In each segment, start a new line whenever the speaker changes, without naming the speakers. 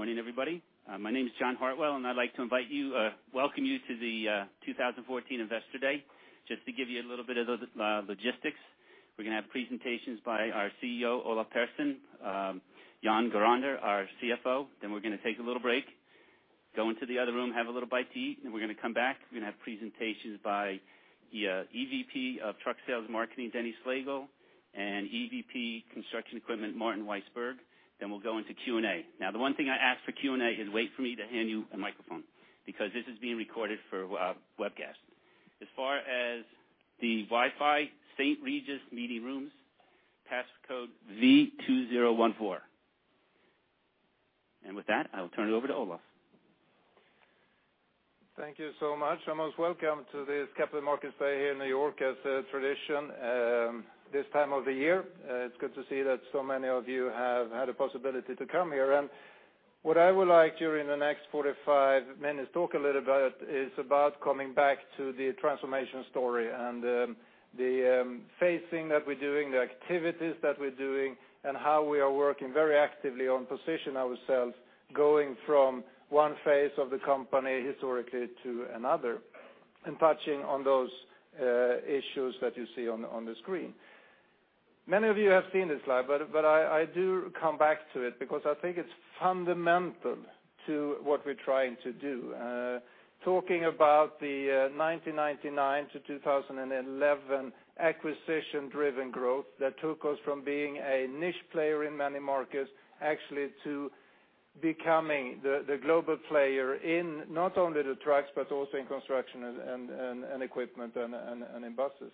Morning, everybody. My name is John Hartwell, I'd like to welcome you to the 2014 Investor Day. Just to give you a little bit of the logistics, we're going to have presentations by our CEO, Olof Persson, Jan Gurander, our CFO. We're going to take a little break, go into the other room, have a little bite to eat, and we're going to come back. We're going to have presentations by the EVP of Truck Sales Marketing, Dennis Slagle, and EVP Construction Equipment, Martin Weissburg, then we'll go into Q&A. The one thing I ask for Q&A is wait for me to hand you a microphone, because this is being recorded for webcast. As far as the Wi-Fi, St. Regis Meeting Rooms, passcode V2014. With that, I will turn it over to Olof.
Thank you so much. Almost welcome to this Capital Markets Day here in New York as a tradition this time of the year. It's good to see that so many of you have had a possibility to come here. What I would like during the next 45 minutes talk a little bit is about coming back to the transformation story and the phasing that we're doing, the activities that we're doing, and how we are working very actively on position ourselves, going from one phase of the company historically to another, and touching on those issues that you see on the screen. Many of you have seen this slide, I do come back to it because I think it's fundamental to what we're trying to do. Talking about the 1999 to 2011 acquisition-driven growth that took us from being a niche player in many markets, actually to becoming the global player in not only the trucks, but also in construction and equipment and in buses.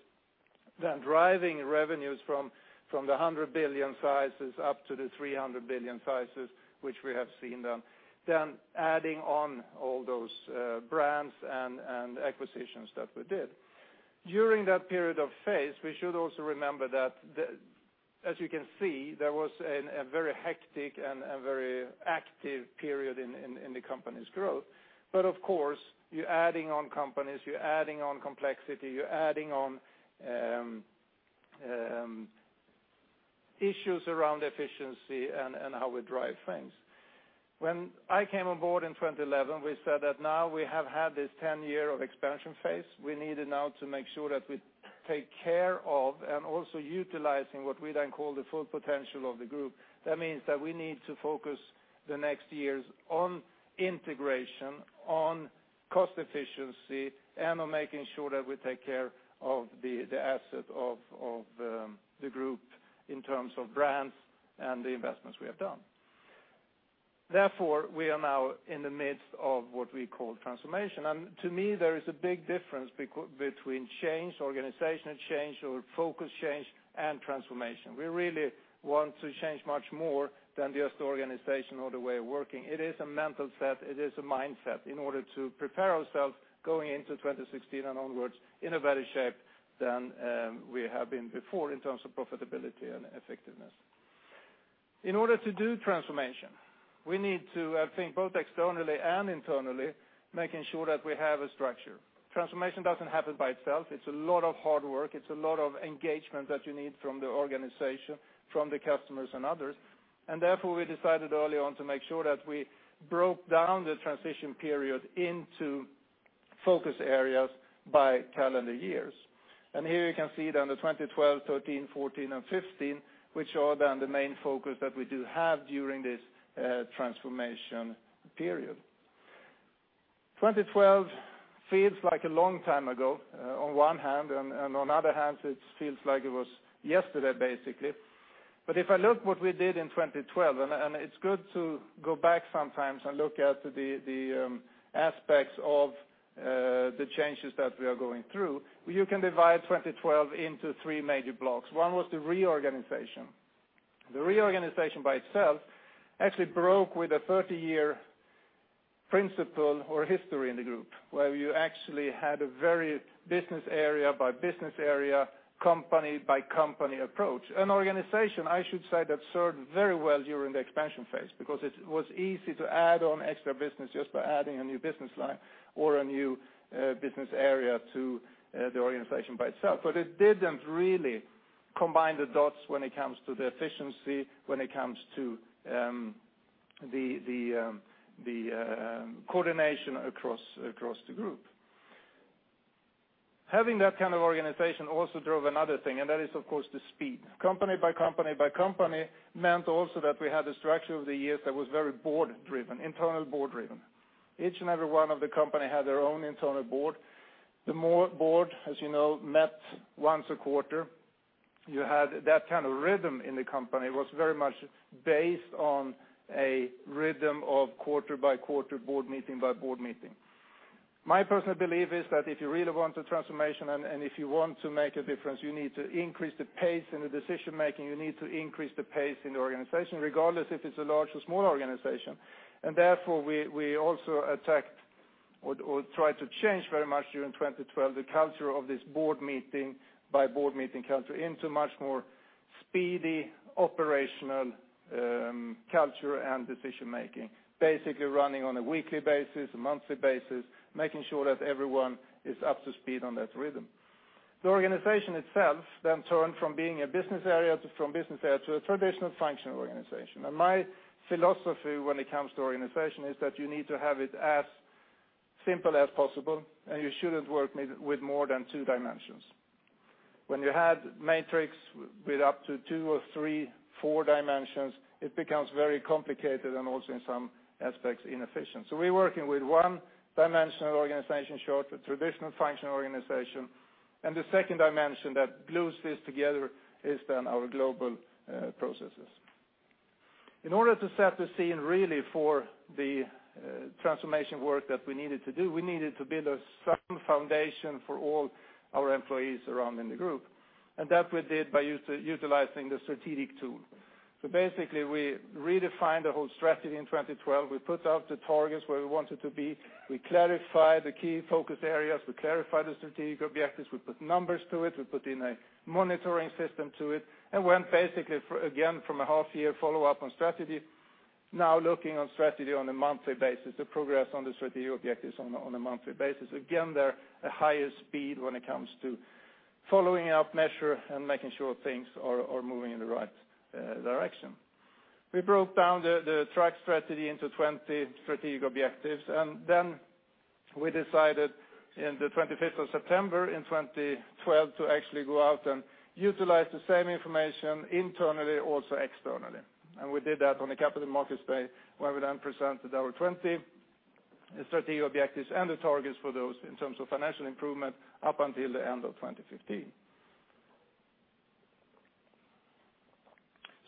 Driving revenues from the 100 billion sizes up to the 300 billion sizes, which we have seen them. Adding on all those brands and acquisitions that we did. During that period of phase, we should also remember that, as you can see, there was a very hectic and very active period in the company's growth. Of course, you're adding on companies, you're adding on complexity, you're adding on issues around efficiency and how we drive things. When I came on board in 2011, we said that now we have had this 10 year of expansion phase, we need now to make sure that we take care of, and also utilizing what we then call the full potential of the group. That means that we need to focus the next years on integration, on cost efficiency, and on making sure that we take care of the asset of the group in terms of brands and the investments we have done. Therefore, we are now in the midst of what we call transformation. To me, there is a big difference between change, organizational change or focus change, and transformation. We really want to change much more than just organization or the way of working. It is a mental set, it is a mindset in order to prepare ourselves going into 2016 and onwards in a better shape than we have been before in terms of profitability and effectiveness. In order to do transformation, we need to, I think, both externally and internally, making sure that we have a structure. Transformation doesn't happen by itself. It's a lot of hard work. It's a lot of engagement that you need from the organization, from the customers and others. Therefore, we decided early on to make sure that we broke down the transition period into focus areas by calendar years. Here you can see then the 2012, 2013, 2014, and 2015, which are then the main focus that we do have during this transformation period. 2012 feels like a long time ago on one hand, and on other hand, it feels like it was yesterday, basically. If I look what we did in 2012, and it's good to go back sometimes and look at the aspects of the changes that we are going through, you can divide 2012 into three major blocks. One was the reorganization. The reorganization by itself actually broke with a 30-year principle or history in the group, where you actually had a very business area by business area, company by company approach. An organization, I should say, that served very well during the expansion phase, because it was easy to add on extra business just by adding a new business line or a new business area to the organization by itself. It didn't really combine the dots when it comes to the efficiency, when it comes to the coordination across the group. Having that kind of organization also drove another thing, and that is, of course, the speed. Company by company by company meant also that we had a structure over the years that was very board driven, internal board driven. Each and every one of the company had their own internal board. The board, as you know, met once a quarter. You had that kind of rhythm in the company was very much based on a rhythm of quarter by quarter board meeting by board meeting. My personal belief is that if you really want a transformation and if you want to make a difference, you need to increase the pace in the decision-making. You need to increase the pace in the organization, regardless if it's a large or small organization. Therefore, we also attacked or tried to change very much during 2012 the culture of this board meeting by board meeting culture into much more speedy operational culture and decision-making. Basically running on a weekly basis, a monthly basis, making sure that everyone is up to speed on that rhythm. The organization itself then turned from being a business area to a traditional functional organization. My philosophy when it comes to organization is that you need to have it as simple as possible, and you shouldn't work with more than two dimensions. When you have matrix with up to two or three, four dimensions, it becomes very complicated and also in some aspects, inefficient. We're working with one-dimensional organization chart, a traditional functional organization, and the second dimension that glues this together is then our global processes. To set the scene really for the transformation work that we needed to do, we needed to build a certain foundation for all our employees around in the group. That we did by utilizing the strategic tool. Basically we redefined the whole strategy in 2012. We put out the targets where we wanted to be. We clarified the key focus areas. We clarified the strategic objectives. We put numbers to it. We put in a monitoring system to it, and went basically again from a half-year follow-up on strategy, now looking on strategy on a monthly basis, the progress on the strategic objectives on a monthly basis. Again, they're a higher speed when it comes to following up measure and making sure things are moving in the right direction. We broke down the truck strategy into 20 strategic objectives. Then we decided in the 25th of September in 2012 to actually go out and utilize the same information internally, also externally. We did that on the capital markets day, where we then presented our 20 strategic objectives and the targets for those in terms of financial improvement up until the end of 2015.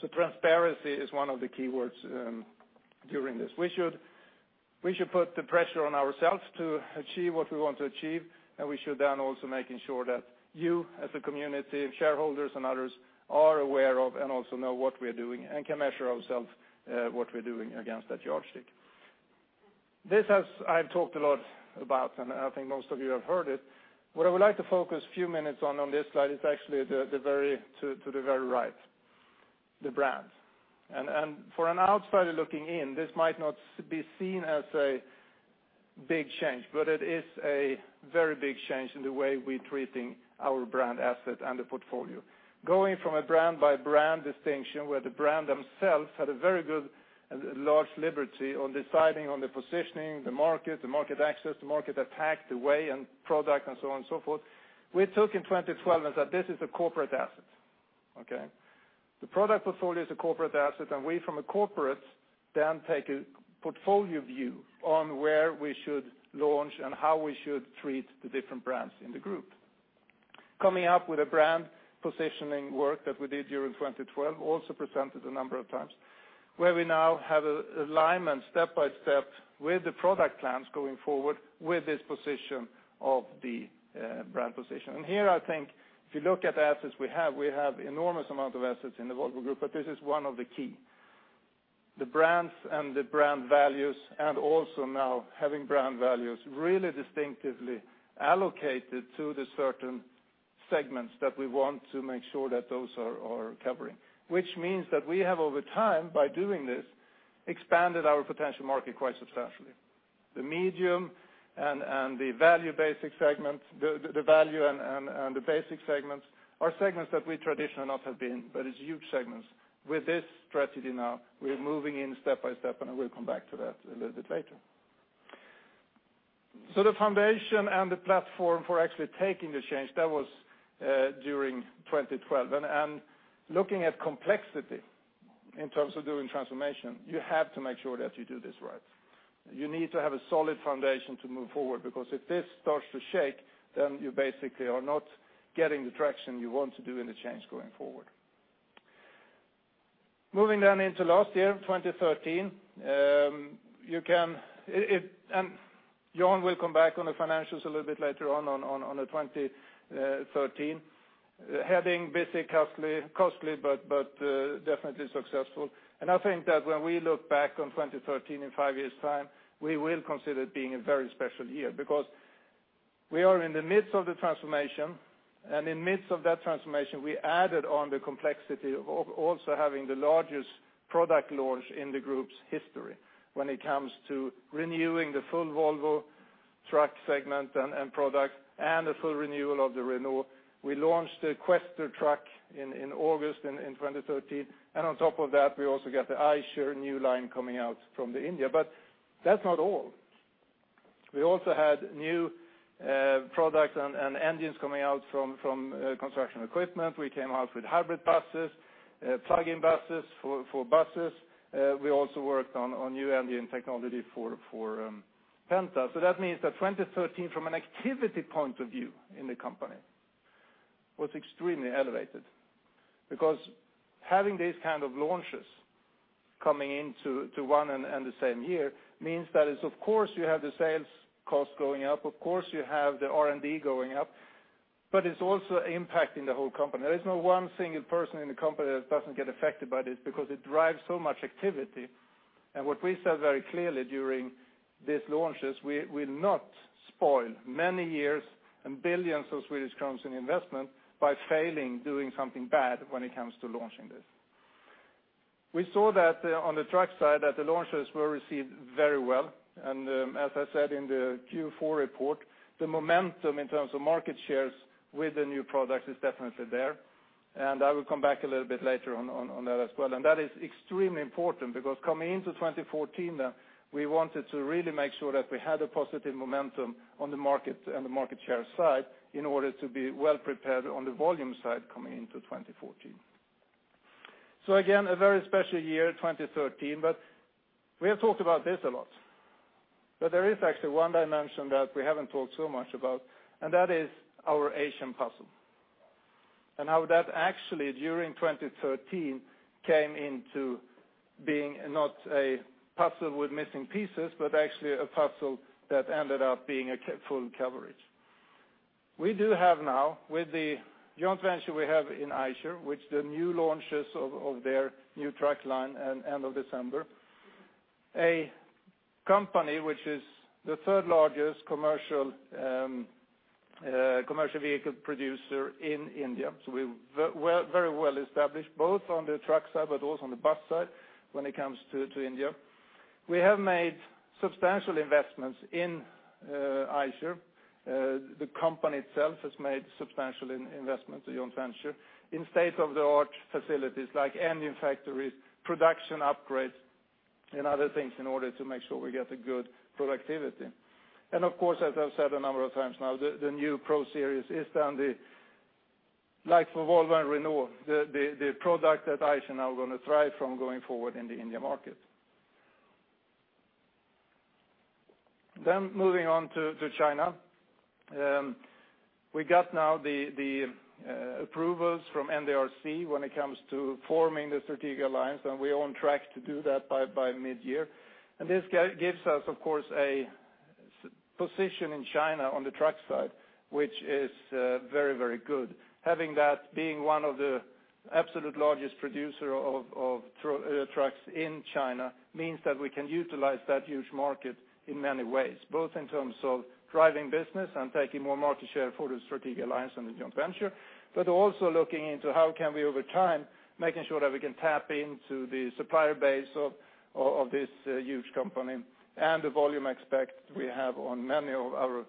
Transparency is one of the key words during this. We should put the pressure on ourselves to achieve what we want to achieve, and we should then also making sure that you, as a community of shareholders and others, are aware of and also know what we are doing, and can measure ourselves what we're doing against that yardstick. This I've talked a lot about, I think most of you have heard it. What I would like to focus a few minutes on this slide, is actually to the very right, the brand. For an outsider looking in, this might not be seen as a big change. It is a very big change in the way we're treating our brand asset and the portfolio. Going from a brand-by-brand distinction, where the brand themselves had a very good large liberty on deciding on the positioning, the market, the market access, the market attack, the way and product and so on and so forth. We took in 2012 as that this is a corporate asset. Okay? The product portfolio is a corporate asset. We from a corporate then take a portfolio view on where we should launch and how we should treat the different brands in the Volvo Group. Coming up with a brand positioning work that we did during 2012 also presented a number of times, where we now have an alignment step-by-step with the product plans going forward with this position of the brand position. Here, I think if you look at the assets we have, we have enormous amount of assets in the Volvo Group, but this is one of the key, the brands and the brand values, and also now having brand values really distinctively allocated to the certain segments that we want to make sure that those are covering. Which means that we have over time, by doing this, expanded our potential market quite substantially. The medium and the value basic segments, the value and the basic segments are segments that we traditionally not have been, but it's huge segments. With this strategy now, we're moving in step by step. I will come back to that a little bit later. The foundation and the platform for actually taking the change, that was during 2012. Looking at complexity in terms of doing transformation, you have to make sure that you do this right. You need to have a solid foundation to move forward, because if this starts to shake, then you basically are not getting the traction you want to do in the change going forward. Moving into last year, 2013. Jan will come back on the financials a little bit later on the 2013. Heading basic costly, but definitely successful. I think that when we look back on 2013 in five years' time, we will consider it being a very special year because we are in the midst of the transformation. In midst of that transformation, we added on the complexity of also having the largest product launch in the Group's history when it comes to renewing the full Volvo Trucks segment and product, and the full renewal of the Renault Trucks. We launched the Quester truck in August in 2013. On top of that, we also got the Eicher new line coming out from India. That's not all. We also had new products and engines coming out from Volvo Construction Equipment. We came out with hybrid buses, plug-in buses for buses. We also worked on new engine technology for Volvo Penta. That means that 2013, from an activity point of view in the company, was extremely elevated because having these kind of launches coming into one and the same year means that is, of course you have the sales cost going up. Of course you have the R&D going up. It's also impacting the whole company. There is no one single person in the company that doesn't get affected by this because it drives so much activity. What we said very clearly during these launches, we'll not spoil many years and billions in investment by failing doing something bad when it comes to launching this. We saw that on the Volvo Trucks side that the launches were received very well. As I said in the Q4 report, the momentum in terms of market shares with the new product is definitely there. I will come back a little bit later on that as well. That is extremely important because coming into 2014, we wanted to really make sure that we had a positive momentum on the market and the market share side in order to be well prepared on the volume side coming into 2014. Again, a very special year, 2013. We have talked about this a lot. There is actually one dimension that we haven't talked so much about. That is our Asian puzzle, and how that actually during 2013 came into being not a puzzle with missing pieces, but actually a puzzle that ended up being a full coverage. We do have now with the joint venture we have in Eicher, which the new launches of their new truck line end of December, a company which is the third largest commercial vehicle producer in India. We're very well established both on the truck side, but also on the bus side when it comes to India. We have made substantial investments in Eicher. The company itself has made substantial investments, the joint venture, in state-of-the-art facilities like engine factories, production upgrades, and other things in order to make sure we get a good productivity. Of course, as I've said a number of times now, the new Pro series is then the life of Volvo and Renault, the product that Eicher now going to thrive from going forward in the India market. Moving on to China. We got now the approvals from NDRC when it comes to forming the strategic alliance, we are on track to do that by mid-year. This gives us, of course, a position in China on the truck side, which is very, very good. Having that, being one of the absolute largest producer of trucks in China means that we can utilize that huge market in many ways, both in terms of driving business and taking more market share for the strategic alliance and the joint venture, but also looking into how can we over time making sure that we can tap into the supplier base of this huge company and the volume aspect we have on many of our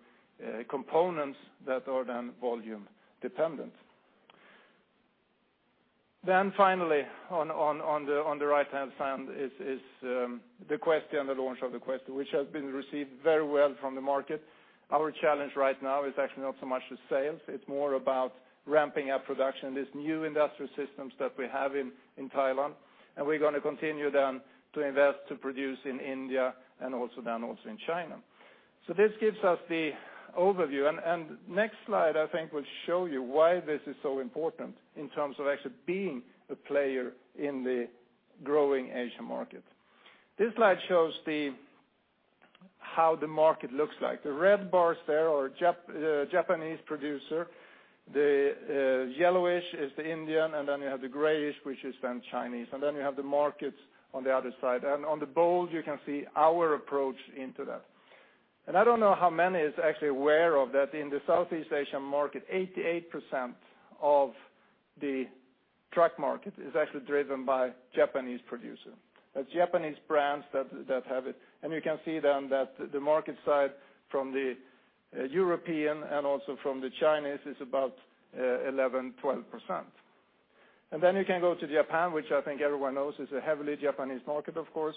components that are then volume dependent. Finally, on the right-hand side is the Quester and the launch of the Quester, which has been received very well from the market. Our challenge right now is actually not so much the sales, it's more about ramping up production, this new industrial systems that we have in Thailand, we're going to continue then to invest to produce in India and also then also in China. This gives us the overview, next slide I think will show you why this is so important in terms of actually being a player in the growing Asian market. This slide shows how the market looks like. The red bars there are Japanese producer. The yellowish is the Indian, then you have the grayish, which is then Chinese. Then you have the markets on the other side. On the bold, you can see our approach into that. I don't know how many is actually aware of that in the Southeast Asian market, 88% of the truck market is actually driven by Japanese producer. That's Japanese brands that have it. You can see then that the market side from the European and also from the Chinese is about 11%, 12%. Then you can go to Japan, which I think everyone knows is a heavily Japanese market, of course.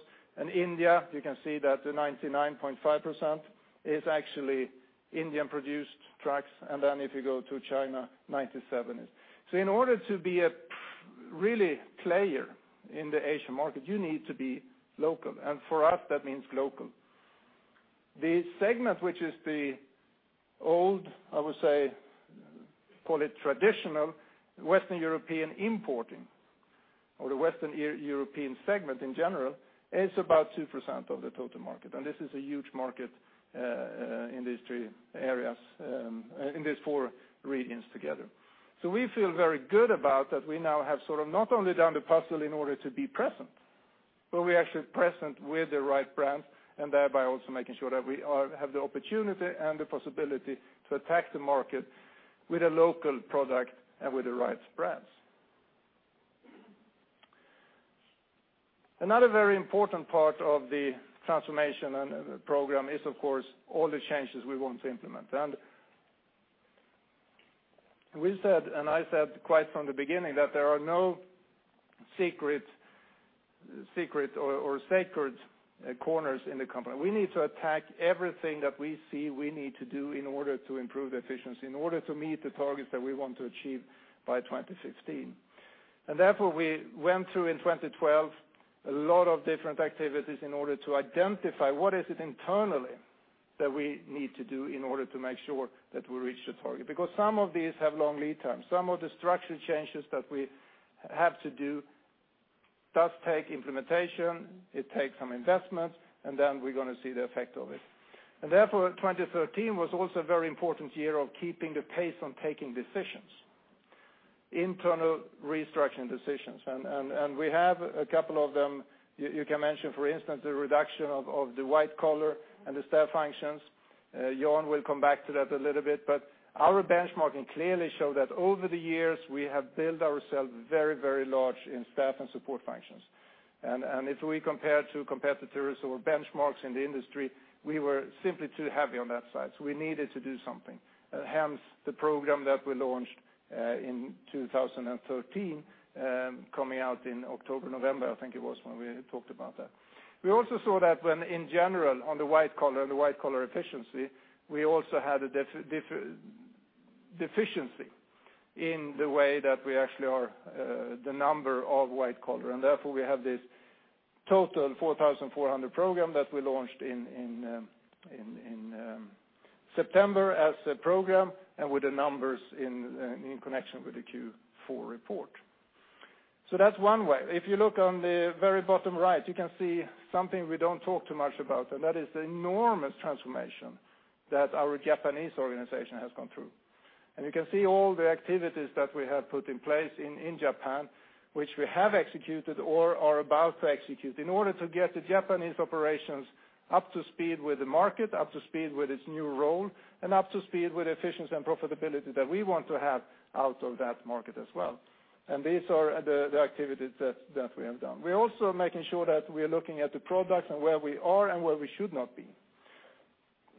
India, you can see that the 99.5% is actually Indian-produced trucks. Then if you go to China, 97% is. In order to be a really player in the Asian market, you need to be local. For us, that means local. The segment, which is the old, I would say, call it traditional Western European importing, or the Western European segment in general, is about 2% of the total market. This is a huge market in these four regions together. We feel very good about that we now have sort of not only done the puzzle in order to be present, but we're actually present with the right brand, and thereby also making sure that we have the opportunity and the possibility to attack the market with a local product and with the right brands. Another very important part of the transformation and the program is, of course, all the changes we want to implement. We said, and I said quite from the beginning, that there are no secret or sacred corners in the company. We need to attack everything that we see we need to do in order to improve the efficiency, in order to meet the targets that we want to achieve by 2016. Therefore, we went through in 2012 a lot of different activities in order to identify what is it internally that we need to do in order to make sure that we reach the target. Because some of these have long lead times. Some of the structure changes that we have to do does take implementation, it takes some investment, and then we're going to see the effect of it. Therefore, 2013 was also a very important year of keeping the pace on taking decisions, internal restructuring decisions. We have a couple of them. You can mention, for instance, the reduction of the white collar and the staff functions. Jan will come back to that a little bit, but our benchmarking clearly show that over the years we have built ourselves very large in staff and support functions. If we compare to competitors or benchmarks in the industry, we were simply too heavy on that side, so we needed to do something. Hence the program that we launched in 2013 coming out in October, November, I think it was, when we talked about that. We also saw that when in general on the white collar efficiency, we also had a deficiency in the way that we actually are the number of white collar, and therefore we have this total 4,400 program that we launched in September as a program and with the numbers in connection with the Q4 report. That's one way. If you look on the very bottom right, you can see something we don't talk too much about, and that is the enormous transformation that our Japanese organization has gone through. You can see all the activities that we have put in place in Japan, which we have executed or are about to execute in order to get the Japanese operations up to speed with the market, up to speed with its new role, and up to speed with efficiency and profitability that we want to have out of that market as well. These are the activities that we have done. We're also making sure that we are looking at the products and where we are and where we should not be.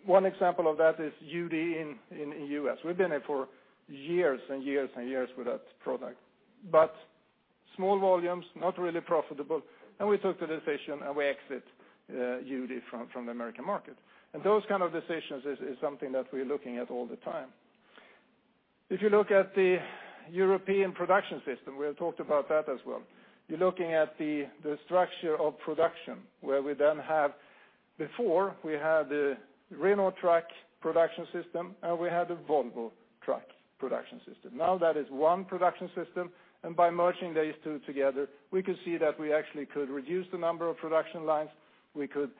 One example of that is UD in the U.S. We've been there for years and years with that product, but small volumes, not really profitable, and we took the decision, and we exit UD from the American market. Those kind of decisions is something that we're looking at all the time. If you look at the European production system, we have talked about that as well. You are looking at the structure of production, where we then have, before we had the Renault Trucks production system, and we had the Volvo Trucks production system. Now that is one production system, and by merging these two together, we could see that we actually could reduce the number of production lines, we could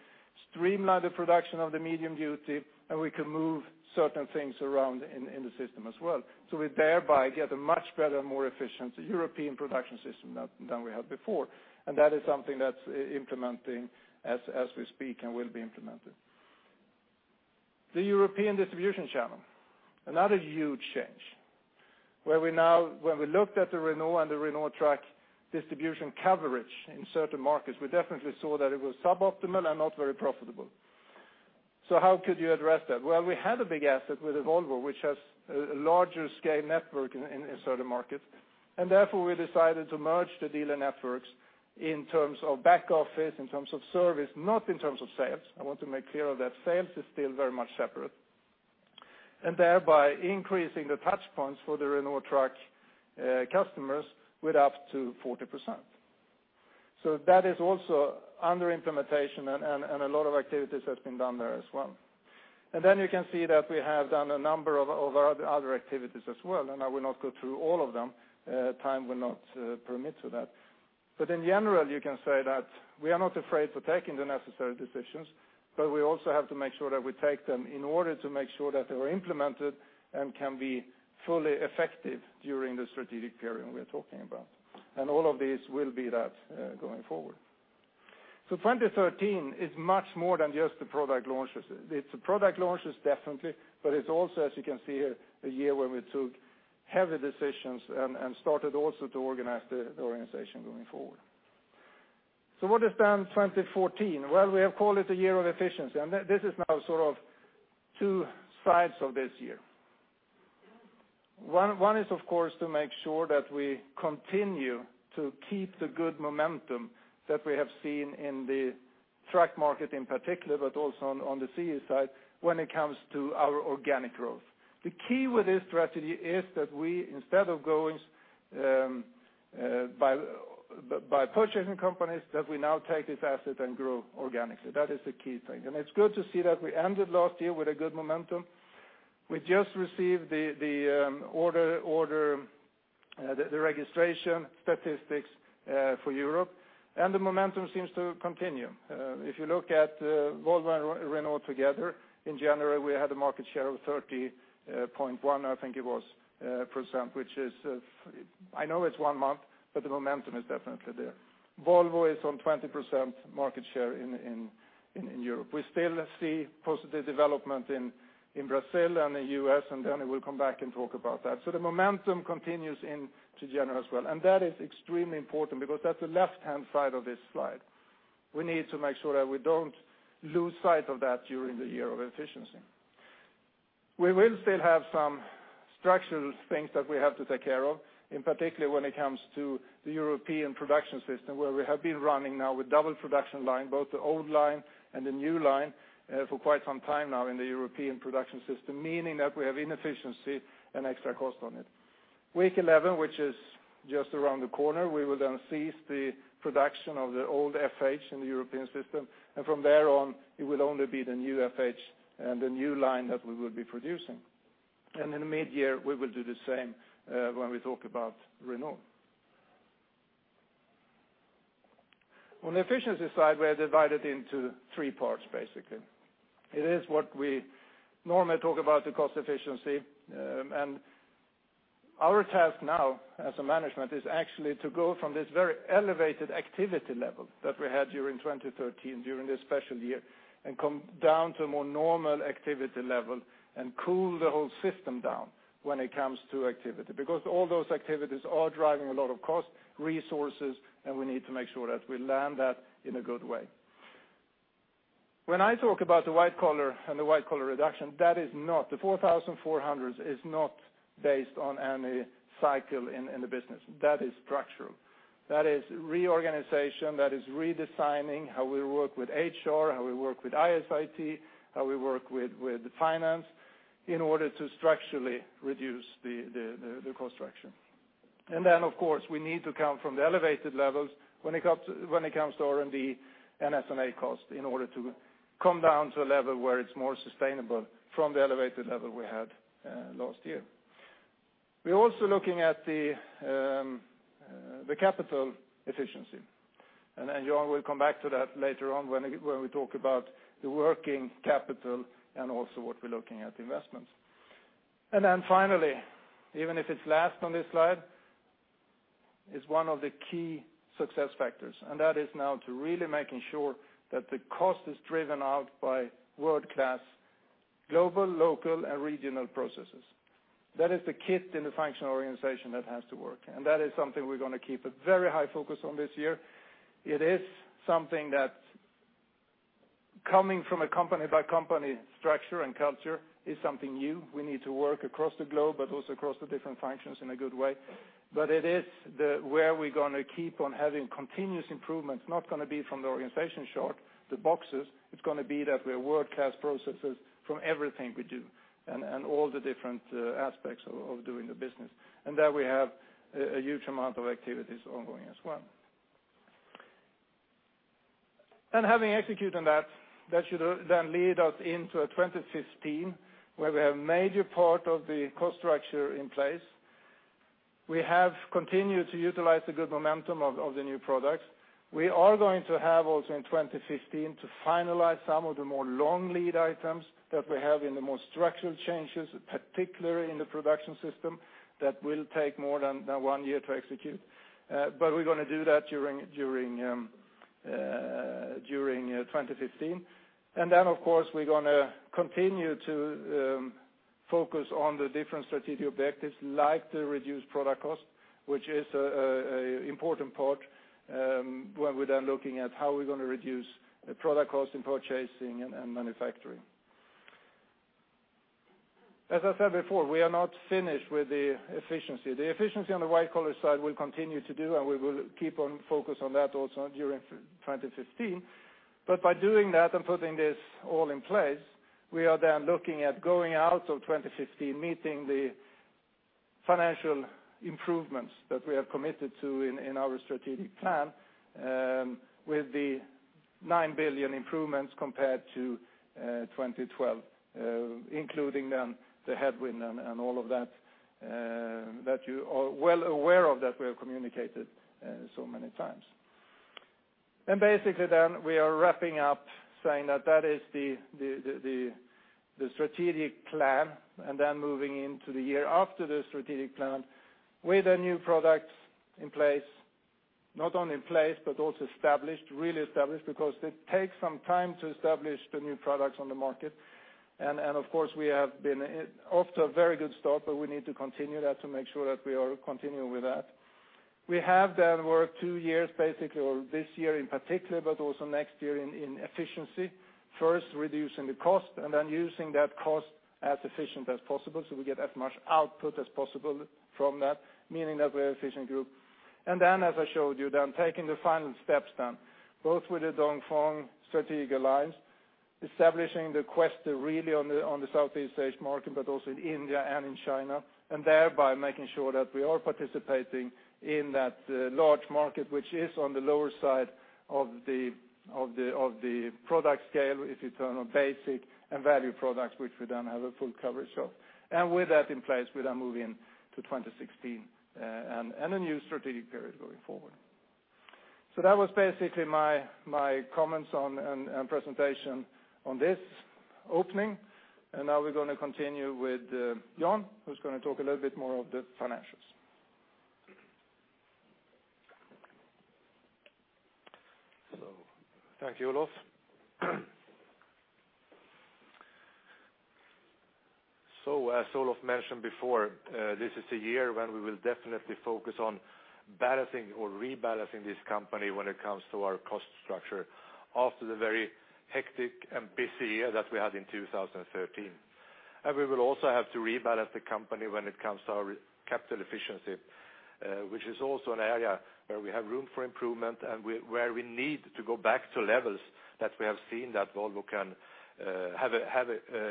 streamline the production of the medium duty, and we can move certain things around in the system as well. We thereby get a much better, more efficient European production system than we had before. That is something that is implementing as we speak and will be implemented. The European distribution channel. Another huge change. Where we looked at the Renault Trucks and the Renault Trucks distribution coverage in certain markets, we definitely saw that it was suboptimal and not very profitable. How could you address that? Well, we had a big asset with Volvo, which has a larger scale network in certain markets, and therefore we decided to merge the dealer networks in terms of back office, in terms of service, not in terms of sales. I want to make clear that sales is still very much separate. Thereby increasing the touch points for the Renault Trucks customers with up to 40%. That is also under implementation and a lot of activities has been done there as well. You can see that we have done a number of other activities as well, and I will not go through all of them. Time will not permit to that. In general, you can say that we are not afraid for taking the necessary decisions, but we also have to make sure that we take them in order to make sure that they were implemented and can be fully effective during the strategic period we are talking about. All of these will be that going forward. 2013 is much more than just the product launches. It is the product launches definitely, but it is also, as you can see here, a year when we took heavy decisions and started also to organize the organization going forward. What is then 2014? Well, we have called it a year of efficiency, and this is now sort of two sides of this year. One is, of course, to make sure that we continue to keep the good momentum that we have seen in the truck market in particular, but also on the CE side when it comes to our organic growth. The key with this strategy is that we, instead of going by purchasing companies, that we now take this asset and grow organically. That is the key thing. It is good to see that we ended last year with a good momentum. We just received the registration statistics for Europe, and the momentum seems to continue. If you look at Volvo and Renault Trucks together, in January, we had a market share of 30.1%, I think it was, which is, I know it is one month, but the momentum is definitely there. Volvo is on 20% market share in Europe. We still see positive development in Brazil and the U.S., we'll come back and talk about that. The momentum continues into January as well, and that is extremely important because that's the left-hand side of this slide. We need to make sure that we don't lose sight of that during the year of efficiency. We will still have some structural things that we have to take care of, in particular when it comes to the European production system, where we have been running now with double production line, both the old line and the new line for quite some time now in the European production system, meaning that we have inefficiency and extra cost on it. Week 11, which is just around the corner, we will then cease the production of the old FH in the European system, and from there on, it will only be the new FH and the new line that we will be producing. In mid-year, we will do the same when we talk about Renault. On the efficiency side, we are divided into three parts basically. It is what we normally talk about the cost efficiency, and our task now as a management is actually to go from this very elevated activity level that we had during 2013, during this special year, and come down to a more normal activity level and cool the whole system down when it comes to activity. All those activities are driving a lot of cost resources, and we need to make sure that we land that in a good way. When I talk about the white collar and the white collar reduction, the 4,400 is not based on any cycle in the business. That is structural. That is reorganization, that is redesigning how we work with HR, how we work with IS/IT, how we work with finance in order to structurally reduce the cost structure. Of course, we need to come from the elevated levels when it comes to R&D and S&MA cost in order to come down to a level where it's more sustainable from the elevated level we had last year. We're also looking at the capital efficiency, Jan will come back to that later on when we talk about the working capital and also what we're looking at investments. Finally, even if it's last on this slide, it's one of the key success factors, and that is now to really making sure that the cost is driven out by world-class global, local, and regional processes. That is the kit in the functional organization that has to work, and that is something we're going to keep a very high focus on this year. It is something that coming from a company by company structure and culture is something new. We need to work across the globe, but also across the different functions in a good way. It is where we're going to keep on having continuous improvements. Not going to be from the organization chart, the boxes. It's going to be that we are world-class processes from everything we do and all the different aspects of doing the business. There we have a huge amount of activities ongoing as well. Having executed that should then lead us into 2015, where we have major part of the cost structure in place. We have continued to utilize the good momentum of the new products. We are going to have also in 2015 to finalize some of the more long lead items that we have in the more structural changes, particularly in the production system that will take more than one year to execute. We're going to do that during 2015. Of course, we're going to continue to focus on the different strategic objectives like the reduced product cost, which is a important part, where we're then looking at how we're going to reduce product cost in purchasing and manufacturing. As I said before, we are not finished with the efficiency. The efficiency on the white collar side will continue to do, we will keep on focus on that also during 2015. By doing that and putting this all in place, we are then looking at going out of 2015, meeting the financial improvements that we have committed to in our strategic plan, with the 9 billion improvements compared to 2012 including then the headwind and all of that you are well aware of, that we have communicated so many times. Basically then we are wrapping up saying that is the strategic plan. Moving into the year after the strategic plan with the new products in place, not only in place, but also established, really established, because it takes some time to establish the new products on the market. Of course, we have been off to a very good start, but we need to continue that to make sure that we are continuing with that. We have then worked two years basically, or this year in particular, but also next year in efficiency, first reducing the cost and then using that cost as efficient as possible so we get as much output as possible from that, meaning that we're efficient group. As I showed you, then taking the final steps then both with the Dongfeng strategic alliance, establishing the Quester really on the Southeast Asia market, but also in India and in China, and thereby making sure that we are participating in that large market, which is on the lower side of the product scale, if you turn on basic and value products, which we then have a full coverage of. With that in place, we then move in to 2016, and a new strategic period going forward. That was basically my comments and presentation on this opening. Now we're going to continue with Jan, who's going to talk a little bit more of the financials.
Thank you, Olof. As Olof mentioned before, this is a year when we will definitely focus on balancing or rebalancing this company when it comes to our cost structure after the very hectic and busy year that we had in 2013. We will also have to rebalance the company when it comes to our capital efficiency, which is also an area where we have room for improvement and where we need to go back to levels that we have seen that Volvo have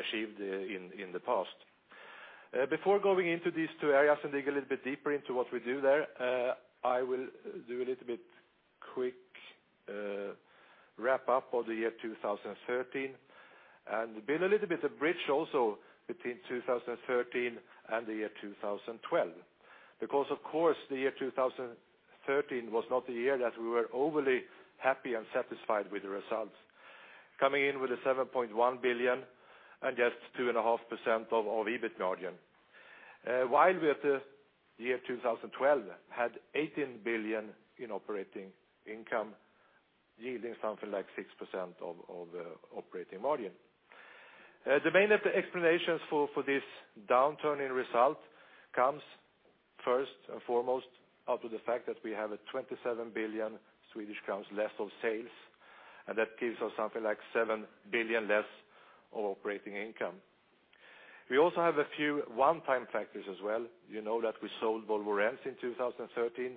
achieved in the past. Before going into these two areas and dig a little bit deeper into what we do there, I will do a little bit quick wrap up on the year 2013, and build a little bit of bridge also between 2013 and the year 2012. Of course, the year 2013 was not the year that we were overly happy and satisfied with the results. Coming in with 7.1 billion and just 2.5% of EBIT margin. While we at the year 2012 had 18 billion in operating income, yielding something like 6% of operating margin. The main explanations for this downturn in result comes first and foremost out of the fact that we have 27 billion Swedish crowns less of sales, and that gives us something like 7 billion less of operating income. We also have a few one-time factors as well. You know that we sold Volvo Rents in 2013,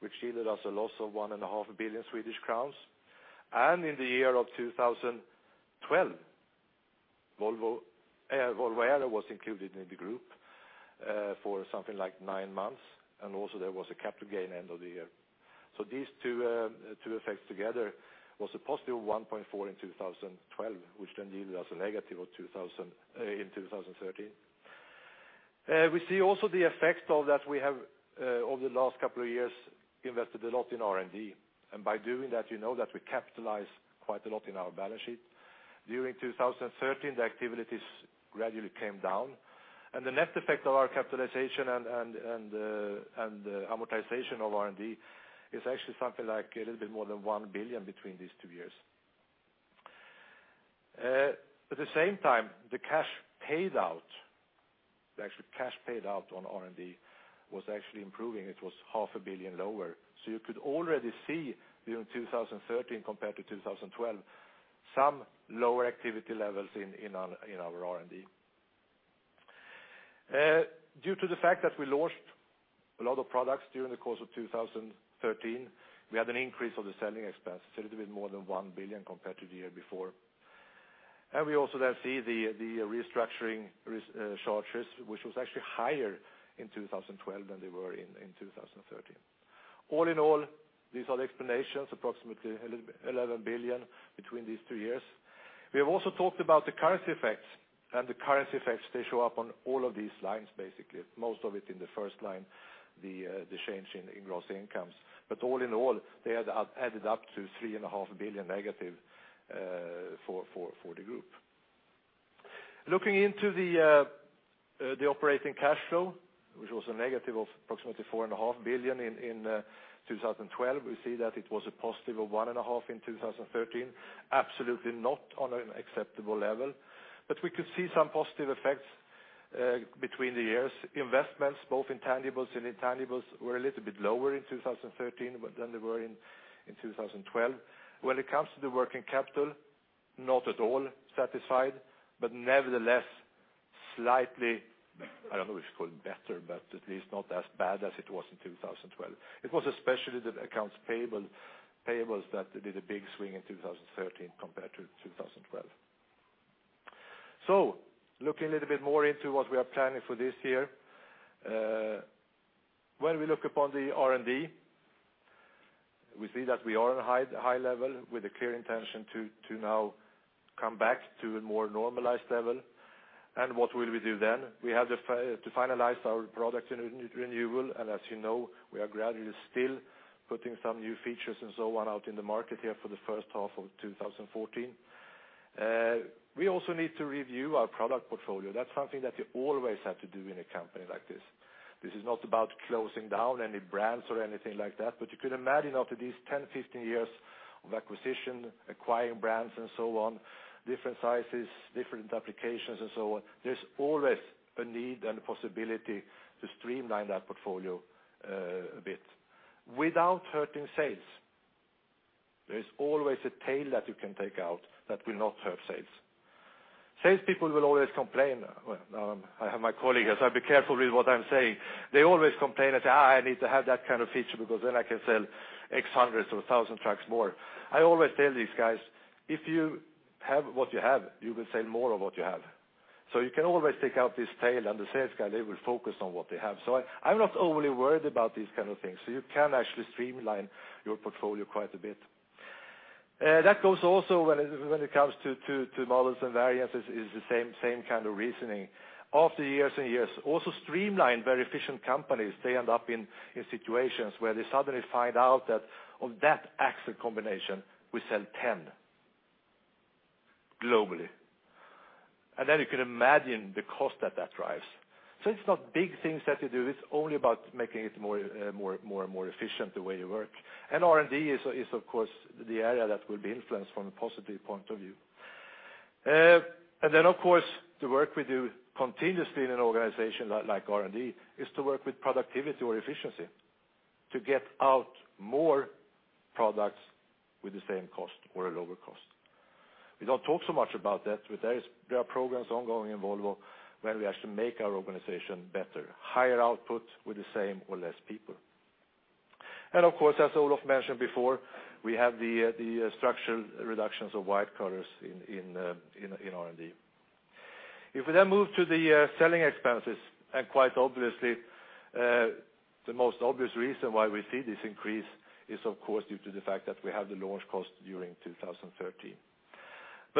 which yielded us a loss of 1.5 billion Swedish crowns. In the year of 2012, Volvo Aero was included in the group for something like nine months, and also there was a capital gain end of the year. These two effects together was a positive 1.4 billion in 2012, which then yielded us a negative in 2013. We see also the effects of that we have, over the last couple of years, invested a lot in R&D. By doing that, you know that we capitalize quite a lot in our balance sheet. During 2013, the activities gradually came down. The net effect of our capitalization and amortization of R&D is actually something like a little bit more than 1 billion between these two years. At the same time, the cash paid out on R&D was actually improving. It was SEK half a billion lower. You could already see during 2013 compared to 2012, some lower activity levels in our R&D. Due to the fact that we launched a lot of products during the course of 2013, we had an increase of the selling expense, a little bit more than 1 billion compared to the year before. We also then see the restructuring charges, which was actually higher in 2012 than they were in 2013. All in all, these are the explanations, approximately 11 billion between these two years. We have also talked about the currency effects. The currency effects, they show up on all of these lines, basically, most of it in the first line, the change in gross incomes. All in all, they added up to 3.5 billion negative for the group. Looking into the operating cash flow, which was a negative of approximately 4.5 billion in 2012. We see that it was a positive of 1.5 billion in 2013, absolutely not on an acceptable level. We could see some positive effects between the years. Investments, both in tangibles and intangibles, were a little bit lower in 2013 than they were in 2012. When it comes to the working capital, not at all satisfied, but nevertheless, slightly, I don't know if you'd call it better, but at least not as bad as it was in 2012. It was especially the accounts payables that did a big swing in 2013 compared to 2012. Looking a little bit more into what we are planning for this year. When we look upon the R&D, we see that we are in a high level with a clear intention to now come back to a more normalized level. What will we do then? We have to finalize our product renewal, as you know, we are gradually still putting some new features and so on out in the market here for the first half of 2014. We also need to review our product portfolio. That's something that you always have to do in a company like this. This is not about closing down any brands or anything like that, but you could imagine after these 10, 15 years of acquisition, acquiring brands and so on, different sizes, different applications, and so on, there's always a need and a possibility to streamline that portfolio a bit without hurting sales. There is always a tail that you can take out that will not hurt sales. Salespeople will always complain. I have my colleague here, so I'll be careful with what I'm saying. They always complain and say, "I need to have that kind of feature because then I can sell X hundreds or a thousand trucks more." I always tell these guys, "If you have what you have, you will sell more of what you have." You can always take out this tail, and the sales guy, they will focus on what they have. I'm not overly worried about these kind of things. You can actually streamline your portfolio quite a bit. That goes also when it comes to models and variants, it's the same kind of reasoning. After years and years, also streamline very efficient companies, they end up in situations where they suddenly find out that of that axle combination, we sell 10 globally. Then you can imagine the cost that that drives. It's not big things that you do. It's only about making it more and more efficient the way you work. R&D is, of course, the area that will be influenced from a positive point of view. Then, of course, the work we do continuously in an organization like R&D is to work with productivity or efficiency to get out more products with the same cost or a lower cost. We don't talk so much about that, but there are programs ongoing in Volvo where we actually make our organization better, higher output with the same or less people. Of course, as Olof mentioned before, we have the structural reductions of white collars in R&D. If we then move to the selling expenses, quite obviously, the most obvious reason why we see this increase is of course, due to the fact that we have the launch cost during 2013.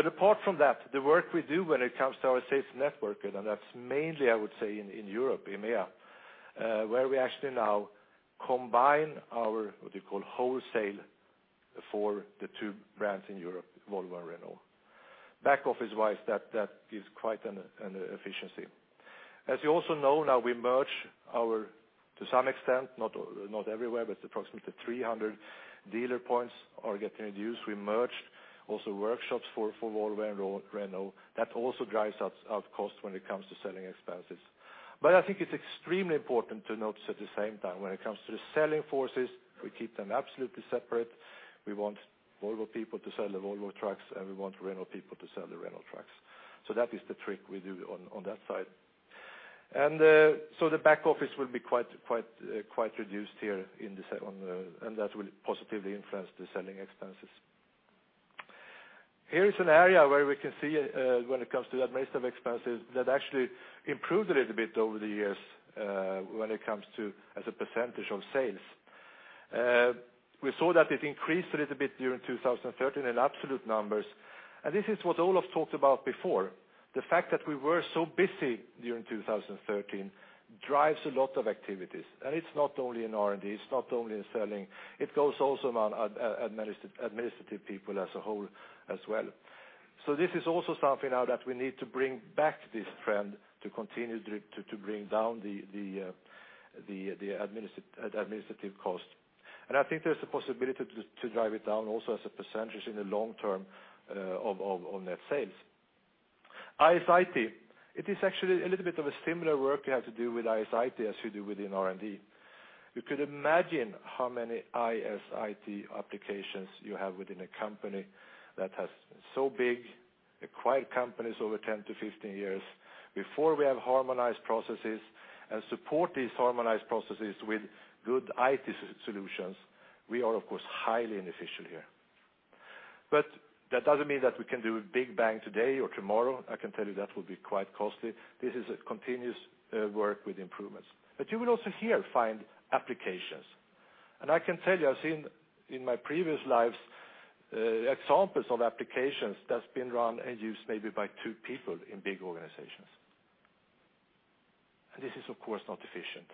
Apart from that, the work we do when it comes to our sales network, and that's mainly, I would say, in Europe, EMEA. We actually now combine our, what you call wholesale for the two brands in Europe, Volvo and Renault. Back office-wise, that gives quite an efficiency. As you also know, now we merge our, to some extent, not everywhere, but approximately 300 dealer points are getting reduced. We merged also workshops for Volvo and Renault. That also drives out costs when it comes to selling expenses. I think it's extremely important to notice at the same time, when it comes to the selling forces, we keep them absolutely separate. We want Volvo people to sell the Volvo trucks, and we want Renault people to sell the Renault trucks. That is the trick we do on that side. The back office will be quite reduced here, and that will positively influence the selling expenses. Here is an area where we can see when it comes to administrative expenses that actually improved a little bit over the years, when it comes to as a percentage of sales. We saw that it increased a little bit during 2013 in absolute numbers, and this is what Olof talked about before. The fact that we were so busy during 2013 drives a lot of activities, and it's not only in R&D, it's not only in selling, it goes also among administrative people as a whole as well. This is also something now that we need to bring back this trend to continue to bring down the administrative cost. I think there's a possibility to drive it down also as a percentage in the long term of net sales. IS/IT. It is actually a little bit of a similar work you have to do with IS/IT as you do within R&D. You could imagine how many IS/IT applications you have within a company that has been so big, acquired companies over 10 to 15 years. Before we have harmonized processes and support these harmonized processes with good IT solutions, we are of course, highly inefficient here. That doesn't mean that we can do a big bang today or tomorrow. I can tell you that will be quite costly. This is a continuous work with improvements. You will also here find applications. I can tell you, I've seen in my previous lives, examples of applications that's been run and used maybe by two people in big organizations. This is, of course, not efficient.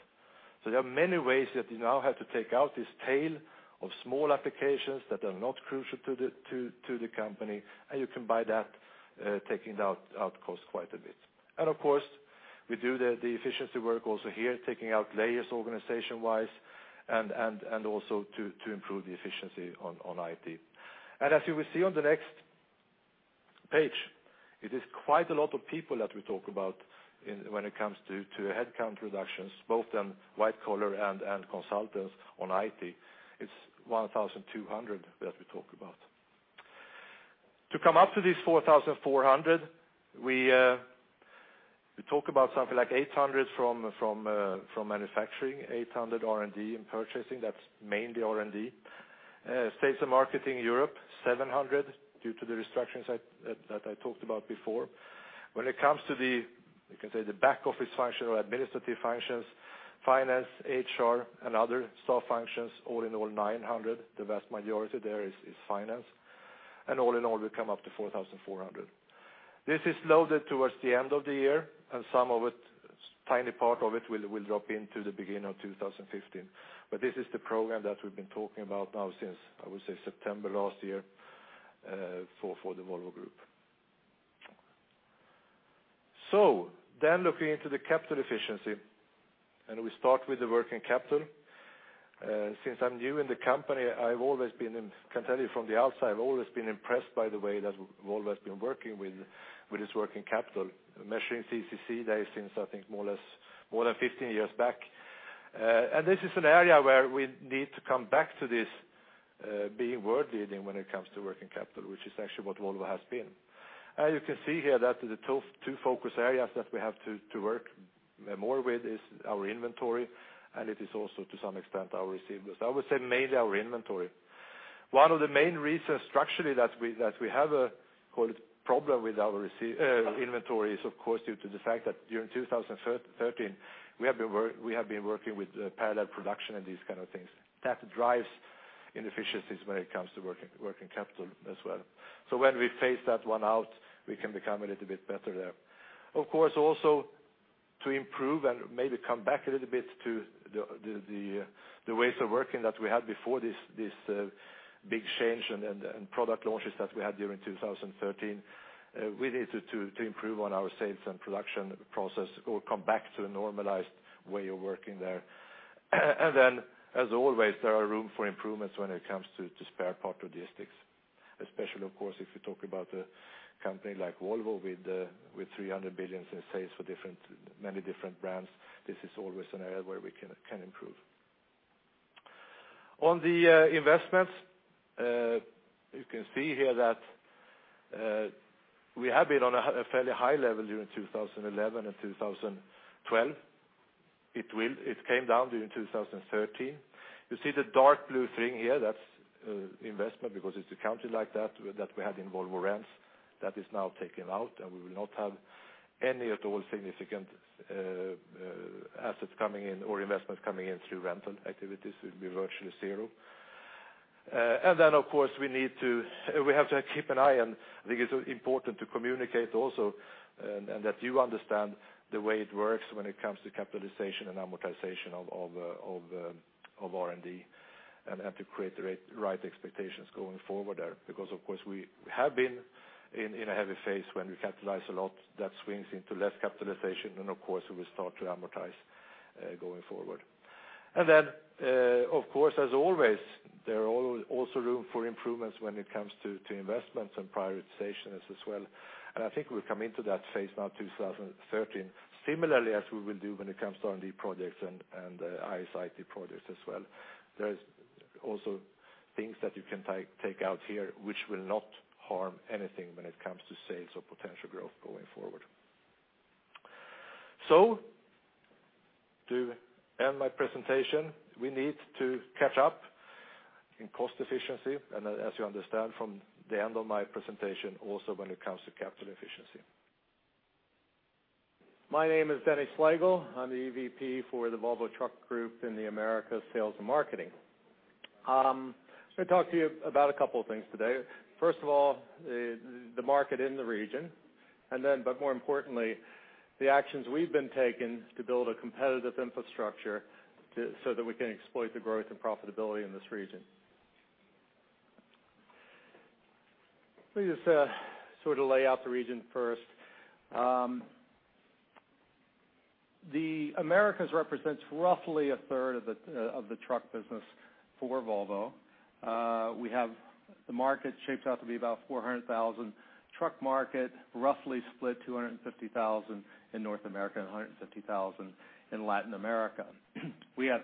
There are many ways that you now have to take out this tail of small applications that are not crucial to the company, and you can by that taking out cost quite a bit. Of course, we do the efficiency work also here, taking out layers organization-wise and also to improve the efficiency on IT. As you will see on the next page, it is quite a lot of people that we talk about when it comes to headcount reductions, both in white collar and consultants on IT. It's 1,200 that we talk about. To come up to this 4,400, we talk about something like 800 from manufacturing, 800 R&D and purchasing, that's mainly R&D. Sales and marketing Europe, 700 due to the restructures that I talked about before. When it comes to the back office function or administrative functions, finance, HR, and other staff functions, all in all 900. The vast majority there is finance. All in all, we come up to 4,400. This is loaded towards the end of the year, and some of it, tiny part of it will drop into the beginning of 2015. This is the program that we've been talking about now since, I would say, September last year, for the Volvo Group. Looking into the capital efficiency, and we start with the working capital. Since I'm new in the company, I can tell you from the outside, I've always been impressed by the way that Volvo has been working with its working capital. Measuring CCC days since I think more than 15 years back. This is an area where we need to come back to this being world leading when it comes to working capital, which is actually what Volvo has been. As you can see here, the two focus areas that we have to work more with is our inventory, and it is also to some extent our receivables. I would say mainly our inventory. One of the main reasons structurally that we have a problem with our inventory is of course, due to the fact that during 2013 we have been working with parallel production and these kind of things. That drives inefficiencies when it comes to working capital as well. When we phase that one out, we can become a little bit better there. Of course, also to improve and maybe come back a little bit to the ways of working that we had before this big change and product launches that we had during 2013. We need to improve on our sales and production process or come back to the normalized way of working there. As always, there are room for improvements when it comes to spare part logistics. Especially, of course, if you talk about a company like Volvo with 300 billion in sales for many different brands. This is always an area where we can improve. On the investments, you can see here that we have been on a fairly high level during 2011 and 2012. It came down during 2013. You see the dark blue thing here, that's investment because it's accounted like that we had in Volvo Rents that is now taken out and we will not have any at all significant assets coming in or investments coming in through rental activities. It will be virtually zero. Of course, we have to keep an eye on, I think it's important to communicate also, and that you understand the way it works when it comes to capitalization and amortization of R&D, and have to create the right expectations going forward there. Of course, we have been in a heavy phase when we capitalize a lot, that swings into less capitalization, and of course, we will start to amortize, going forward. Of course, as always, there are also room for improvements when it comes to investments and prioritizations as well. I think we'll come into that phase now, 2013, similarly as we will do when it comes to R&D projects and IS/IT projects as well. There's also things that you can take out here which will not harm anything when it comes to sales or potential growth going forward. To end my presentation, we need to catch up in cost efficiency, and as you understand from the end of my presentation, also when it comes to capital efficiency.
My name is Denny Slagle. I'm the EVP for the Volvo Truck group in the Americas sales and marketing. I'm going to talk to you about a couple of things today. First of all, the market in the region, more importantly, the actions we've been taking to build a competitive infrastructure so that we can exploit the growth and profitability in this region. Let me just lay out the region first. The Americas represents roughly a third of the truck business for Volvo. We have the market shaped out to be about 400,000 truck market, roughly split 250,000 in North America and 150,000 in Latin America. We have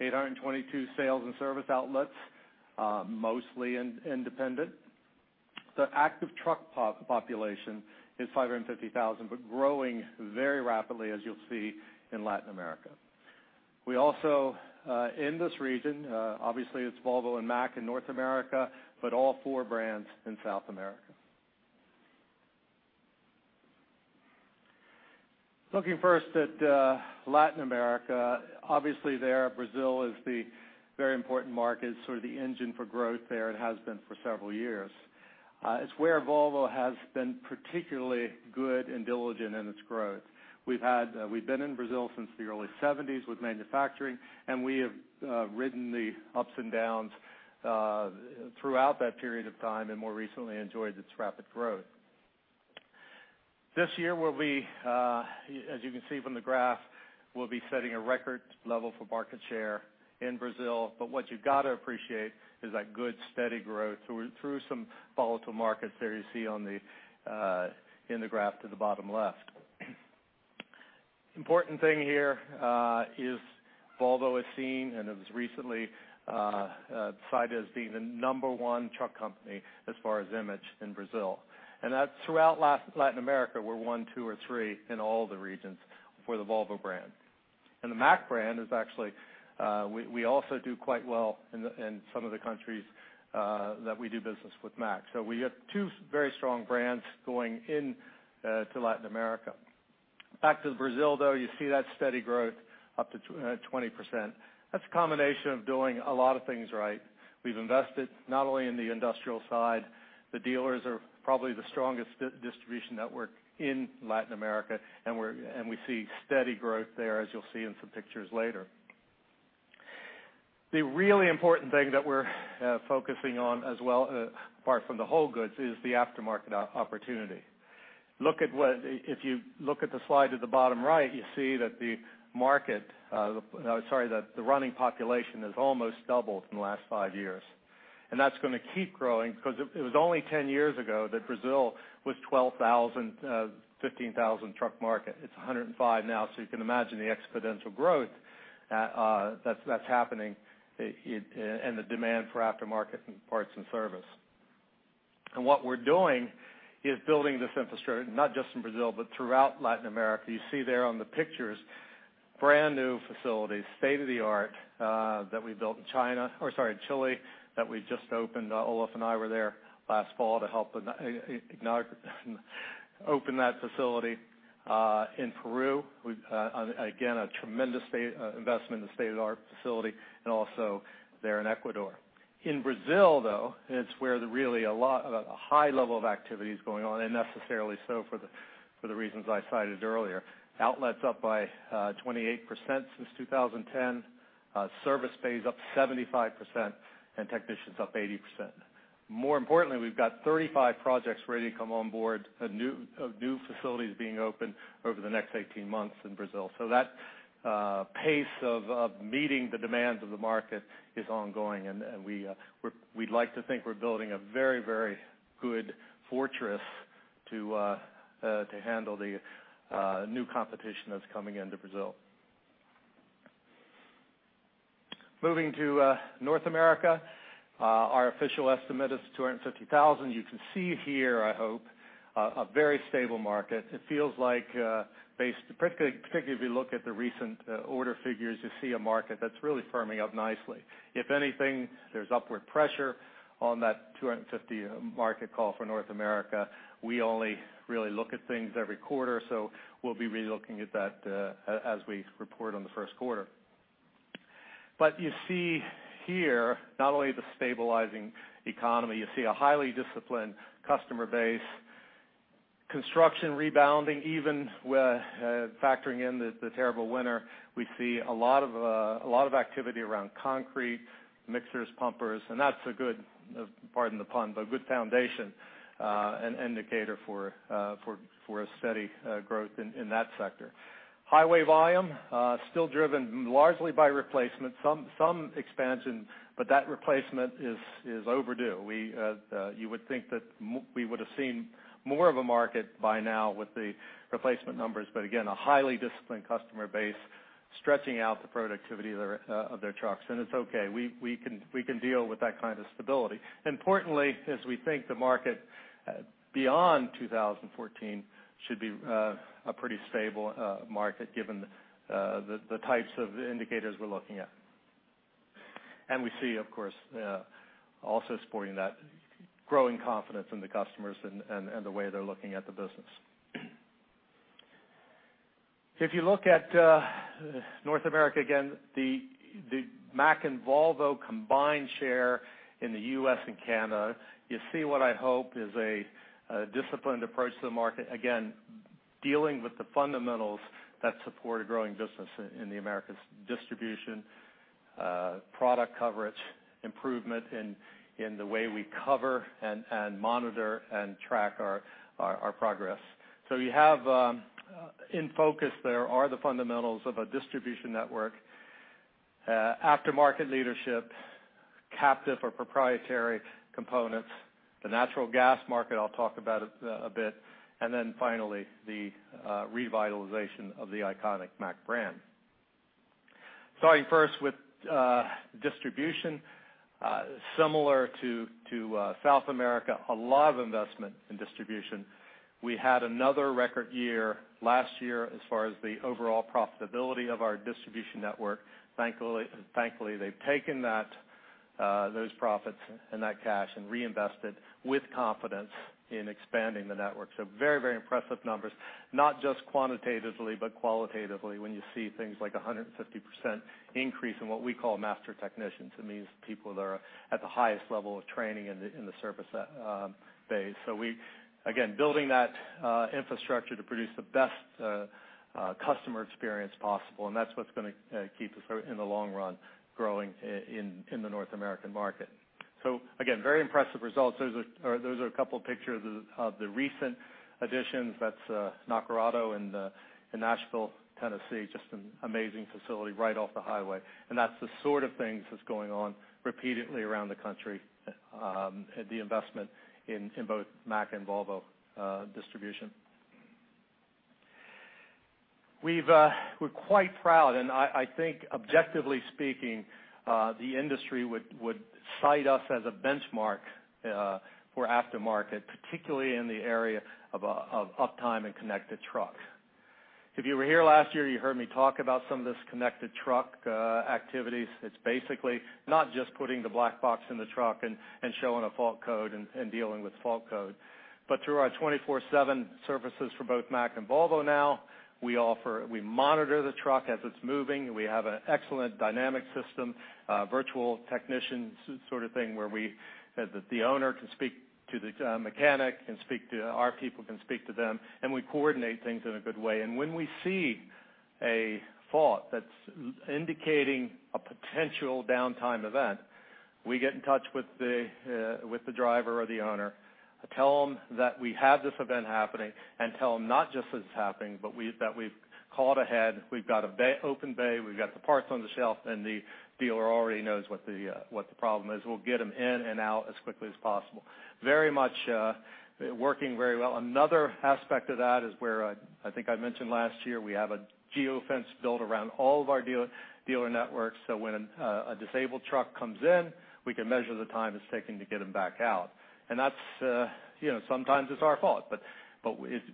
822 sales and service outlets, mostly independent. The active truck population is 550,000, but growing very rapidly, as you'll see, in Latin America. We also, in this region, obviously it's Volvo and Mack in North America, all four brands in South America. Looking first at Latin America, obviously there, Brazil is the very important market, sort of the engine for growth there and has been for several years. It's where Volvo has been particularly good and diligent in its growth. We've been in Brazil since the early 70s with manufacturing, we have ridden the ups and downs throughout that period of time, more recently enjoyed its rapid growth. This year we'll be, as you can see from the graph, we'll be setting a record level for market share in Brazil. What you've got to appreciate is that good, steady growth through some volatile markets there you see in the graph to the bottom left. Important thing here, is Volvo is seen, and it was recently cited as being the number one truck company as far as image in Brazil. That's throughout Latin America, we're one, two, or three in all the regions for the Volvo brand. The Mack brand is actually, we also do quite well in some of the countries that we do business with Mack. We have two very strong brands going into Latin America. Back to Brazil, though, you see that steady growth up to 20%. That's a combination of doing a lot of things right. We've invested not only in the industrial side, the dealers are probably the strongest distribution network in Latin America, we see steady growth there, as you'll see in some pictures later. The really important thing that we're focusing on as well, apart from the whole goods, is the aftermarket opportunity. If you look at the slide at the bottom right, you see that the running population has almost doubled in the last five years. That's going to keep growing because it was only 10 years ago that Brazil was a 12,000, 15,000 truck market. It's 105 now, so you can imagine the exponential growth that's happening and the demand for aftermarket parts and service. What we're doing is building this infrastructure, not just in Brazil, but throughout Latin America. You see there on the pictures, brand new facilities, state-of-the-art, that we built in Chile, that we just opened. Olof and I were there last fall to help open that facility. In Peru, again, a tremendous investment in a state-of-the-art facility, and also there in Ecuador. In Brazil, though, it's where really a high level of activity is going on, and necessarily so for the reasons I cited earlier. Outlets up by 28% since 2010. Service pays up 75%, and technicians up 80%. More importantly, we've got 35 projects ready to come on board of new facilities being opened over the next 18 months in Brazil. That pace of meeting the demands of the market is ongoing, and we'd like to think we're building a very good fortress to handle the new competition that's coming into Brazil. Moving to North America, our official estimate is 250,000. You can see here, I hope, a very stable market. It feels like, particularly if you look at the recent order figures, you see a market that's really firming up nicely. If anything, there's upward pressure. On that 250 market call for North America, we only really look at things every quarter, so we'll be re-looking at that as we report on the first quarter. You see here, not only the stabilizing economy, you see a highly disciplined customer base, construction rebounding even, factoring in the terrible winter. We see a lot of activity around concrete, mixers, pumpers, and that's a good, pardon the pun, but good foundation, an indicator for a steady growth in that sector. Highway volume, still driven largely by replacement. Some expansion, but that replacement is overdue. You would think that we would've seen more of a market by now with the replacement numbers, but again, a highly disciplined customer base, stretching out the productivity of their trucks. It's okay. We can deal with that kind of stability. Importantly, as we think the market beyond 2014 should be a pretty stable market, given the types of indicators we're looking at. We see, of course, also supporting that growing confidence in the customers and the way they're looking at the business. If you look at North America, again, the Mack and Volvo combined share in the U.S. and Canada, you see what I hope is a disciplined approach to the market, again, dealing with the fundamentals that support a growing business in the Americas. Distribution, product coverage, improvement in the way we cover and monitor and track our progress. You have, in focus there, are the fundamentals of a distribution network, aftermarket leadership, captive or proprietary components. The natural gas market, I'll talk about a bit. Then finally, the revitalization of the iconic Mack brand. Starting first with distribution. Similar to South America, a lot of investment in distribution. We had another record year last year as far as the overall profitability of our distribution network. Thankfully, they've taken those profits and that cash and reinvested with confidence in expanding the network. Very impressive numbers, not just quantitatively, but qualitatively when you see things like 150% increase in what we call master technicians. It means people that are at the highest level of training in the service base. Again, building that infrastructure to produce the best customer experience possible, and that's what's going to keep us, in the long run, growing in the North American market. Again, very impressive results. Those are a couple pictures of the recent additions. That's Nacarato in Nashville, Tennessee. Just an amazing facility right off the highway. And that's the sort of things that's going on repeatedly around the country, the investment in both Mack and Volvo distribution. We're quite proud, and I think objectively speaking, the industry would cite us as a benchmark for aftermarket, particularly in the area of uptime and connected trucks. If you were here last year, you heard me talk about some of this connected truck activities. It's basically not just putting the black box in the truck and showing a fault code and dealing with fault code. Through our 24/7 services for both Mack and Volvo now, we monitor the truck as it's moving. We have an excellent dynamic system, Virtual Technician sort of thing, where the owner can speak to the mechanic, our people can speak to them, and we coordinate things in a good way. When we see a fault that's indicating a potential downtime event, we get in touch with the driver or the owner, tell them that we have this event happening, and tell them not just that it's happening, but that we've caught ahead, we've got an open bay, we've got the parts on the shelf, and the dealer already knows what the problem is. We'll get them in and out as quickly as possible. Very much working very well. Another aspect of that is where, I think I mentioned last year, we have a geo-fence built around all of our dealer networks, so when a disabled truck comes in, we can measure the time it's taking to get them back out. Sometimes it's our fault, but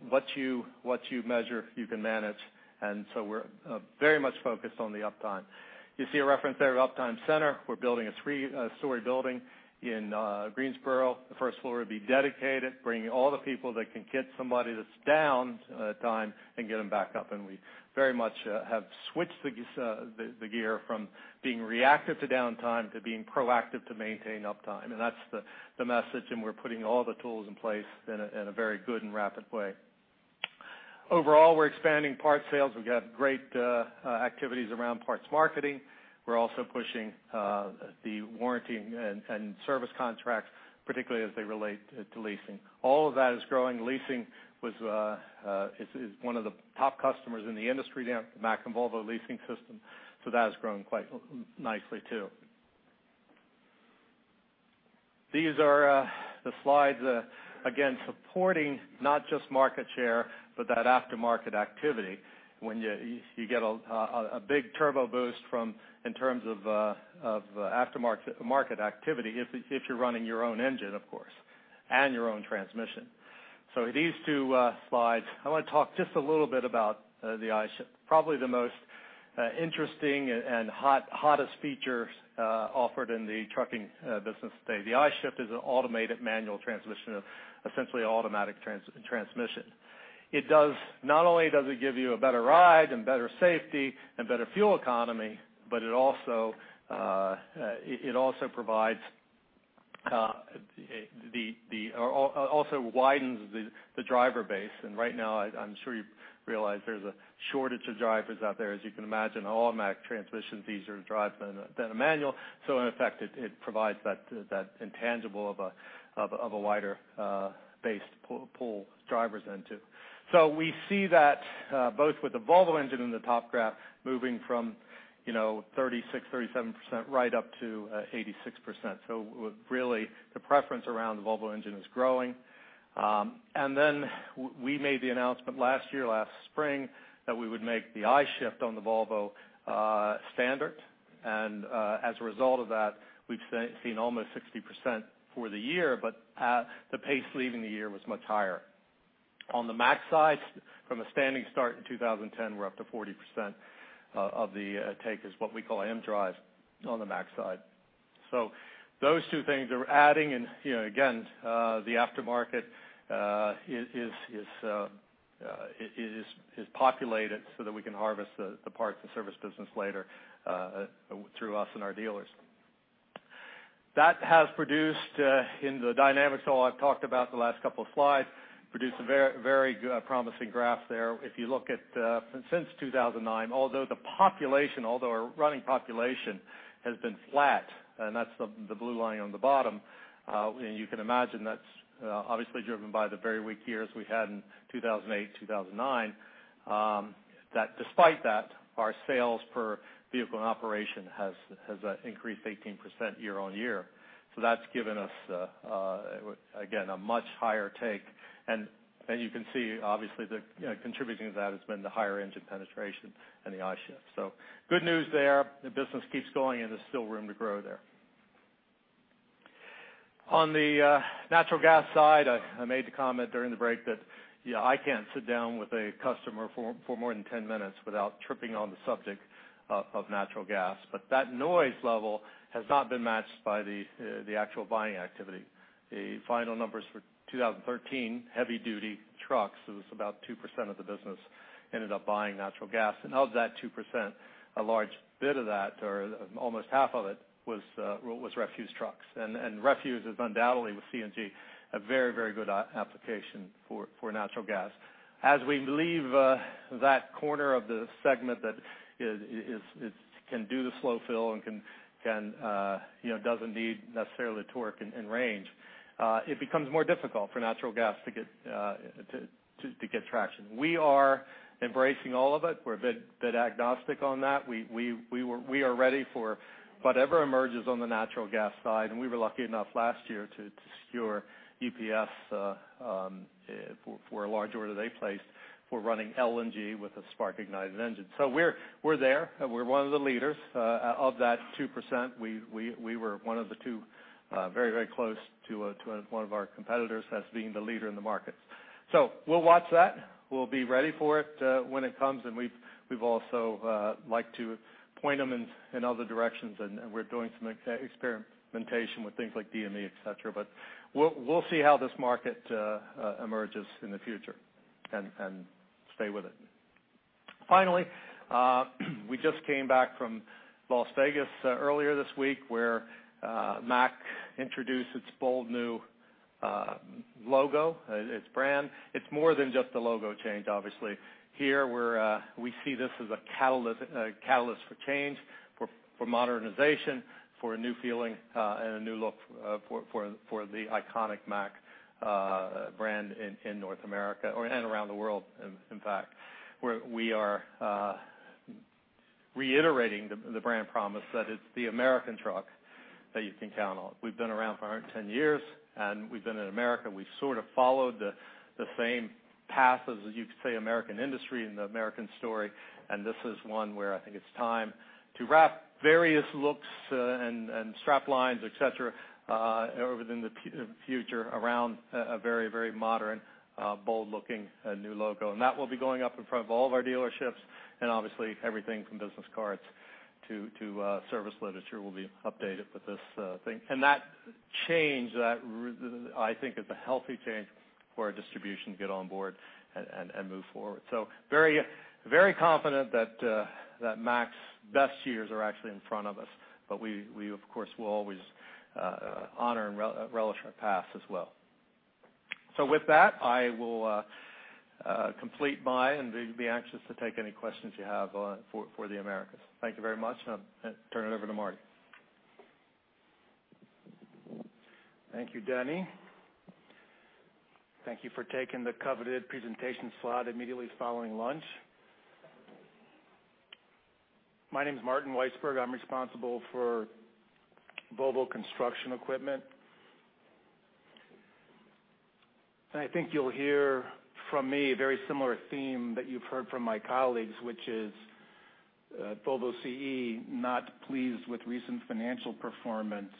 what you measure, you can manage. We're very much focused on the uptime. You see a reference there, Uptime Center. We're building a three-story building in Greensboro. The first floor will be dedicated, bringing all the people that can get somebody that's down time and get them back up. We very much have switched the gear from being reactive to downtime to being proactive to maintain uptime. That's the message, and we're putting all the tools in place in a very good and rapid way. Overall, we're expanding parts sales. We've got great activities around parts marketing. We're also pushing the warranty and service contracts, particularly as they relate to leasing. All of that is growing. Leasing is one of the top customers in the industry now, the Mack and Volvo leasing system. That has grown quite nicely, too. These are the slides, again, supporting not just market share, but that aftermarket activity. When you get a big turbo boost in terms of aftermarket activity, if you're running your own engine, of course. Your own transmission. These two slides, I want to talk just a little bit about the I-Shift, probably the most interesting and hottest feature offered in the trucking business today. The I-Shift is an automated manual transmission, essentially an automatic transmission. Not only does it give you a better ride and better safety and better fuel economy, but it also widens the driver base. Right now, I'm sure you realize there's a shortage of drivers out there. As you can imagine, automatic transmissions are easier to drive than a manual. In effect, it provides that intangible of a wider base to pull drivers into. We see that both with the Volvo engine in the top graph moving from 36%, 37%, right up to 86%. Really the preference around the Volvo engine is growing. Then we made the announcement last year, last spring, that we would make the I-Shift on the Volvo standard. As a result of that, we've seen almost 60% for the year, but the pace leaving the year was much higher. On the Mack side, from a standing start in 2010, we're up to 40% of the take is what we call mDRIVE on the Mack side. Those two things are adding in, again, the aftermarket is populated so that we can harvest the parts and service business later, through us and our dealers. That has produced in the dynamics, all I've talked about the last couple of slides, produced a very promising graph there. If you look at since 2009, although the population, although our running population has been flat, and that's the blue line on the bottom, and you can imagine that's obviously driven by the very weak years we had in 2008, 2009, that despite that, our sales per vehicle in operation has increased 18% year-over-year. That's given us, again, a much higher take. You can see, obviously, contributing to that has been the higher engine penetration and the I-Shift. Good news there. The business keeps going and there's still room to grow there. On the natural gas side, I made the comment during the break that I can't sit down with a customer for more than 10 minutes without tripping on the subject of natural gas. That noise level has not been matched by the actual buying activity. The final numbers for 2013 heavy-duty trucks was about 2% of the business ended up buying natural gas. Of that 2%, a large bit of that or almost half of it was refuse trucks. Refuse is undoubtedly with CNG, a very, very good application for natural gas. As we leave that corner of the segment that can do the slow fill and doesn't need necessarily torque and range, it becomes more difficult for natural gas to get traction. We are embracing all of it. We're a bit agnostic on that. We are ready for whatever emerges on the natural gas side, and we were lucky enough last year to secure EPS, for a large order they placed for running LNG with a spark-ignited engine. We're there. We're one of the leaders. Of that 2%, we were one of the two, very, very close to one of our competitors as being the leader in the market. We'll watch that. We'll be ready for it when it comes. We also like to point them in other directions. We're doing some experimentation with things like DME, et cetera, but we'll see how this market emerges in the future and stay with it. Finally, we just came back from Las Vegas earlier this week where Mack introduced its bold new logo, its brand. It's more than just a logo change, obviously. Here, we see this as a catalyst for change, for modernization, for a new feeling, and a new look for the iconic Mack brand in North America or around the world, in fact, where we are reiterating the brand promise that it's the American truck that you can count on. We've been around for 110 years. We've been in America. We've sort of followed the same path as you could say, American industry and the American story. This is one where I think it's time to wrap various looks and strap lines, et cetera, over in the future around a very, very modern, bold-looking, new logo. That will be going up in front of all of our dealerships. Obviously everything from business cards to service literature will be updated with this thing. That change, I think is a healthy change for our distribution to get on board and move forward. Very confident that Mack's best years are actually in front of us. We, of course, will always honor and relish our past as well. With that, I will complete my end. I'd be anxious to take any questions you have for the Americas. Thank you very much. I'll turn it over to Martin.
Thank you, Denny. Thank you for taking the coveted presentation slot immediately following lunch. My name's Martin Weissburg. I'm responsible for Volvo Construction Equipment. I think you'll hear from me a very similar theme that you've heard from my colleagues, which is Volvo CE, not pleased with recent financial performance,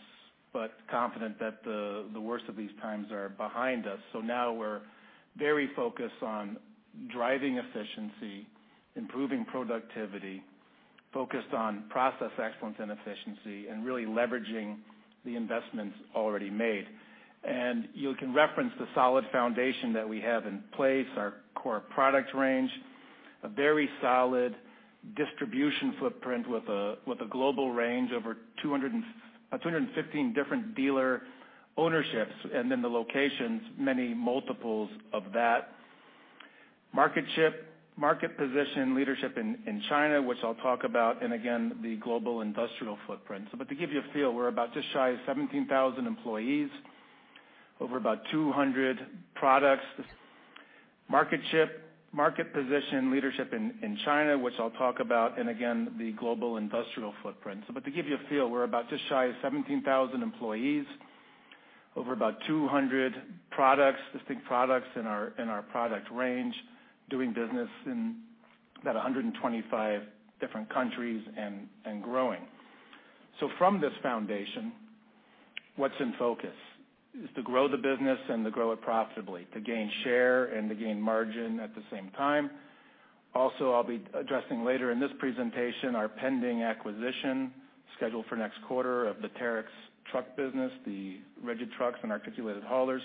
but confident that the worst of these times are behind us. Now we're very focused on driving efficiency, improving productivity, focused on process excellence and efficiency, really leveraging the investments already made. You can reference the solid foundation that we have in place, our core product range, a very solid distribution footprint with a global range over 215 different dealer ownerships. Then the locations, many multiples of that. Market position leadership in China, which I'll talk about, again, the global industrial footprint. To give you a feel, we're about just shy of 17,000 employees, over about 200 products, distinct products in our product range, doing business in about 125 different countries and growing. From this foundation, what's in focus is to grow the business and to grow it profitably, to gain share and to gain margin at the same time. Also, I'll be addressing later in this presentation our pending acquisition scheduled for next quarter of the Terex truck business, the rigid trucks and articulated haulers.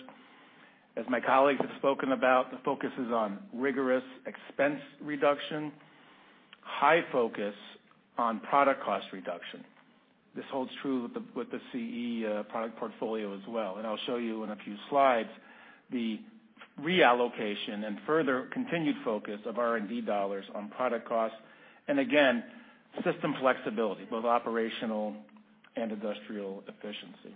As my colleagues have spoken about, the focus is on rigorous expense reduction, high focus on product cost reduction. This holds true with the CE product portfolio as well. I'll show you in a few slides the reallocation and further continued focus of R&D dollars on product costs, and again, system flexibility, both operational and industrial efficiency.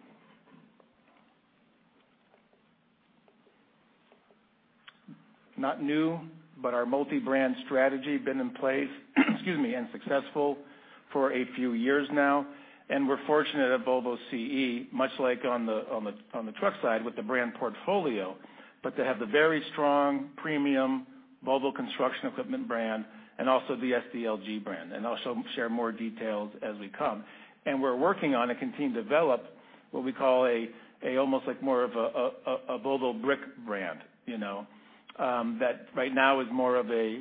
Not new, our multi-brand strategy been in place and successful for a few years now, we're fortunate at Volvo CE, much like on the truck side with the brand portfolio, to have the very strong premium Volvo Construction Equipment brand and also the SDLG brand, I'll share more details as we come. We're working on and continue to develop what we call almost like more of a Volvo brick brand. That right now is more of a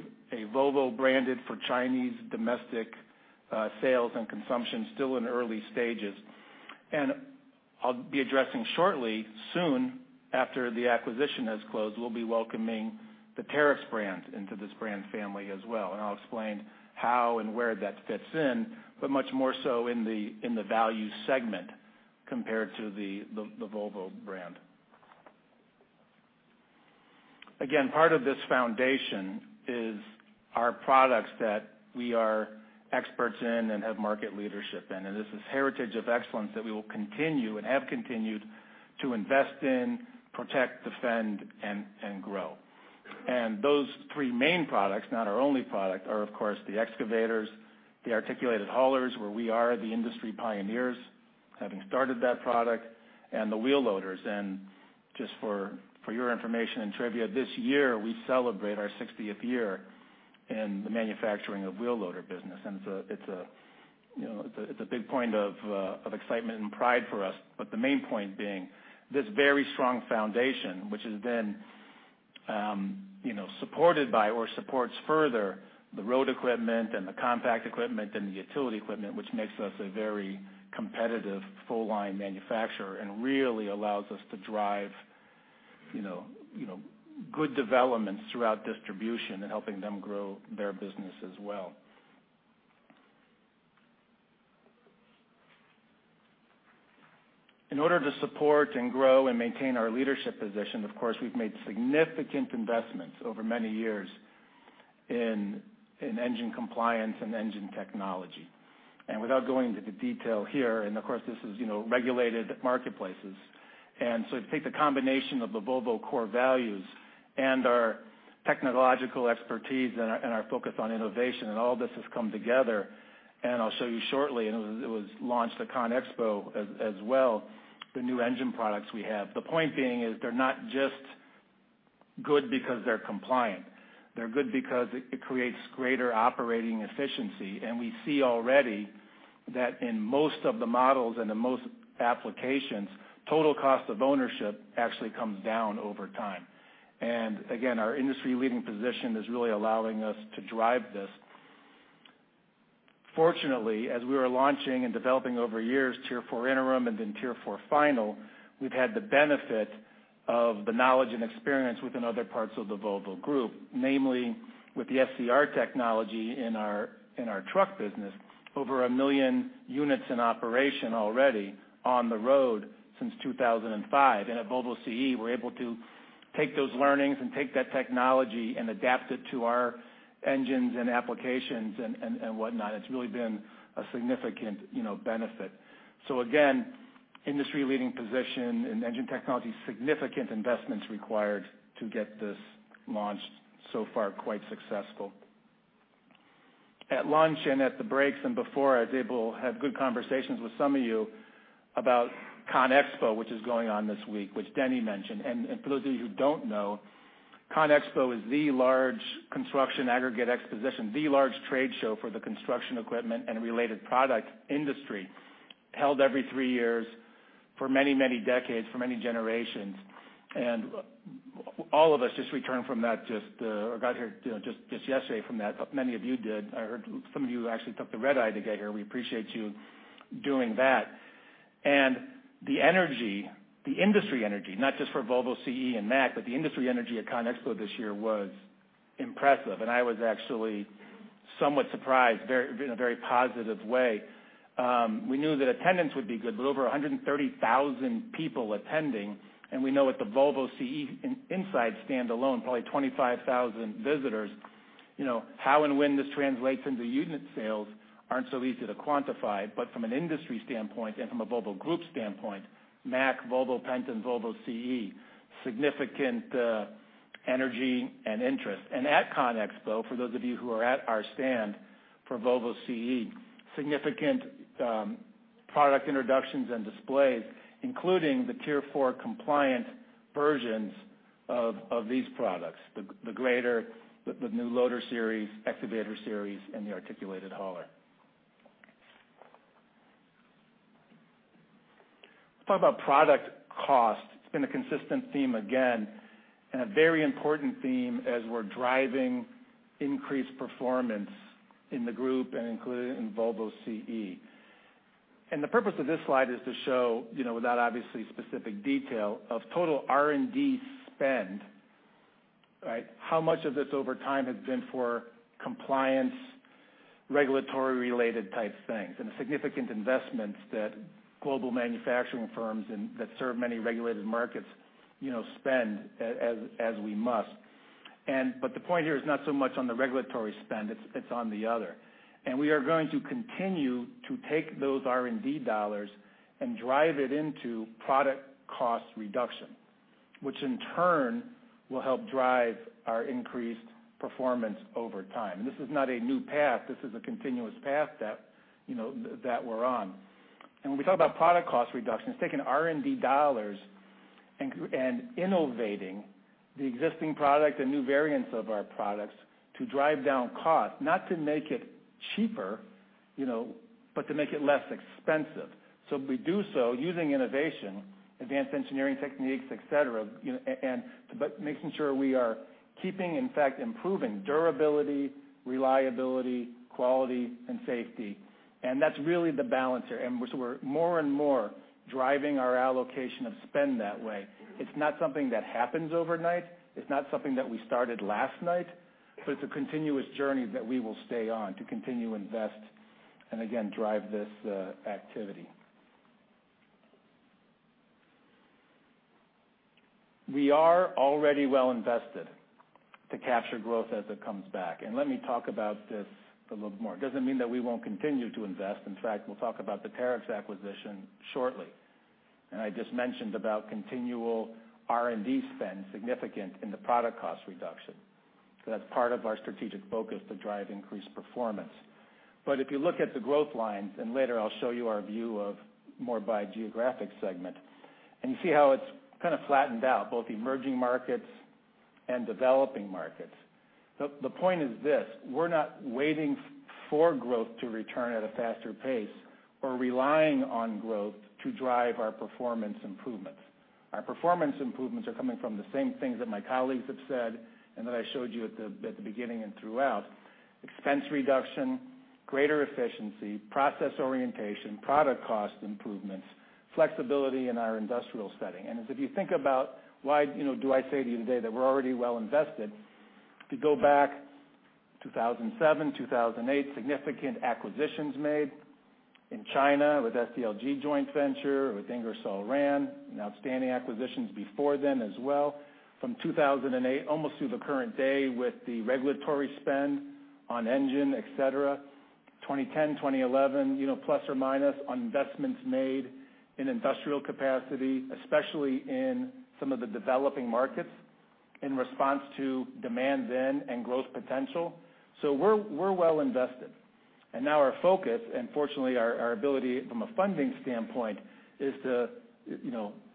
Volvo branded for Chinese domestic sales and consumption, still in early stages. I'll be addressing shortly, soon after the acquisition has closed, we'll be welcoming the Terex brand into this brand family as well, I'll explain how and where that fits in, but much more so in the value segment compared to the Volvo brand. Again, part of this foundation is our products that we are experts in and have market leadership in. This is heritage of excellence that we will continue and have continued to invest in, protect, defend, and grow. Those three main products, not our only product, are of course the excavators, the articulated haulers, where we are the industry pioneers, having started that product, and the wheel loaders. Just for your information and trivia, this year, we celebrate our 60th year in the manufacturing of wheel loader business. It's a big point of excitement and pride for us. The main point being this very strong foundation, which is then supported by or supports further the road equipment and the compact equipment and the utility equipment, which makes us a very competitive, full-line manufacturer and really allows us to drive good developments throughout distribution and helping them grow their business as well. In order to support and grow and maintain our leadership position, of course, we've made significant investments over many years in engine compliance and engine technology. Without going into the detail here, of course, this is regulated marketplaces. If you take the combination of the Volvo core values, our technological expertise, our focus on innovation, all this has come together, I'll show you shortly, it was launched at ConExpo as well, the new engine products we have. The point being is they're not just good because they're compliant. They're good because it creates greater operating efficiency, and we see already that in most of the models and the most applications, total cost of ownership actually comes down over time. Again, our industry-leading position is really allowing us to drive this. Fortunately, as we are launching and developing over years Tier 4 Interim and then Tier 4 Final, we've had the benefit of the knowledge and experience within other parts of the Volvo Group, namely with the SCR technology in our truck business, over 1 million units in operation already on the road since 2005. At Volvo CE, we're able to take those learnings and take that technology and adapt it to our engines and applications and whatnot. It's really been a significant benefit. Again, industry-leading position in engine technology, significant investments required to get this launched, so far quite successful. At lunch and at the breaks and before, I was able to have good conversations with some of you about ConExpo, which is going on this week, which Denny mentioned. For those of you who don't know, ConExpo is the large construction aggregate exposition, the large trade show for the construction equipment and related product industry, held every three years for many, many decades, for many generations. All of us just returned from that or got here just yesterday from that. Many of you did. I heard some of you actually took the red-eye to get here. We appreciate you doing that. The energy, the industry energy, not just for Volvo CE and Mack, but the industry energy at ConExpo this year was impressive. I was actually somewhat surprised, in a very positive way. We knew that attendance would be good, but over 130,000 people attending, and we know at the Volvo CE inside stand alone, probably 25,000 visitors. How and when this translates into unit sales aren't so easy to quantify, but from an industry standpoint and from a Volvo Group standpoint, Mack, Volvo Penta and Volvo CE, significant energy and interest. At ConExpo, for those of you who are at our stand for Volvo CE, significant product introductions and displays, including the Tier 4 compliant versions of these products, the grader, the new loader series, excavator series, and the articulated hauler. Let's talk about product cost. It's been a consistent theme again, a very important theme as we're driving increased performance in the group and including in Volvo CE. The purpose of this slide is to show, without obviously specific detail, of total R&D spend. How much of this over time has been for compliance, regulatory related type things, and the significant investments that global manufacturing firms that serve many regulated markets spend as we must. The point here is not so much on the regulatory spend, it's on the other. We are going to continue to take those R&D dollars and drive it into product cost reduction, which in turn will help drive our increased performance over time. This is not a new path. This is a continuous path that we're on. When we talk about product cost reductions, taking R&D dollars and innovating the existing product and new variants of our products to drive down cost, not to make it cheaper, but to make it less expensive. We do so using innovation, advanced engineering techniques, et cetera, making sure we are keeping, in fact, improving durability, reliability, quality and safety. That's really the balancer. We're more and more driving our allocation of spend that way. It's not something that happens overnight. It's not something that we started last night, it's a continuous journey that we will stay on to continue invest and again, drive this activity. We are already well invested to capture growth as it comes back. Let me talk about this a little more. It doesn't mean that we won't continue to invest. In fact, we'll talk about the Terex acquisition shortly. I just mentioned about continual R&D spend, significant in the product cost reduction. That's part of our strategic focus to drive increased performance. If you look at the growth lines, later I'll show you our view of more by geographic segment, you see how it's kind of flattened out, both emerging markets and developing markets. The point is this, we're not waiting for growth to return at a faster pace or relying on growth to drive our performance improvements. Our performance improvements are coming from the same things that my colleagues have said and that I showed you at the beginning and throughout. Expense reduction, greater efficiency, process orientation, product cost improvements, flexibility in our industrial setting. If you think about why do I say to you today that we're already well invested, to go back 2007, 2008, significant acquisitions made in China with SDLG joint venture, with Ingersoll Rand, outstanding acquisitions before then as well. From 2008 almost through the current day with the regulatory spend on engine, et cetera. 2010, 2011, plus or minus on investments made in industrial capacity, especially in some of the developing markets in response to demand then and growth potential. We're well invested. Now our focus and fortunately, our ability from a funding standpoint is to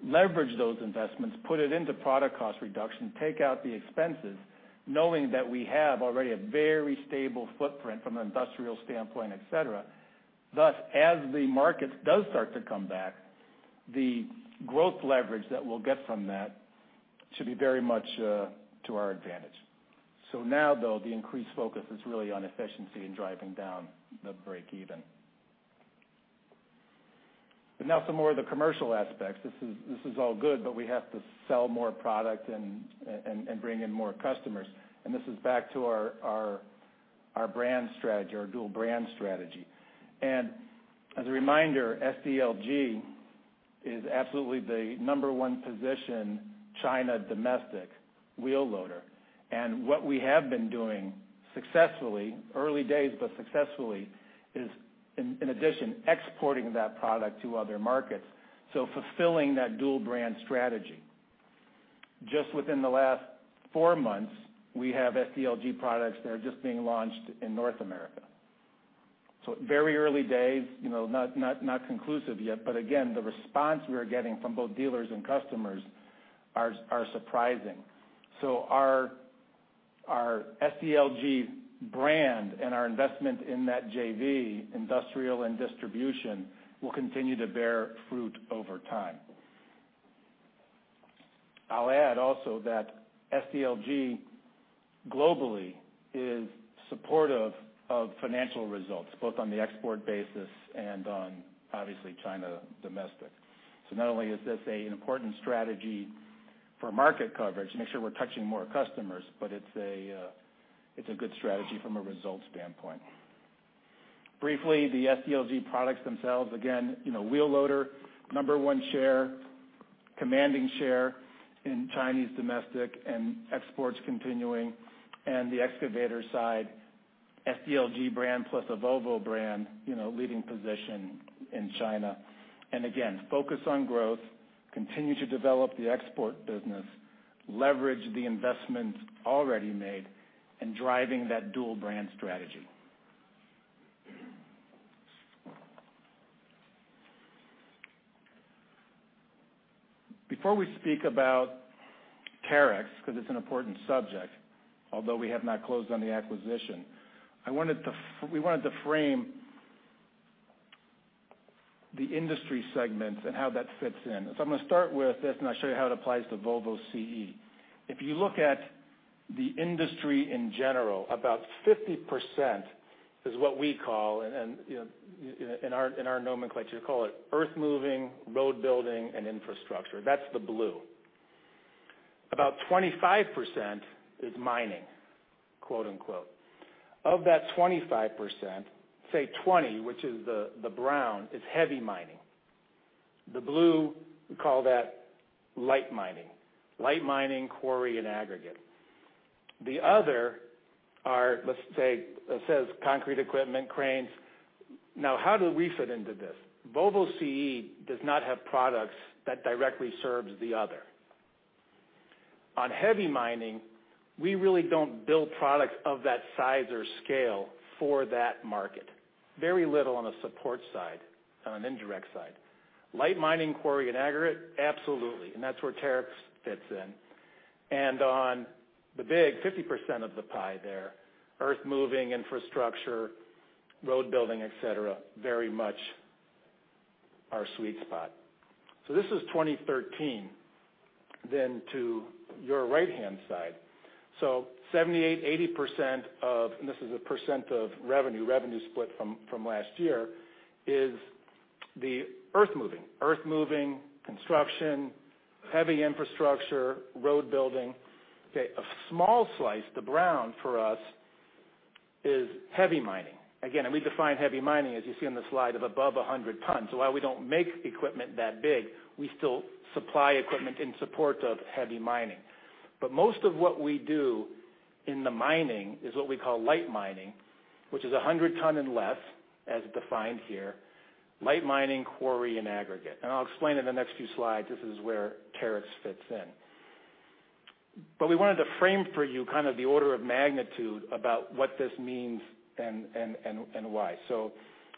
leverage those investments, put it into product cost reduction, take out the expenses, knowing that we have already a very stable footprint from an industrial standpoint, et cetera. Thus, as the market does start to come back, the growth leverage that we'll get from that should be very much to our advantage. Now though, the increased focus is really on efficiency and driving down the break even. Now some more of the commercial aspects. This is all good, we have to sell more product and bring in more customers. This is back to our brand strategy, our dual brand strategy. As a reminder, SDLG is absolutely the number one position China domestic wheel loader. What we have been doing successfully, early days, successfully, is in addition, exporting that product to other markets. Fulfilling that dual brand strategy. Just within the last four months, we have SDLG products that are just being launched in North America. Very early days, not conclusive yet, again, the response we are getting from both dealers and customers are surprising. Our SDLG brand and our investment in that JV, industrial and distribution, will continue to bear fruit over time. I'll add also that SDLG globally is supportive of financial results, both on the export basis and on, obviously, China domestic. Not only is this an important strategy for market coverage to make sure we are touching more customers, but it is a good strategy from a results standpoint. Briefly, the SDLG products themselves, again, wheel loader, number one share, commanding share in Chinese domestic and exports continuing, and the excavator side, SDLG brand plus a Volvo brand, leading position in China. Focus on growth, continue to develop the export business, leverage the investments already made, and driving that dual brand strategy. Before we speak about Terex, because it is an important subject, although we have not closed on the acquisition, we wanted to frame the industry segments and how that fits in. I am going to start with this, and I will show you how it applies to Volvo CE. If you look at the industry in general, about 50% is what we call, in our nomenclature, call it earthmoving, road building and infrastructure. That is the blue. About 25% is mining, quote unquote. Of that 25%, say 20%, which is the brown, is heavy mining. The blue, we call that light mining. Light mining, quarry, and aggregate. The other are, let us say, it says concrete equipment, cranes. How do we fit into this? Volvo CE does not have products that directly serves the other. On heavy mining, we really do not build products of that size or scale for that market. Very little on a support side, on an indirect side. Light mining, quarry, and aggregate, absolutely, and that is where Terex fits in. On the big 50% of the pie there, earthmoving, infrastructure, road building, et cetera, very much our sweet spot. This is 2013. To your right-hand side, 78%, 80% of, and this is a percent of revenue split from last year, is the earthmoving. Earthmoving, construction, heavy infrastructure, road building. A small slice, the brown for us, is heavy mining. Again, we define heavy mining, as you see on the slide, of above 100 tons. While we do not make equipment that big, we still supply equipment in support of heavy mining. Most of what we do in the mining is what we call light mining, which is 100 ton and less, as defined here. Light mining, quarry, and aggregate. I will explain in the next few slides, this is where Terex fits in. We wanted to frame for you the order of magnitude about what this means and why.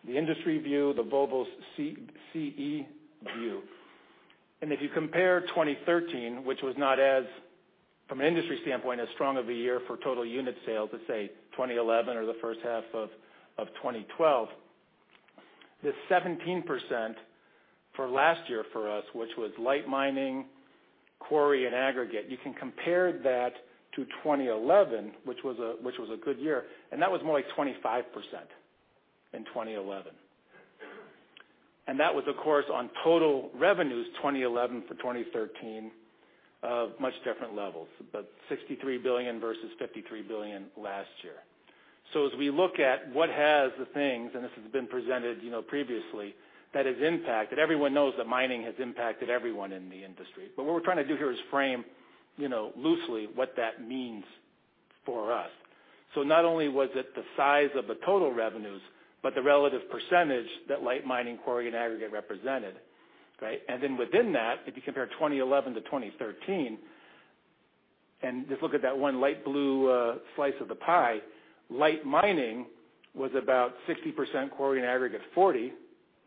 The industry view, the Volvo's CE view. If you compare 2013, which was not, from an industry standpoint, as strong of a year for total unit sales as, say, 2011 or the first half of 2012, the 17% for last year for us, which was light mining, quarry, and aggregate, you can compare that to 2011, which was a good year, and that was more like 25% in 2011. That was, of course, on total revenues 2011 for 2013 of much different levels, but 63 billion versus 53 billion last year. As we look at what has the things, and this has been presented previously, that has impacted, everyone knows that mining has impacted everyone in the industry. What we are trying to do here is frame loosely what that means for us. Not only was it the size of the total revenues, but the relative percentage that light mining, quarry, and aggregate represented. Right? Within that, if you compare 2011 to 2013, and just look at that one light blue slice of the pie, light mining was about 60%, quarry and aggregate 40%,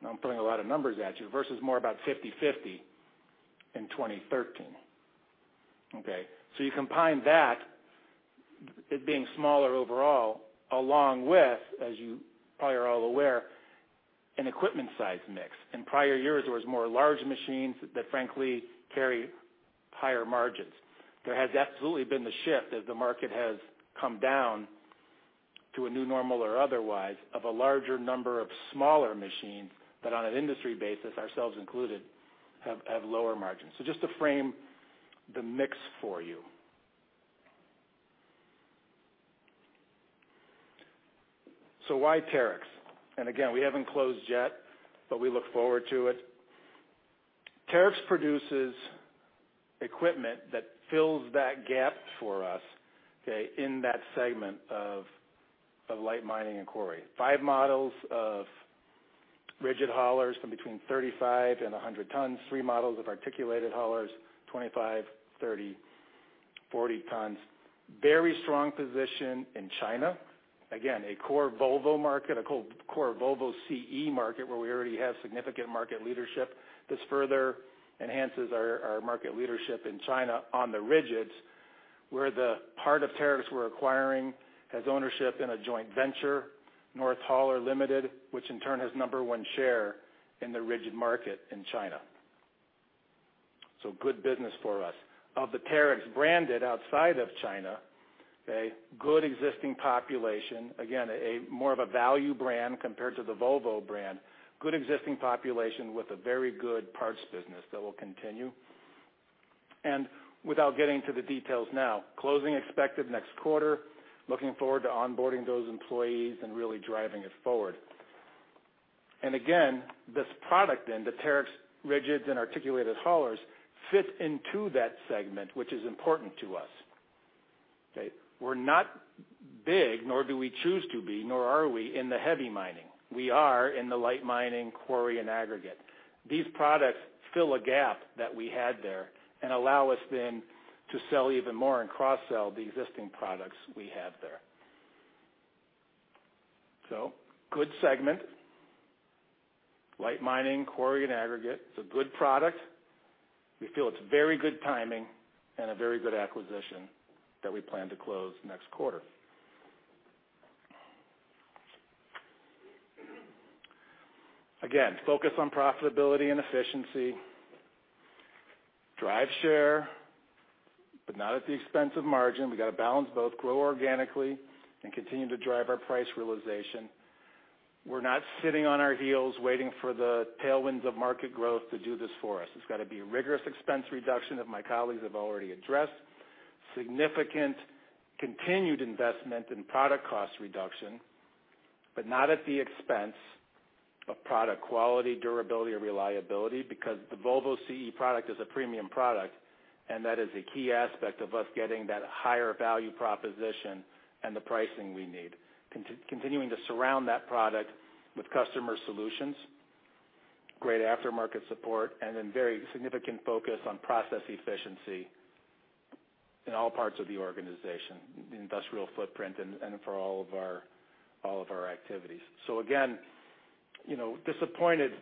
I'm putting a lot of numbers at you, versus more about 50/50 in 2013. Okay? You combine that, it being smaller overall, along with, as you probably are all aware, an equipment size mix. In prior years, there was more large machines that frankly carry higher margins. There has absolutely been the shift as the market has come down to a new normal or otherwise of a larger number of smaller machines that on an industry basis, ourselves included, have lower margins. Just to frame the mix for you. Why Terex? We haven't closed yet, but we look forward to it. Terex produces equipment that fills that gap for us in that segment of light mining and quarry. Five models of Rigid haulers from between 35 and 100 tons. Three models of articulated haulers, 25, 30, 40 tons. Very strong position in China. A core Volvo market, a core Volvo CE market where we already have significant market leadership. This further enhances our market leadership in China on the rigids, where the part of Terex we're acquiring has ownership in a joint venture, North Hauler Limited, which in turn has number 1 share in the rigid market in China. Good business for us. Of the Terex branded outside of China, good existing population. More of a value brand compared to the Volvo brand. Good existing population with a very good parts business that will continue. Without getting to the details now, closing expected next quarter, looking forward to onboarding those employees and really driving it forward. This product then, the Terex rigids and articulated haulers, fit into that segment, which is important to us. Okay? We're not big, nor do we choose to be, nor are we in the heavy mining. We are in the light mining quarry and aggregate. These products fill a gap that we had there and allow us then to sell even more and cross-sell the existing products we have there. Good segment. Light mining, quarry, and aggregate. It's a good product. We feel it's very good timing and a very good acquisition that we plan to close next quarter. Focus on profitability and efficiency, drive share, but not at the expense of margin. We got to balance both, grow organically and continue to drive our price realization. We're not sitting on our heels waiting for the tailwinds of market growth to do this for us. It's got to be rigorous expense reduction that my colleagues have already addressed, significant continued investment in product cost reduction, but not at the expense of product quality, durability, or reliability, because the Volvo CE product is a premium product, and that is a key aspect of us getting that higher value proposition and the pricing we need. Continuing to surround that product with customer solutions, great aftermarket support, very significant focus on process efficiency in all parts of the organization, industrial footprint and for all of our activities. We're disappointed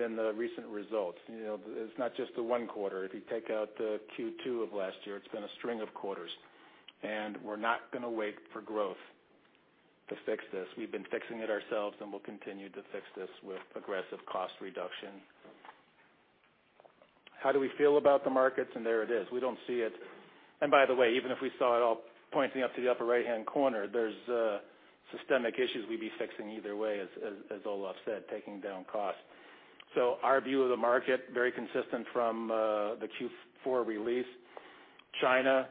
in the recent results. It's not just the one quarter. If you take out the Q2 of last year, it's been a string of quarters, and we're not going to wait for growth to fix this. We've been fixing it ourselves, and we'll continue to fix this with aggressive cost reduction. How do we feel about the markets? There it is. We don't see it. By the way, even if we saw it all pointing up to the upper right-hand corner, there's systemic issues we'd be fixing either way, as Olof said, taking down cost. Our view of the market, very consistent from the Q4 release. China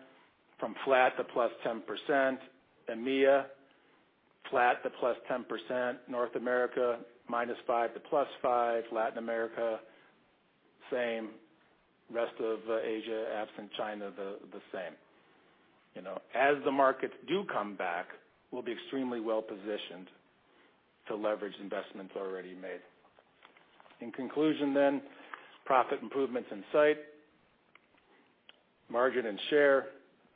from flat to +10%. EMEA, flat to +10%. North America, -5% to +5%. Latin America, same. Rest of Asia, absent China, the same. As the markets do come back, we'll be extremely well-positioned to leverage investments already made. In conclusion then, profit improvements in sight, margin and share,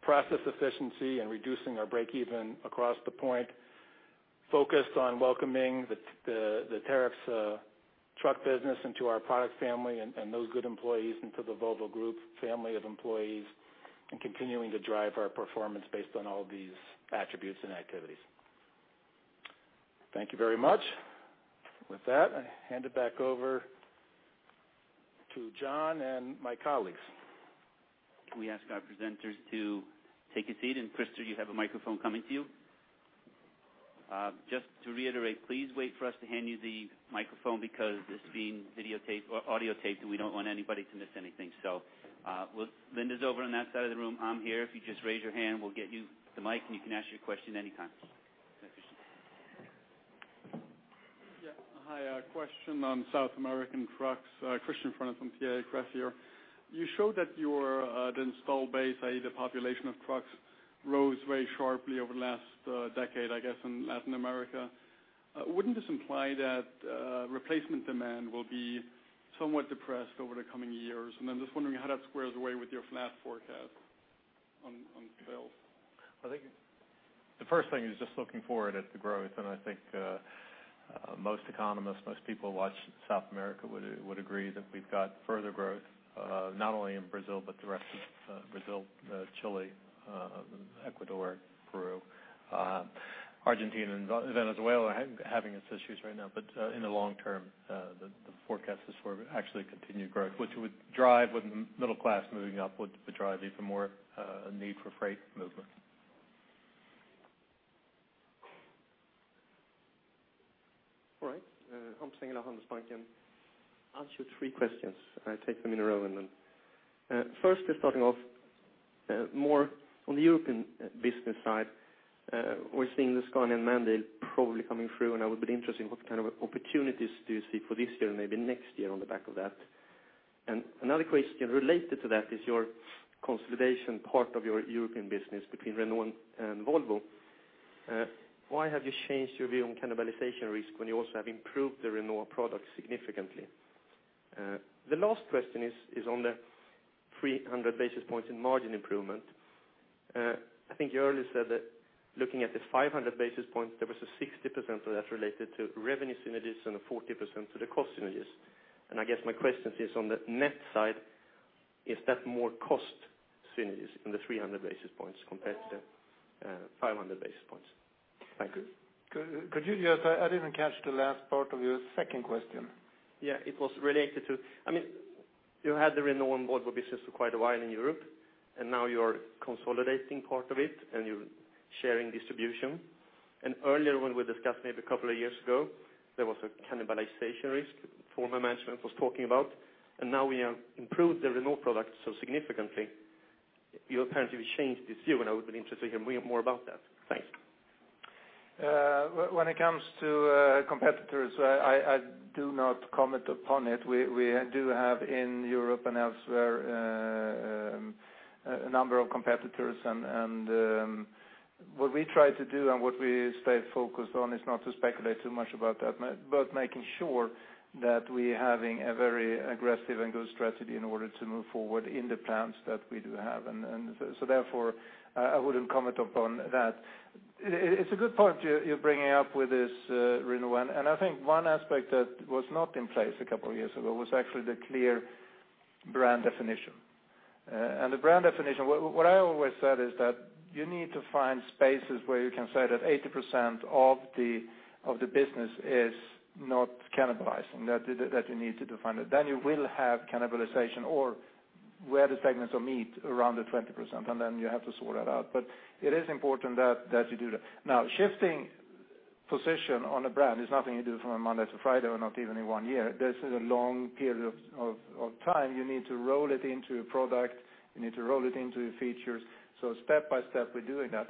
process efficiency and reducing our break-even across the point, focused on welcoming the Terex truck business into our product family and those good employees into the Volvo Group family of employees, and continuing to drive our performance based on all these attributes and activities. Thank you very much. With that, I hand it back over to John and my colleagues.
We ask our presenters to take a seat. Christer, you have a microphone coming to you. Just to reiterate, please wait for us to hand you the microphone because it's being audiotaped, and we don't want anybody to miss anything. Linda's over on that side of the room. I'm here. If you just raise your hand, we'll get you the mic, and you can ask your question anytime. Hi, Christian.
Yeah. Hi. A question on South American trucks. Christian Friis from TA Associates here. You showed that the install base, i.e., the population of trucks, rose very sharply over the last decade, I guess, in Latin America. Wouldn't this imply that replacement demand will be somewhat depressed over the coming years? Then just wondering how that squares away with your flat forecast on sales.
The first thing is just looking forward at the growth. I think most economists, most people who watch South America would agree that we've got further growth, not only in Brazil, but the rest of Brazil, Chile, Ecuador, Peru. Argentina and Venezuela are having its issues right now. In the long term, the forecast is for actually continued growth. With middle class moving up, would drive even more need for freight movement.
All right. Hans Engler, Handelsbanken. I'll ask you three questions. I take them in a row and then. First, just starting off, more on the European business side. We're seeing the Scania MAN date probably coming through. I would be interested in what kind of opportunities do you see for this year and maybe next year on the back of that? Another question related to that is your consolidation part of your European business between Renault and Volvo. Why have you changed your view on cannibalization risk when you also have improved the Renault product significantly? The last question is on the 300 basis points in margin improvement. I think you earlier said that looking at the 500 basis points, there was a 60% of that related to revenue synergies and a 40% to the cost synergies. I guess my question is on the net side, is that more cost synergies in the 300 basis points compared to 500 basis points? Thank you.
Could you just, I didn't catch the last part of your second question.
Yeah, it was related to, you had the Renault and Volvo business for quite a while in Europe, now you're consolidating part of it and you're sharing distribution. Earlier when we discussed maybe a couple of years ago, there was a cannibalization risk former management was talking about. Now we have improved the Renault product so significantly, you apparently changed this view, and I would be interested to hear more about that. Thanks.
When it comes to competitors, I do not comment upon it. We do have in Europe and elsewhere, a number of competitors and what we try to do and what we stay focused on is not to speculate too much about that, but making sure that we having a very aggressive and good strategy in order to move forward in the plans that we do have. Therefore, I wouldn't comment upon that. It's a good point you're bringing up with this, Renault, and I think one aspect that was not in place a couple of years ago was actually the clear brand definition. The brand definition, what I always said is that you need to find spaces where you can say that 80% of the business is not cannibalizing, that you need to define it. You will have cannibalization or where the segments will meet around the 20%, and you have to sort that out. It is important that you do that. Shifting position on a brand is nothing you do from a Monday to Friday or not even in one year. This is a long period of time. You need to roll it into a product. You need to roll it into features. Step by step, we're doing that.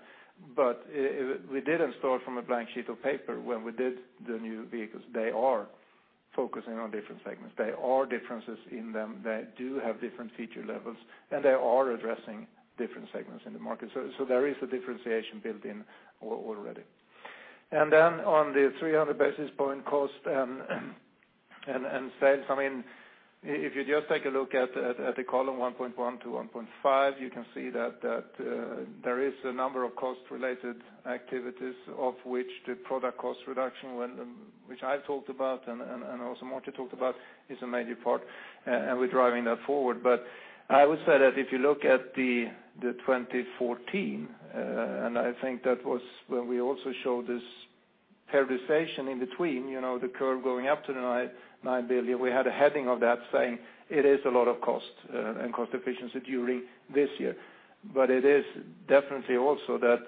We didn't start from a blank sheet of paper when we did the new vehicles. They are focusing on different segments. There are differences in them that do have different feature levels, and they are addressing different segments in the market. There is a differentiation built in already. On the 300 basis point cost and sales, if you just take a look at the column 1.1 to 1.5, you can see that there is a number of cost-related activities of which the product cost reduction, which I talked about and also Martin talked about, is a major part, and we're driving that forward. I would say that if you look at the 2014, and I think that was when we also showed this periodization in between, the curve going up to the 9 billion, we had a heading of that saying it is a lot of cost and cost efficiency during this year. It is definitely also that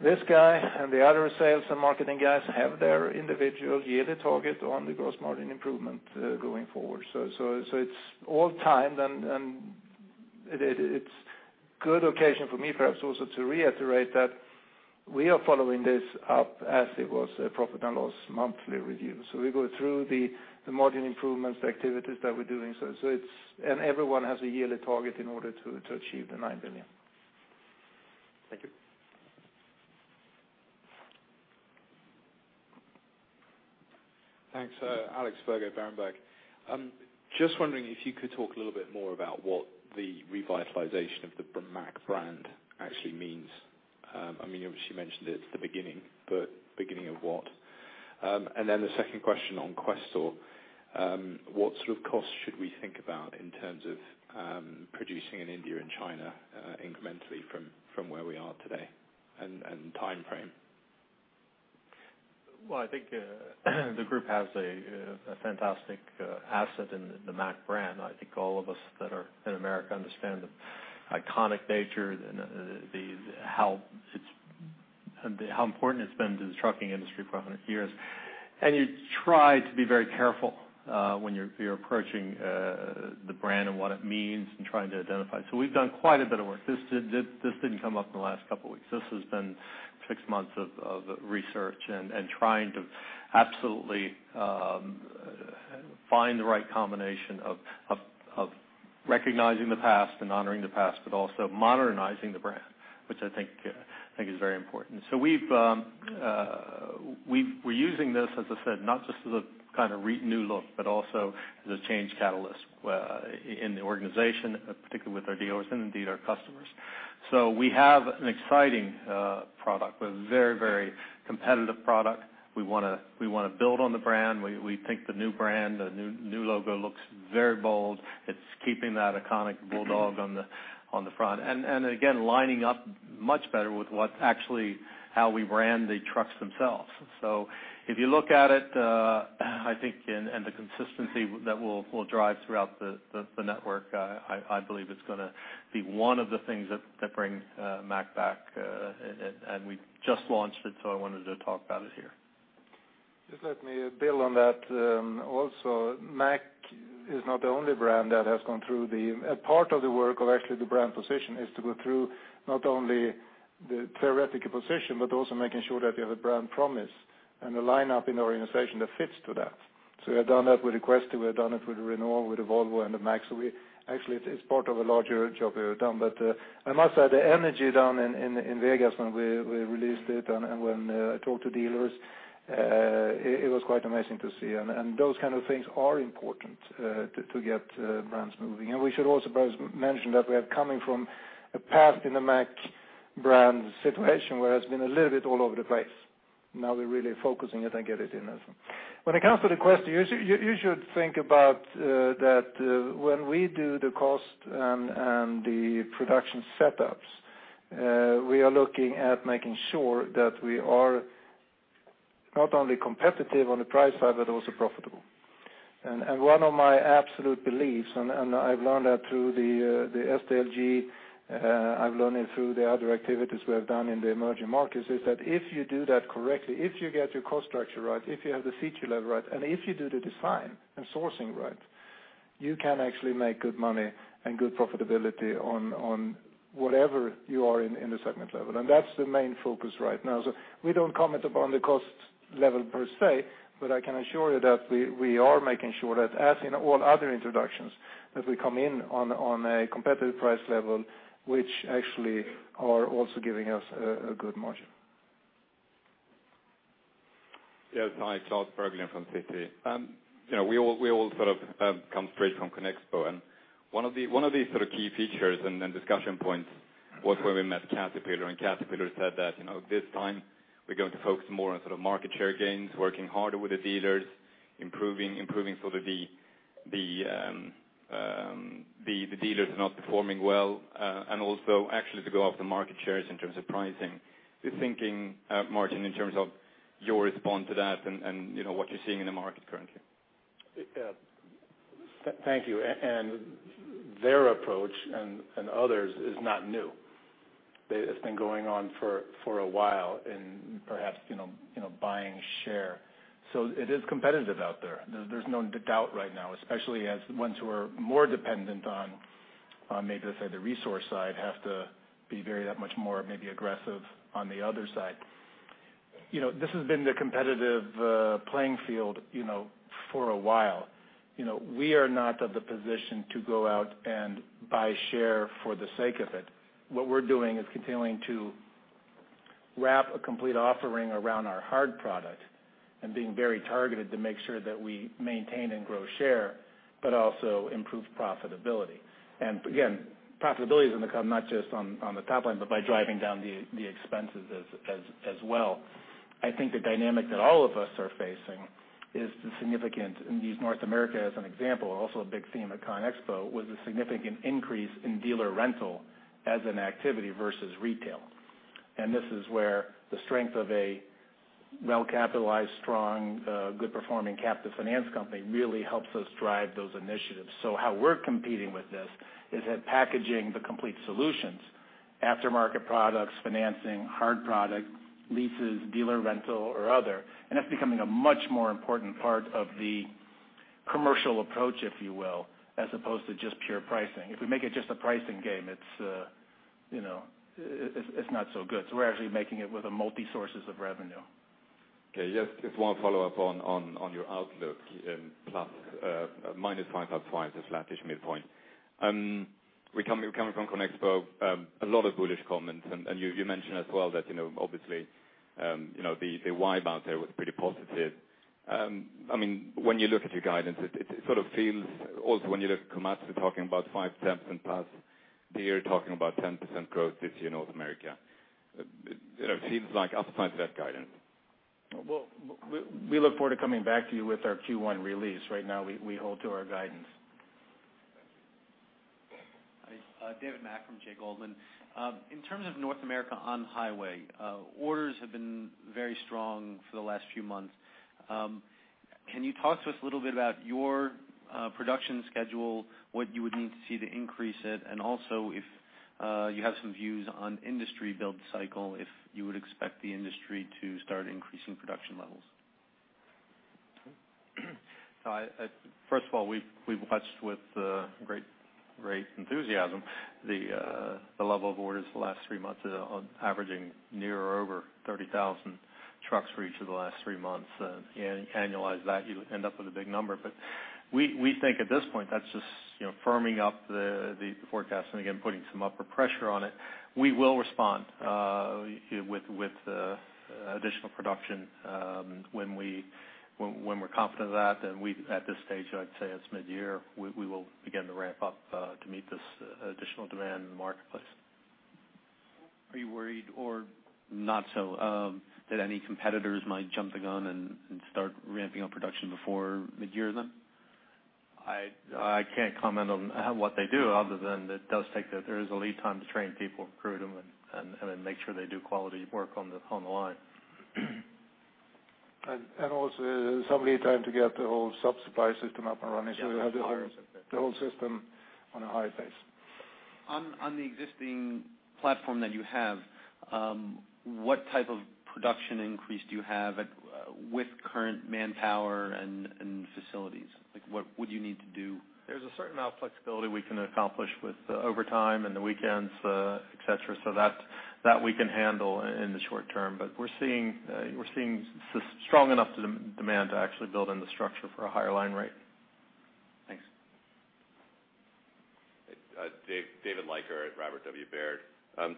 this guy and the other sales and marketing guys have their individual yearly target on the gross margin improvement going forward. It's all timed, it's good occasion for me perhaps also to reiterate that we are following this up as it was a profit and loss monthly review. We go through the margin improvements activities that we're doing. Everyone has a yearly target in order to achieve the 9 billion.
Thank you.
Thanks. Alexander Virgo, Berenberg. Just wondering if you could talk a little bit more about what the revitalization of the Mack brand actually means. You obviously mentioned it at the beginning, but beginning of what? The second question on Quester. What sort of costs should we think about in terms of producing in India and China incrementally from where we are today and timeframe?
Well, I think the group has a fantastic asset in the Mack brand. I think all of us that are in America understand the iconic nature and how important it's been to the trucking industry for 100 years. You try to be very careful when you're approaching the brand and what it means and trying to identify. We've done quite a bit of work. This didn't come up in the last couple of weeks. This has been six months of research and trying to absolutely find the right combination of recognizing the past and honoring the past, also modernizing the brand, which I think is very important. We're using this, as I said, not just as a kind of new look, but also as a change catalyst in the organization, particularly with our dealers and indeed our customers. We have an exciting product, a very competitive product. We want to build on the brand. We think the new brand, the new logo looks very bold. It's keeping that iconic bulldog on the front. Again, lining up much better with what actually how we brand the trucks themselves. If you look at it, I think, and the consistency that we'll drive throughout the network, I believe it's going to be one of the things that bring Mack back, and we just launched it, so I wanted to talk about it here.
Just let me build on that. Also, Mack is not the only brand that has gone through. A part of the work of actually the brand position is to go through not only the theoretical position, but also making sure that we have a brand promise and a lineup in the organization that fits to that. We have done that with Quester, we have done it with Renault, with Volvo and the Mack. Actually, it's part of a larger job we have done. I must say, the energy down in Vegas when we released it and when I talked to dealers, it was quite amazing to see. Those kind of things are important, to get brands moving. We should also mention that we are coming from a past in the Mack brand situation, where it's been a little bit all over the place. Now we're really focusing it and get it in. When it comes to the Quester, you should think about that when we do the cost and the production setups, we are looking at making sure that we are not only competitive on the price side, but also profitable. One of my absolute beliefs, and I've learned that through the SDLG, I've learned it through the other activities we have done in the emerging markets, is that if you do that correctly, if you get your cost structure right, if you have the feature level right, and if you do the design and sourcing right, you can actually make good money and good profitability on whatever you are in the segment level. That's the main focus right now. We don't comment upon the cost level per se, I can assure you that we are making sure that as in all other introductions, that we come in on a competitive price level, which actually are also giving us a good margin.
Yes. Hi, Klas Bergelind from Citi. We all sort of come straight from ConExpo, one of the sort of key features and discussion points was when we met Caterpillar said that this time we're going to focus more on sort of market share gains, working harder with the dealers, improving sort of the dealers not performing well. Also actually to go after market shares in terms of pricing. The thinking, Martin, in terms of your respond to that and what you're seeing in the market currently.
Thank you. Their approach, and others, is not new. It's been going on for a while in perhaps buying share. It is competitive out there. There's no doubt right now, especially as ones who are more dependent on maybe let's say the resource side, have to be very that much more maybe aggressive on the other side. This has been the competitive playing field for a while. We are not of the position to go out and buy share for the sake of it. What we're doing is continuing to wrap a complete offering around our hard product and being very targeted to make sure that we maintain and grow share, but also improve profitability. Again, profitability is going to come not just on the top line, but by driving down the expenses as well. I think the dynamic that all of us are facing is the significant, and use North America as an example, also a big theme at ConExpo, was the significant increase in dealer rental as an activity versus retail. This is where the strength of a well-capitalized, strong, good performing captive finance company really helps us drive those initiatives. How we're competing with this is that packaging the complete solutions, aftermarket products, financing, hard product, leases, dealer rental or other. That's becoming a much more important part of the commercial approach, if you will, as opposed to just pure pricing. If we make it just a pricing game, it's not so good. We're actually making it with a multi sources of revenue.
Okay. Just one follow-up on your outlook, ±5%, +5%, the flattish midpoint. We're coming from ConExpo, a lot of bullish comments, you mentioned as well that obviously, the why bounce there was pretty positive. When you look at your guidance, it sort of feels also when you look at Komatsu talking about 5% and plus Deere talking about 10% growth this year in North America, it seems like upside to that guidance.
We look forward to coming back to you with our Q1 release. Right now, we hold to our guidance.
Thank you.
David Mack from J. Goldman. In terms of North America on highway, orders have been very strong for the last few months. Can you talk to us a little bit about your production schedule, what you would need to see to increase it, and also if you have some views on industry build cycle, if you would expect the industry to start increasing production levels?
First of all, we watched with great enthusiasm the level of orders the last three months on averaging near or over 30,000 trucks for each of the last three months. Annualize that, you end up with a big number. We think at this point, that's just firming up the forecast and again, putting some upward pressure on it. We will respond with additional production when we're confident of that. At this stage, I'd say it's mid-year, we will begin to ramp up to meet this additional demand in the marketplace.
Are you worried or not so, that any competitors might jump the gun and start ramping up production before mid-year then?
I can't comment on what they do other than There is a lead time to train people, recruit them, and then make sure they do quality work on the line.
Also some lead time to get the whole sub-supply system up and running.
Yes, the whole system.
The whole system on a high pace.
On the existing platform that you have, what type of production increase do you have with current manpower and facilities? What would you need to do?
There's a certain amount of flexibility we can accomplish with overtime and the weekends, et cetera, so that we can handle in the short term. We're seeing strong enough demand to actually build in the structure for a higher line rate.
Thanks.
David Leiker at Robert W. Baird.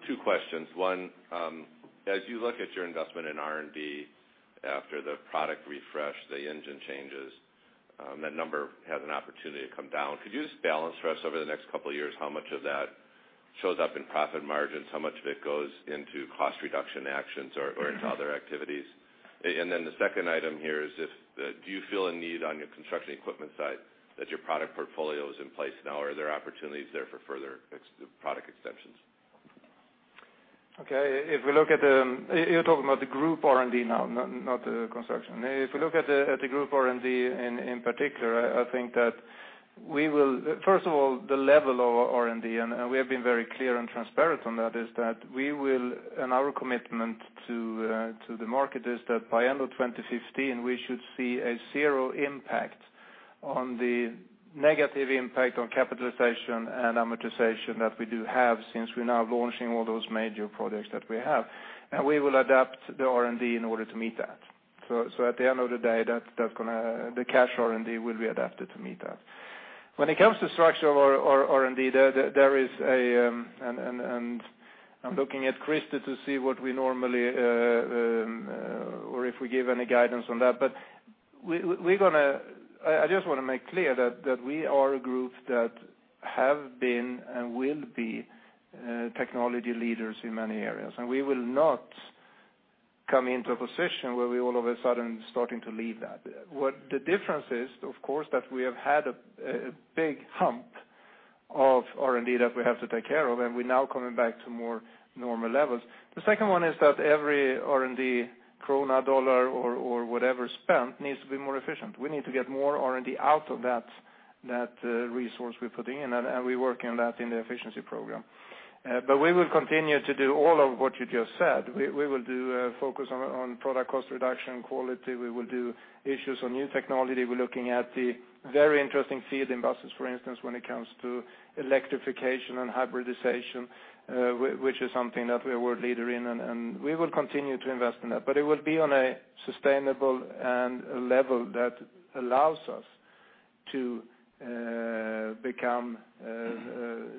Two questions. One, as you look at your investment in R&D after the product refresh, the engine changes, that number has an opportunity to come down. Could you just balance for us over the next couple of years how much of that shows up in profit margins, how much of it goes into cost reduction actions or into other activities? The second item here is, do you feel a need on your construction equipment side that your product portfolio is in place now, or are there opportunities there for further product extensions?
You're talking about the group R&D now, not the construction. If we look at the group R&D in particular, I think that first of all, the level of R&D, and we have been very clear and transparent on that, is that our commitment to the market is that by end of 2015, we should see a zero impact on the negative impact on capitalization and amortization that we do have since we're now launching all those major products that we have. We will adapt the R&D in order to meet that. At the end of the day, the cash R&D will be adapted to meet that. When it comes to structure of our R&D, I'm looking at Christer to see or if we give any guidance on that. I just want to make clear that we are a group that have been and will be technology leaders in many areas. We will not come into a position where we all of a sudden starting to leave that. What the difference is, of course, that we have had a big hump of R&D that we have to take care of, and we're now coming back to more normal levels. The second one is that every R&D, krona, dollar, or whatever spent needs to be more efficient. We need to get more R&D out of that resource we're putting in, and we work in that in the efficiency program. We will continue to do all of what you just said. We will do a focus on product cost reduction, quality. We will do issues on new technology. We're looking at the very interesting field in buses, for instance, when it comes to electrification and hybridization, which is something that we are a world leader in, and we will continue to invest in that. It will be on a sustainable and a level that allows us to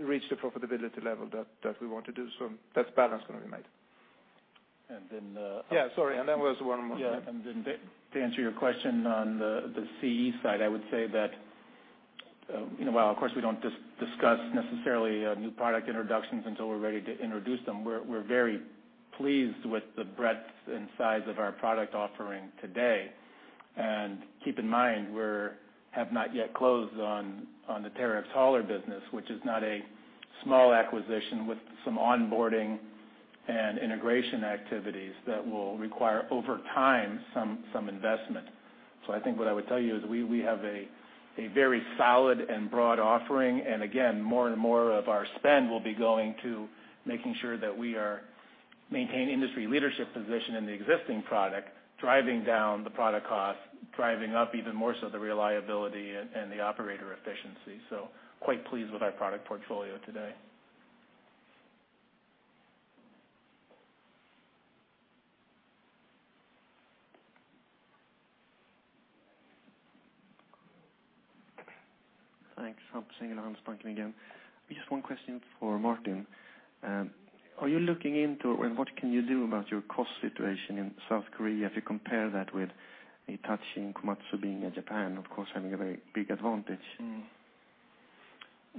reach the profitability level that we want to do. That balance is going to be made.
And then-
Yeah, sorry. There was one more.
Yeah. To answer your question on the CE side, I would say that, of course, we don't discuss necessarily new product introductions until we're ready to introduce them. We're very pleased with the breadth and size of our product offering today. Keep in mind, we have not yet closed on the Terex Hauler business, which is not a small acquisition with some onboarding and integration activities that will require over time some investment. I think what I would tell you is we have a very solid and broad offering, and again, more and more of our spend will be going to making sure that we are maintaining industry leadership position in the existing product, driving down the product cost, driving up even more so the reliability and the operator efficiency. Quite pleased with our product portfolio today.
Thanks. Hans Engler again. Just one question for Martin. Are you looking into, and what can you do about your cost situation in South Korea if you compare that with Hitachi and Komatsu being in Japan, of course, having a very big advantage?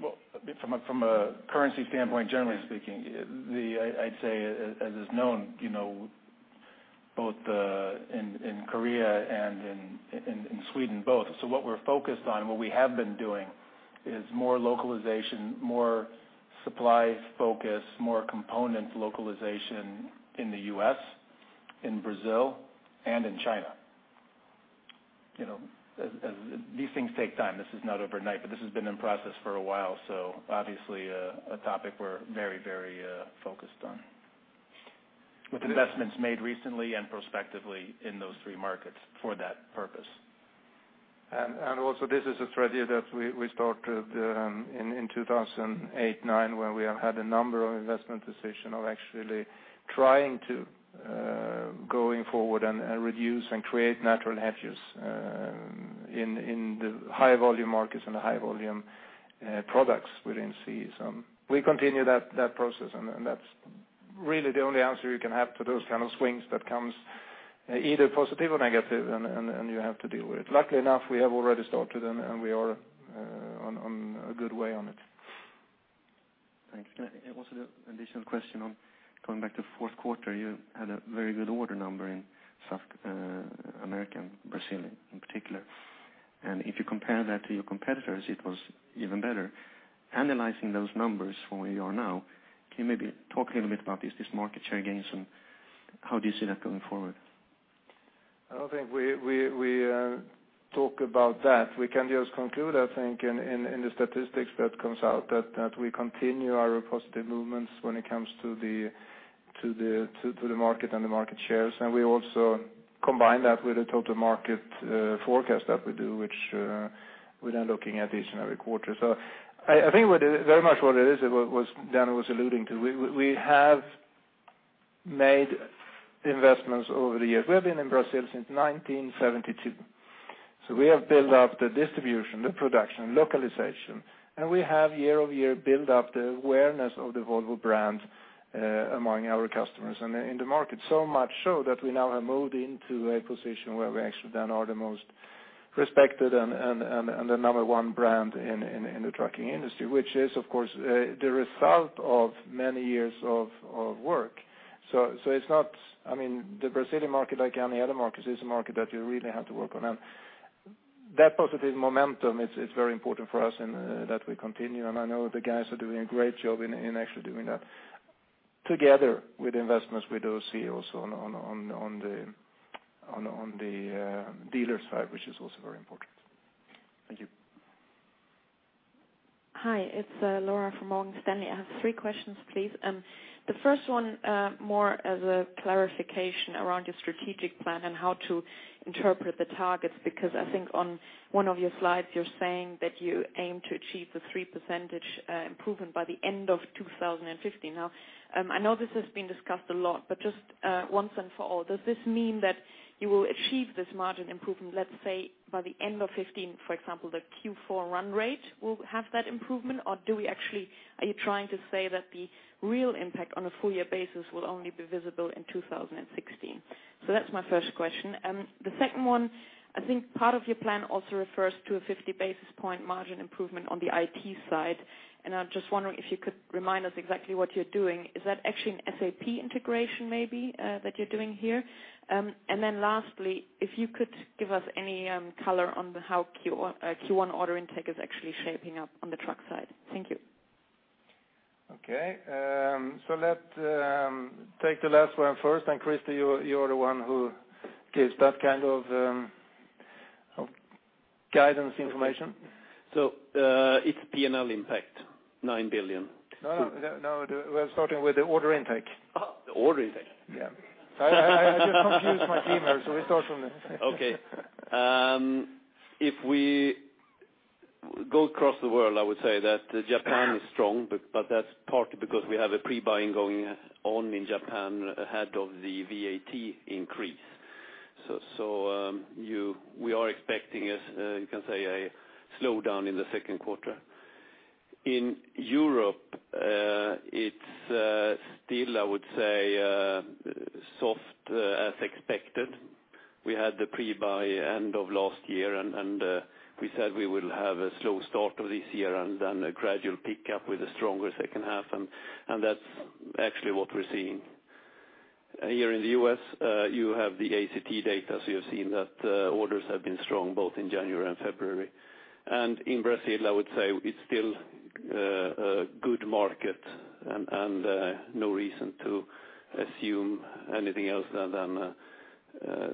Well, from a currency standpoint, generally speaking, I'd say as is known, both in Korea and in Sweden both. What we're focused on, what we have been doing is more localization, more supply focus, more component localization in the U.S., in Brazil, and in China. These things take time. This is not overnight, but this has been in process for a while. Obviously a topic we're very focused on. With investments made recently and prospectively in those three markets for that purpose.
Also, this is a strategy that we started in 2008, 2009, where we have had a number of investment decision of actually trying to going forward and reduce and create natural hedges in the high volume markets and the high volume products we didn't see some. We continue that process, and that's really the only answer you can have to those kind of swings that comes either positive or negative, and you have to deal with it. Luckily enough, we have already started and we are on a good way on it.
Thanks. Also the additional question on going back to fourth quarter, you had a very good order number in South America and Brazil in particular. If you compare that to your competitors, it was even better. Analyzing those numbers from where you are now, can you maybe talk a little bit about this market share gains and how do you see that going forward?
I don't think we talk about that. We can just conclude, I think, in the statistics that comes out, that we continue our positive movements when it comes to the market and the market shares. We also combine that with the total market forecast that we do, which we're now looking at each and every quarter. I think very much what it is, what Dennis was alluding to, we have made investments over the years. We have been in Brazil since 1972. We have built up the distribution, the production, localization, and we have year-over-year built up the awareness of the Volvo brand among our customers and in the market. Much so that we now have moved into a position where we actually then are the most respected and the number 1 brand in the trucking industry, which is, of course, the result of many years of work. The Brazilian market, like any other market, is a market that you really have to work on. That positive momentum, it's very important for us and that we continue, and I know the guys are doing a great job in actually doing that together with the investments we do see also on the dealer side, which is also very important.
Thank you.
Hi, it's Laura from Morgan Stanley. I have three questions, please. The first one, more as a clarification around your strategic plan and how to interpret the targets, because I think on one of your slides, you're saying that you aim to achieve the 3 percentage improvement by the end of 2015. Now, I know this has been discussed a lot, but just once and for all, does this mean that you will achieve this margin improvement, let's say, by the end of 2015, for example, the Q4 run rate will have that improvement? Or are you trying to say that the real impact on a full year basis will only be visible in 2016? That's my first question. The second one, I think part of your plan also refers to a 50 basis point margin improvement on the IT side, and I'm just wondering if you could remind us exactly what you're doing. Is that actually an SAP integration maybe that you're doing here? Then lastly, if you could give us any color on how Q1 order intake is actually shaping up on the truck side. Thank you.
Okay. Let take the last one first. Christer, you are the one who gives that kind of guidance information.
It's P&L impact, 9 billion.
No, we're starting with the order intake.
Oh, the order intake.
Yeah. I just confused my team here, so we start from there.
Okay. If we go across the world, I would say that Japan is strong, but that's partly because we have a pre-buying going on in Japan ahead of the VAT increase. We are expecting, you can say, a slowdown in the second quarter. In Europe, it's still, I would say, soft as expected. We had the pre-buy end of last year. We said we will have a slow start of this year and then a gradual pickup with a stronger second half, and that's actually what we're seeing. Here in the U.S., you have the ACT data. You have seen that orders have been strong both in January and February. In Brazil, I would say it's still a good market and no reason to assume anything else other than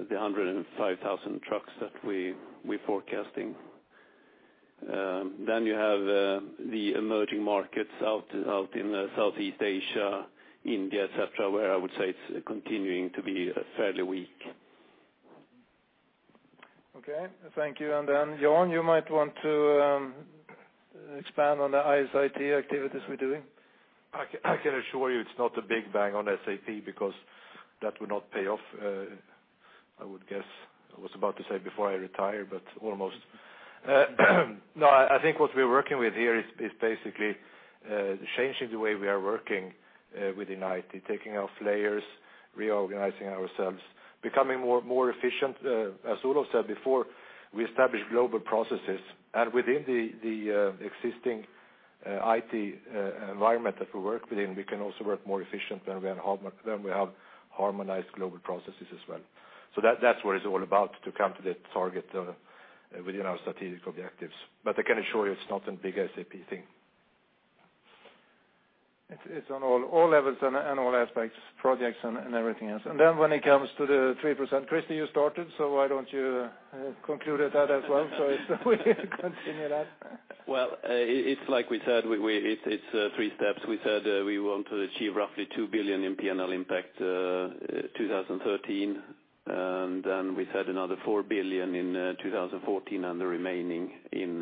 the 105,000 trucks that we're forecasting. You have the emerging markets out in Southeast Asia, India, et cetera, where I would say it's continuing to be fairly weak.
Okay. Thank you. Jan, you might want to expand on the IS/IT activities we're doing.
I can assure you it's not a big bang on SAP, because that would not pay off, I would guess I was about to say before I retire, but almost. I think what we're working with here is basically changing the way we are working within IT, taking off layers, reorganizing ourselves, becoming more efficient. As Olof said before, we establish global processes. Within the existing IT environment that we work within, we can also work more efficient when we have harmonized global processes as well. That's what it's all about to come to that target within our strategic objectives. I can assure you, it's not a big SAP thing.
It's on all levels and all aspects, projects and everything else. When it comes to the 3%, Christer, you started, why don't you conclude at that as well? If we continue that.
It's like we said, it's 3 steps. We said we want to achieve roughly 2 billion in P&L impact 2013. We said another 4 billion in 2014 and the remaining in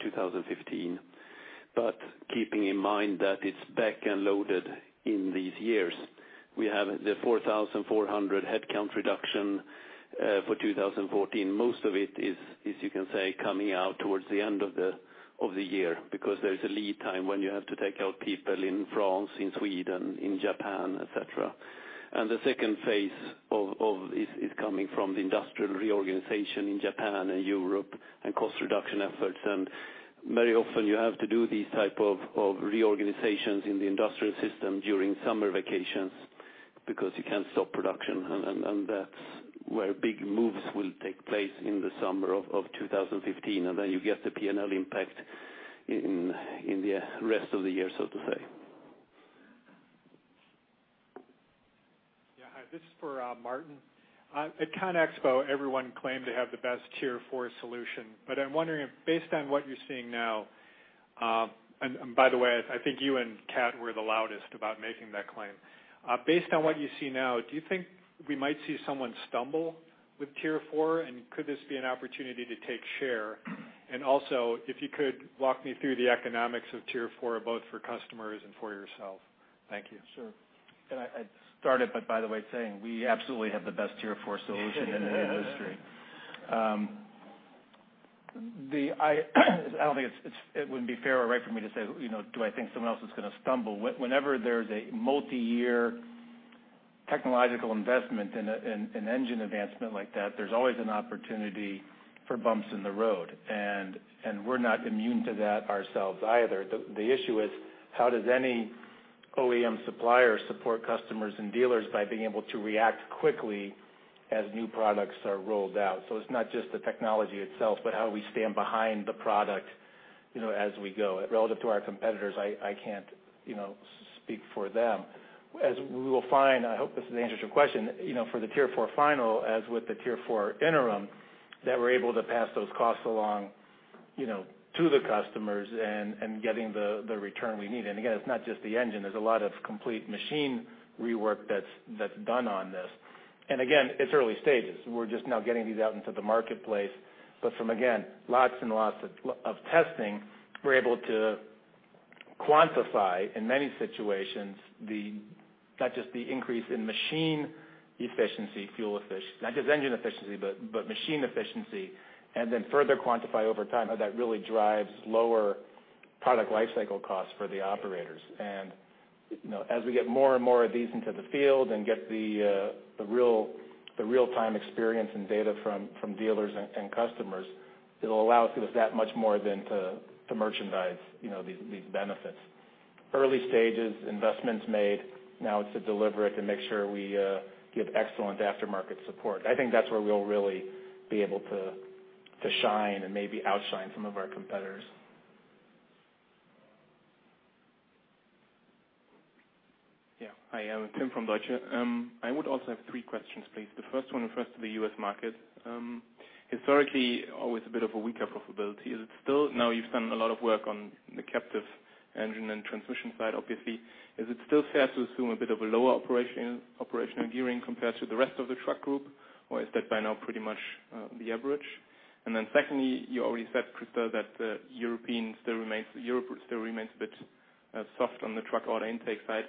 2015. Keeping in mind that it's back-end loaded in these years. We have the 4,400 headcount reduction for 2014. Most of it is, you can say, coming out towards the end of the year because there's a lead time when you have to take out people in France, in Sweden, in Japan, et cetera. The 2nd phase is coming from the industrial reorganization in Japan and Europe and cost reduction efforts. Very often you have to do these type of reorganizations in the industrial system during summer vacations because you can't stop production, that's where big moves will take place in the summer of 2015. You get the P&L impact in the rest of the year, so to say.
Yeah. Hi, this is for Martin. At ConExpo, everyone claimed to have the best Tier 4 solution. I'm wondering if, based on what you're seeing now, and by the way, I think you and Cat were the loudest about making that claim. Based on what you see now, do you think we might see someone stumble with Tier 4? Could this be an opportunity to take share? Also, if you could walk me through the economics of Tier 4, both for customers and for yourself. Thank you.
Sure. Can I start it by the way, saying we absolutely have the best Tier 4 solution in the industry. I don't think it's fair or right for me to say, do I think someone else is going to stumble? Whenever there's a multi-year technological investment in an engine advancement like that, there's always an opportunity for bumps in the road. We're not immune to that ourselves either. The issue is how does any OEM supplier support customers and dealers by being able to react quickly as new products are rolled out. It's not just the technology itself, but how we stand behind the product as we go. Relative to our competitors, I can't speak for them. As we will find, I hope this answers your question, for the Tier 4 Final, as with the Tier 4 Interim, that we're able to pass those costs along to the customers and getting the return we need. Again, it's not just the engine. There's a lot of complete machine rework that's done on this. Again, it's early stages. We're just now getting these out into the marketplace. From, again, lots and lots of testing, we're able to quantify, in many situations, not just the increase in machine efficiency, fuel efficiency, not just engine efficiency, but machine efficiency, and then further quantify over time how that really drives lower product life cycle costs for the operators. As we get more and more of these into the field and get the real-time experience and data from dealers and customers, it'll allow us that much more then to merchandise these benefits. Early stages, investments made. Now it's to deliver it and make sure we give excellent aftermarket support. I think that's where we'll really be able to shine and maybe outshine some of our competitors.
Yeah. Hi, Tim from Deutsche Bank. I would also have three questions, please. The first one refers to the U.S. market. Historically, always a bit of a weaker profitability. Is it still, now you've done a lot of work on the captive engine and transmission side, obviously. Is it still fair to assume a bit of a lower operational gearing compared to the rest of the truck group, or is that by now pretty much the average? Secondly, you already said, Christer, that Europe still remains a bit soft on the truck order intake side.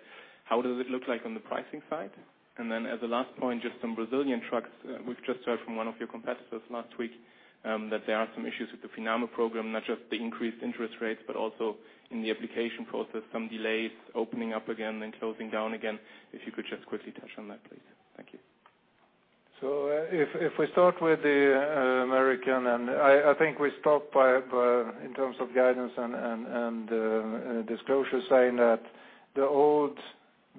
How does it look like on the pricing side? As a last point, just on Brazilian trucks, we have just heard from one of your competitors last week that there are some issues with the FINAME program, not just the increased interest rates, but also in the application process, some delays opening up again and closing down again. If you could just quickly touch on that, please. Thank you.
If we start with the American, and I think we stopped in terms of guidance and disclosure, saying that the old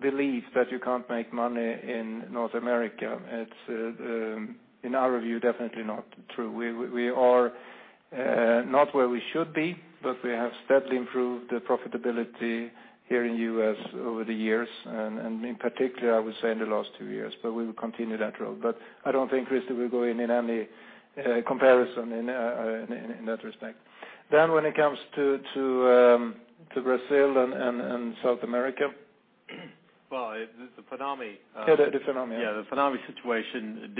belief that you cannot make money in North America, it is, in our view, definitely not true. We are not where we should be, but we have steadily improved the profitability here in the U.S. over the years, and in particular, I would say in the last two years, but we will continue that road. I do not think, Christer, we go in any comparison in that respect. When it comes to Brazil and South America.
The FINAME-
The FINAME.
Yeah, the FINAME situation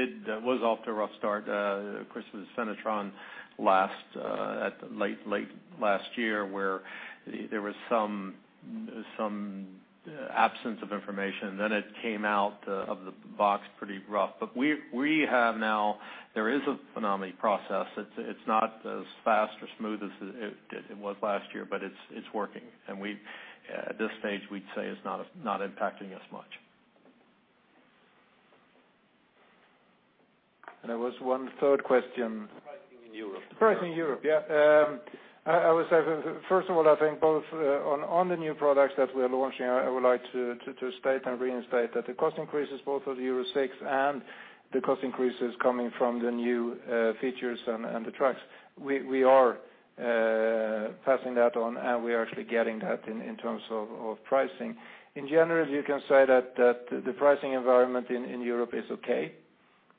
was off to a rough start. Of course, it was Denatran late last year where there was some absence of information, then it came out of the box pretty rough. There is a FINAME process. It's not as fast or smooth as it was last year, but it's working. At this stage, we'd say it's not impacting us much.
There was one third question.
Pricing in Europe.
Pricing in Europe. Yeah. I would say, first of all, I think both on the new products that we are launching, I would like to state and reinstate that the cost increases both of the Euro 6 and the cost increases coming from the new features and the trucks. We are passing that on, we are actually getting that in terms of pricing. In general, you can say that the pricing environment in Europe is okay.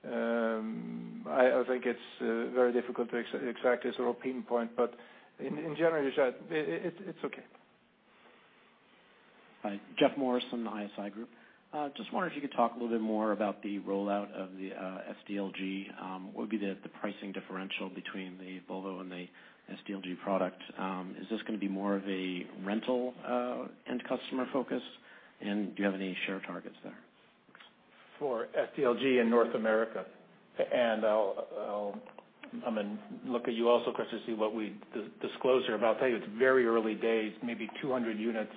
I think it's very difficult to exactly sort of pinpoint, but in general, it's okay.
Hi. Jeff Morris from the ISI Group. Just wonder if you could talk a little bit more about the rollout of the SDLG. What would be the pricing differential between the Volvo and the SDLG product? Is this going to be more of a rental end customer focus, and do you have any share targets there?
I'll look at you also, Christer, to see what we disclose here, but I'll tell you, it's very early days, maybe 200 units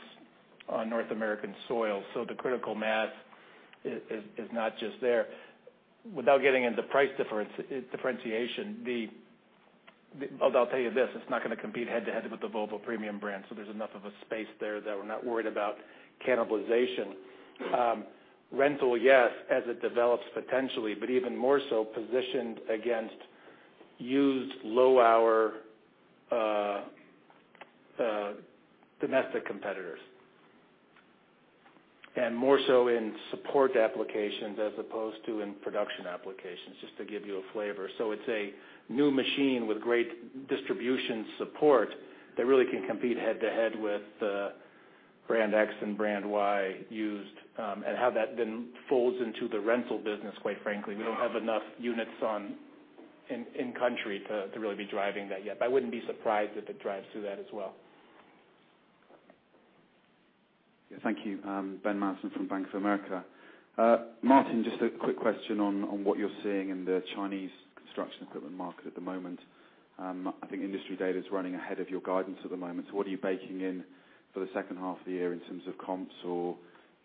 on North American soil. The critical mass is not just there. Without getting into price differentiation, although I'll tell you this, it's not going to compete head to head with the Volvo premium brand. There's enough of a space there that we're not worried about cannibalization. Rental, yes, as it develops potentially, but even more so positioned against Used low-hour domestic competitors. More so in support applications as opposed to in production applications, just to give you a flavor. It's a new machine with great distribution support that really can compete head-to-head with brand X and brand Y used, and how that then folds into the rental business, quite frankly. We don't have enough units in the country to really be driving that yet. I wouldn't be surprised if it drives through that as well.
Thank you. Benjamin Maslen from Bank of America. Martin, just a quick question on what you're seeing in the Chinese construction equipment market at the moment. I think industry data's running ahead of your guidance at the moment. What are you baking in for the second half of the year in terms of comps or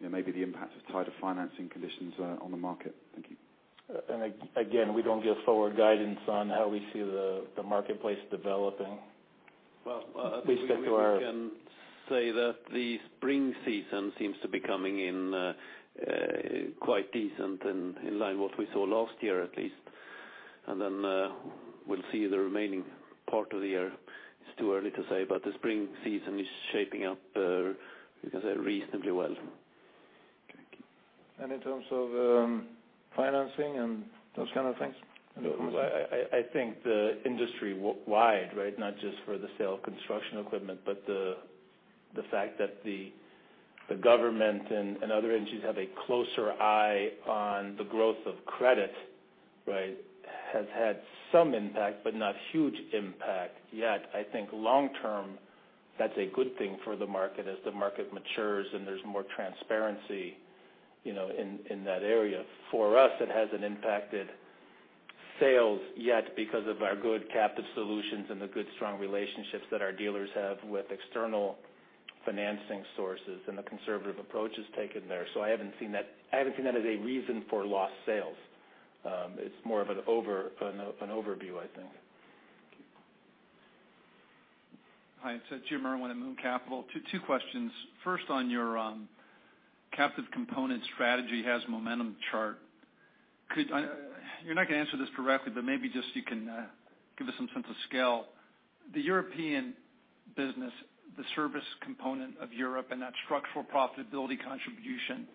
maybe the impact of tighter financing conditions on the market? Thank you.
Again, we don't give forward guidance on how we see the marketplace developing.
Well, I think we can say that the spring season seems to be coming in quite decent, in line what we saw last year, at least. We'll see the remaining part of the year. It's too early to say, the spring season is shaping up, you can say, reasonably well.
Thank you.
In terms of financing and those kind of things?
I think the industry wide, right? Not just for the sale of construction equipment, but the fact that the government and other entities have a closer eye on the growth of credit has had some impact, but not huge impact yet. I think long term, that's a good thing for the market as the market matures and there's more transparency in that area. For us, it hasn't impacted sales yet because of our good captive solutions and the good, strong relationships that our dealers have with external financing sources, and the conservative approaches taken there. I haven't seen that as a reason for lost sales. It's more of an overview, I think.
Thank you.
Hi, it's Jim Irwin at Moon Capital. Two questions. First, on your captive component strategy has momentum chart. You're not going to answer this directly, but maybe just you can give us some sense of scale. The European business, the service component of Europe and that structural profitability contribution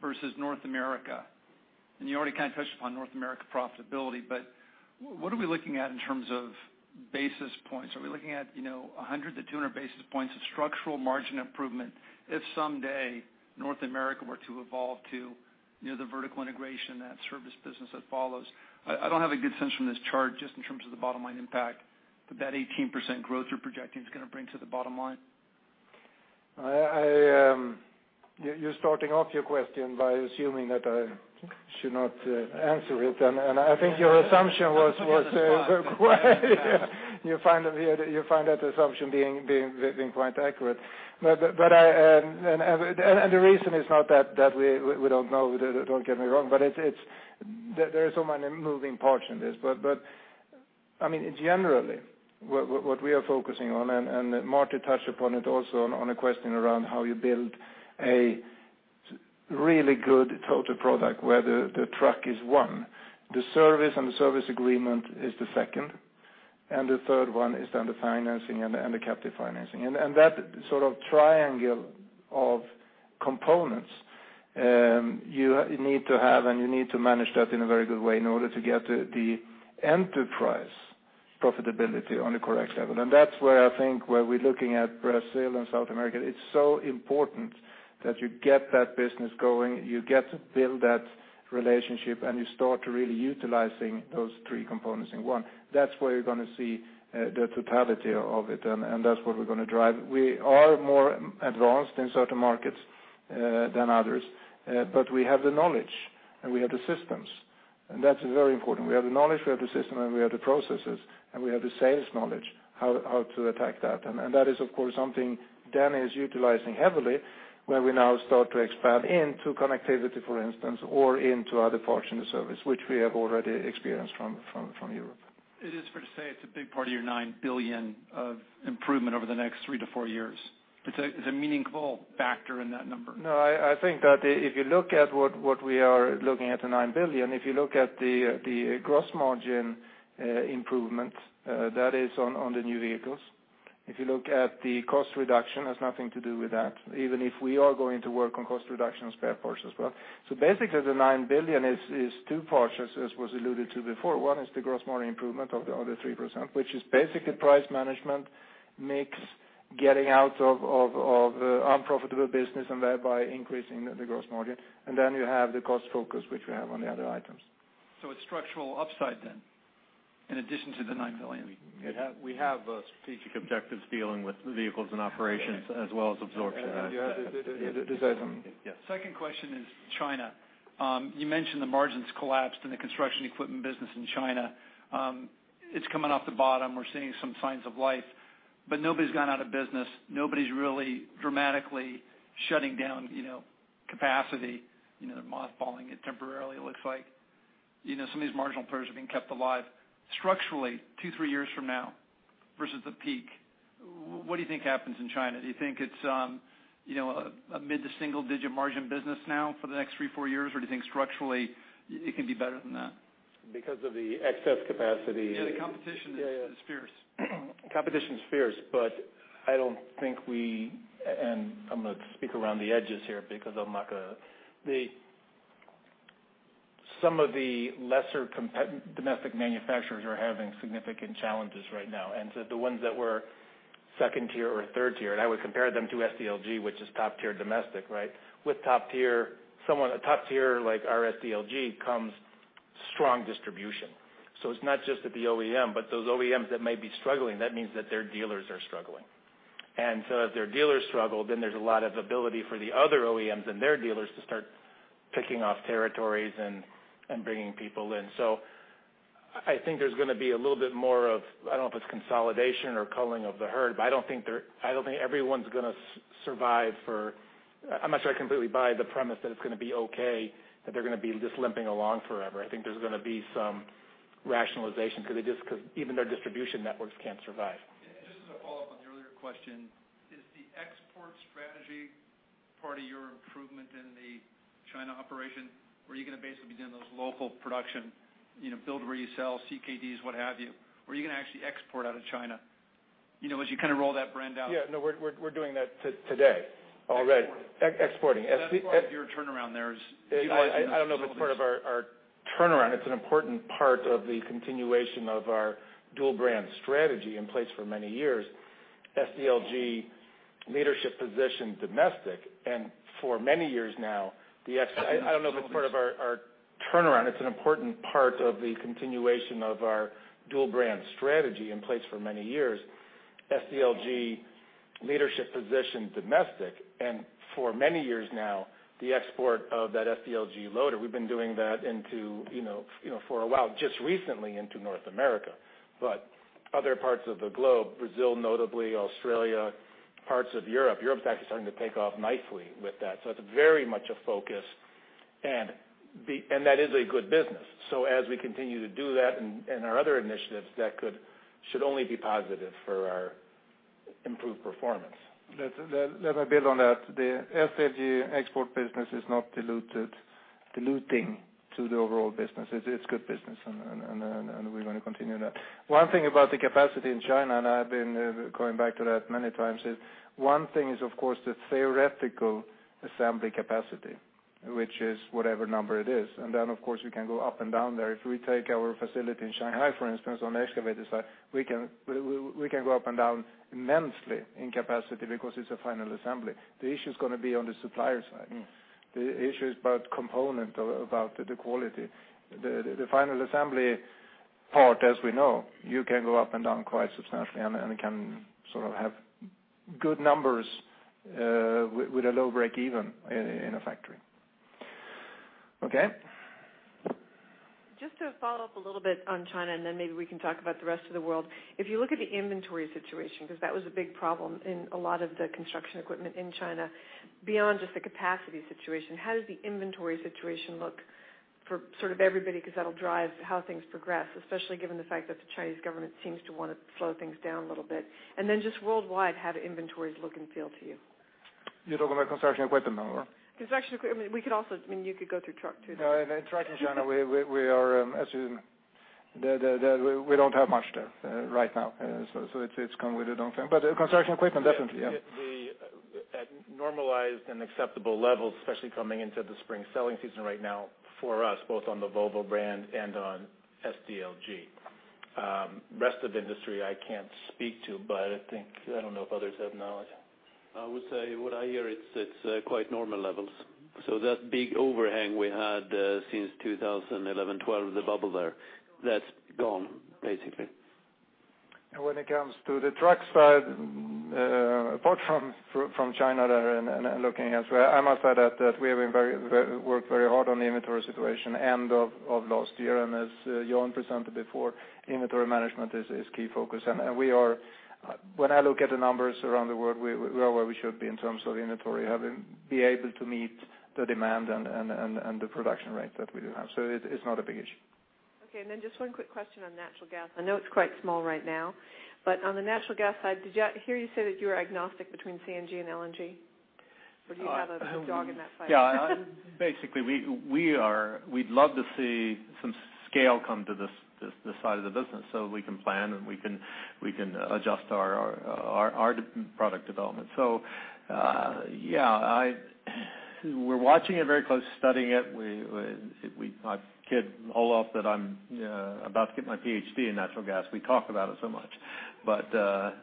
versus North America, and you already kind of touched upon North America profitability, but what are we looking at in terms of basis points? Are we looking at 100-200 basis points of structural margin improvement if someday North America were to evolve to near the vertical integration, that service business that follows? I don't have a good sense from this chart, just in terms of the bottom line impact, but that 18% growth you're projecting is going to bring to the bottom line.
You're starting off your question by assuming that I should not answer it. I think your assumption was quite. You find that assumption being quite accurate. The reason is not that we don't know, don't get me wrong, but there are so many moving parts in this. Generally, what we are focusing on, and Martin touched upon it also on a question around how you build a really good total product where the truck is one, the service and the service agreement is the second, and the third one is then the financing and the captive financing. That sort of triangle of components, you need to have and you need to manage that in a very good way in order to get the enterprise profitability on the correct level. That's where I think where we're looking at Brazil and South America, it's so important that you get that business going, you get to build that relationship, and you start really utilizing those three components in one. That's where you're going to see the totality of it, and that's what we're going to drive. We are more advanced in certain markets than others, but we have the knowledge and we have the systems. That is very important. We have the knowledge, we have the system, and we have the processes, and we have the sales knowledge, how to attack that. That is, of course, something Dan is utilizing heavily, where we now start to expand into connectivity, for instance, or into other parts in the service, which we have already experienced from Europe.
It is fair to say it's a big part of your 9 billion of improvement over the next three to four years. It's a meaningful factor in that number.
I think that if you look at what we are looking at, the 9 billion, if you look at the gross margin improvement, that is on the new vehicles. If you look at the cost reduction, has nothing to do with that, even if we are going to work on cost reduction spare parts as well. Basically, the 9 billion is two parts, as was alluded to before. One is the gross margin improvement of the other 3%, which is basically price management, mix, getting out of unprofitable business, and thereby increasing the gross margin. Then you have the cost focus, which we have on the other items.
It's structural upside then, in addition to the 9 billion.
We have strategic objectives dealing with vehicles and operations as well as absorption.
You have the design from it.
Yes.
Second question is China. You mentioned the margins collapsed in the Construction Equipment business in China. It's coming off the bottom. We're seeing some signs of life, but nobody's gone out of business. Nobody's really dramatically shutting down capacity. They're mothballing it temporarily, it looks like. Some of these marginal players are being kept alive. Structurally, two, three years from now versus the peak. What do you think happens in China? Do you think it's a mid to single-digit margin business now for the next three, four years, or do you think structurally it can be better than that?
Because of the excess capacity-
Yeah, the competition is fierce.
Competition's fierce. I'm going to speak around the edges here, because I'm not going to. Some of the lesser domestic manufacturers are having significant challenges right now. The ones that were second tier or third tier, and I would compare them to SDLG, which is top tier domestic. With top tier like our SDLG comes strong distribution. It's not just at the OEM, but those OEMs that may be struggling, that means that their dealers are struggling. As their dealers struggle, then there's a lot of ability for the other OEMs and their dealers to start picking off territories and bringing people in. I think there's going to be a little bit more of, I don't know if it's consolidation or culling of the herd, but I don't think everyone's going to survive for I'm not sure I completely buy the premise that it's going to be okay, that they're going to be just limping along forever. I think there's going to be some rationalization because even their distribution networks can't survive.
Just as a follow-up on your earlier question, is the export strategy part of your improvement in the China operation? Are you going to basically be doing those local production, build where you sell CKD, what have you? Are you going to actually export out of China, as you kind of roll that brand out?
Yeah, no, we're doing that today already.
Exporting.
Exporting.
That part of your turnaround there is utilizing those facilities.
I don't know if it's part of our turnaround. It's an important part of the continuation of our dual brand strategy in place for many years. SDLG leadership position domestic, and for many years now, the export of that SDLG loader, we've been doing that for a while, just recently into North America. Other parts of the globe, Brazil notably, Australia, parts of Europe. Europe, in fact, is starting to take off nicely with that. It's very much a focus and that is a good business. As we continue to do that and our other initiatives, that should only be positive for our improved performance.
Let me build on that. The SDLG export business is not diluting to the overall business. It's good business, and we're going to continue that. One thing about the capacity in China, and I've been going back to that many times, is one thing is, of course, the theoretical assembly capacity, which is whatever number it is. Then, of course, we can go up and down there. If we take our facility in Shanghai, for instance, on the excavator side, we can go up and down immensely in capacity because it's a final assembly. The issue is going to be on the supplier side. The issue is about component, about the quality. The final assembly part, as we know, you can go up and down quite substantially, and it can sort of have good numbers with a low break even in a factory. Okay?
Just to follow up a little bit on China, and then maybe we can talk about the rest of the world. If you look at the inventory situation, because that was a big problem in a lot of the construction equipment in China. Beyond just the capacity situation, how does the inventory situation look for sort of everybody? Because that'll drive how things progress, especially given the fact that the Chinese government seems to want to slow things down a little bit. Then just worldwide, how do inventories look and feel to you?
You're talking about construction equipment now, or?
Construction equipment. You could go through truck too, though.
No, in trucks in China, we don't have much there right now. It's kind of we don't think. Construction equipment, definitely, yeah.
At normalized and acceptable levels, especially coming into the spring selling season right now, for us, both on the Volvo brand and on SDLG. Rest of industry, I can't speak to, I think, I don't know if others have knowledge. I would say what I hear, it's quite normal levels. That big overhang we had, since 2011, 2012, the bubble there, that's gone, basically.
When it comes to the truck side, apart from China there and looking elsewhere, I must say that we have worked very hard on the inventory situation end of last year. As Jan presented before, inventory management is key focus. When I look at the numbers around the world, we are where we should be in terms of inventory, be able to meet the demand and the production rate that we do have. It's not a big issue.
Okay, just one quick question on natural gas. I know it's quite small right now. On the natural gas side, did I hear you say that you were agnostic between CNG and LNG? Or do you have a dog in that fight?
Yeah. Basically, we'd love to see some scale come to this side of the business so we can plan and we can adjust our product development. Yeah. We're watching it very close, studying it. My kid, Olof, said I'm about to get my PhD in natural gas. We talk about it so much.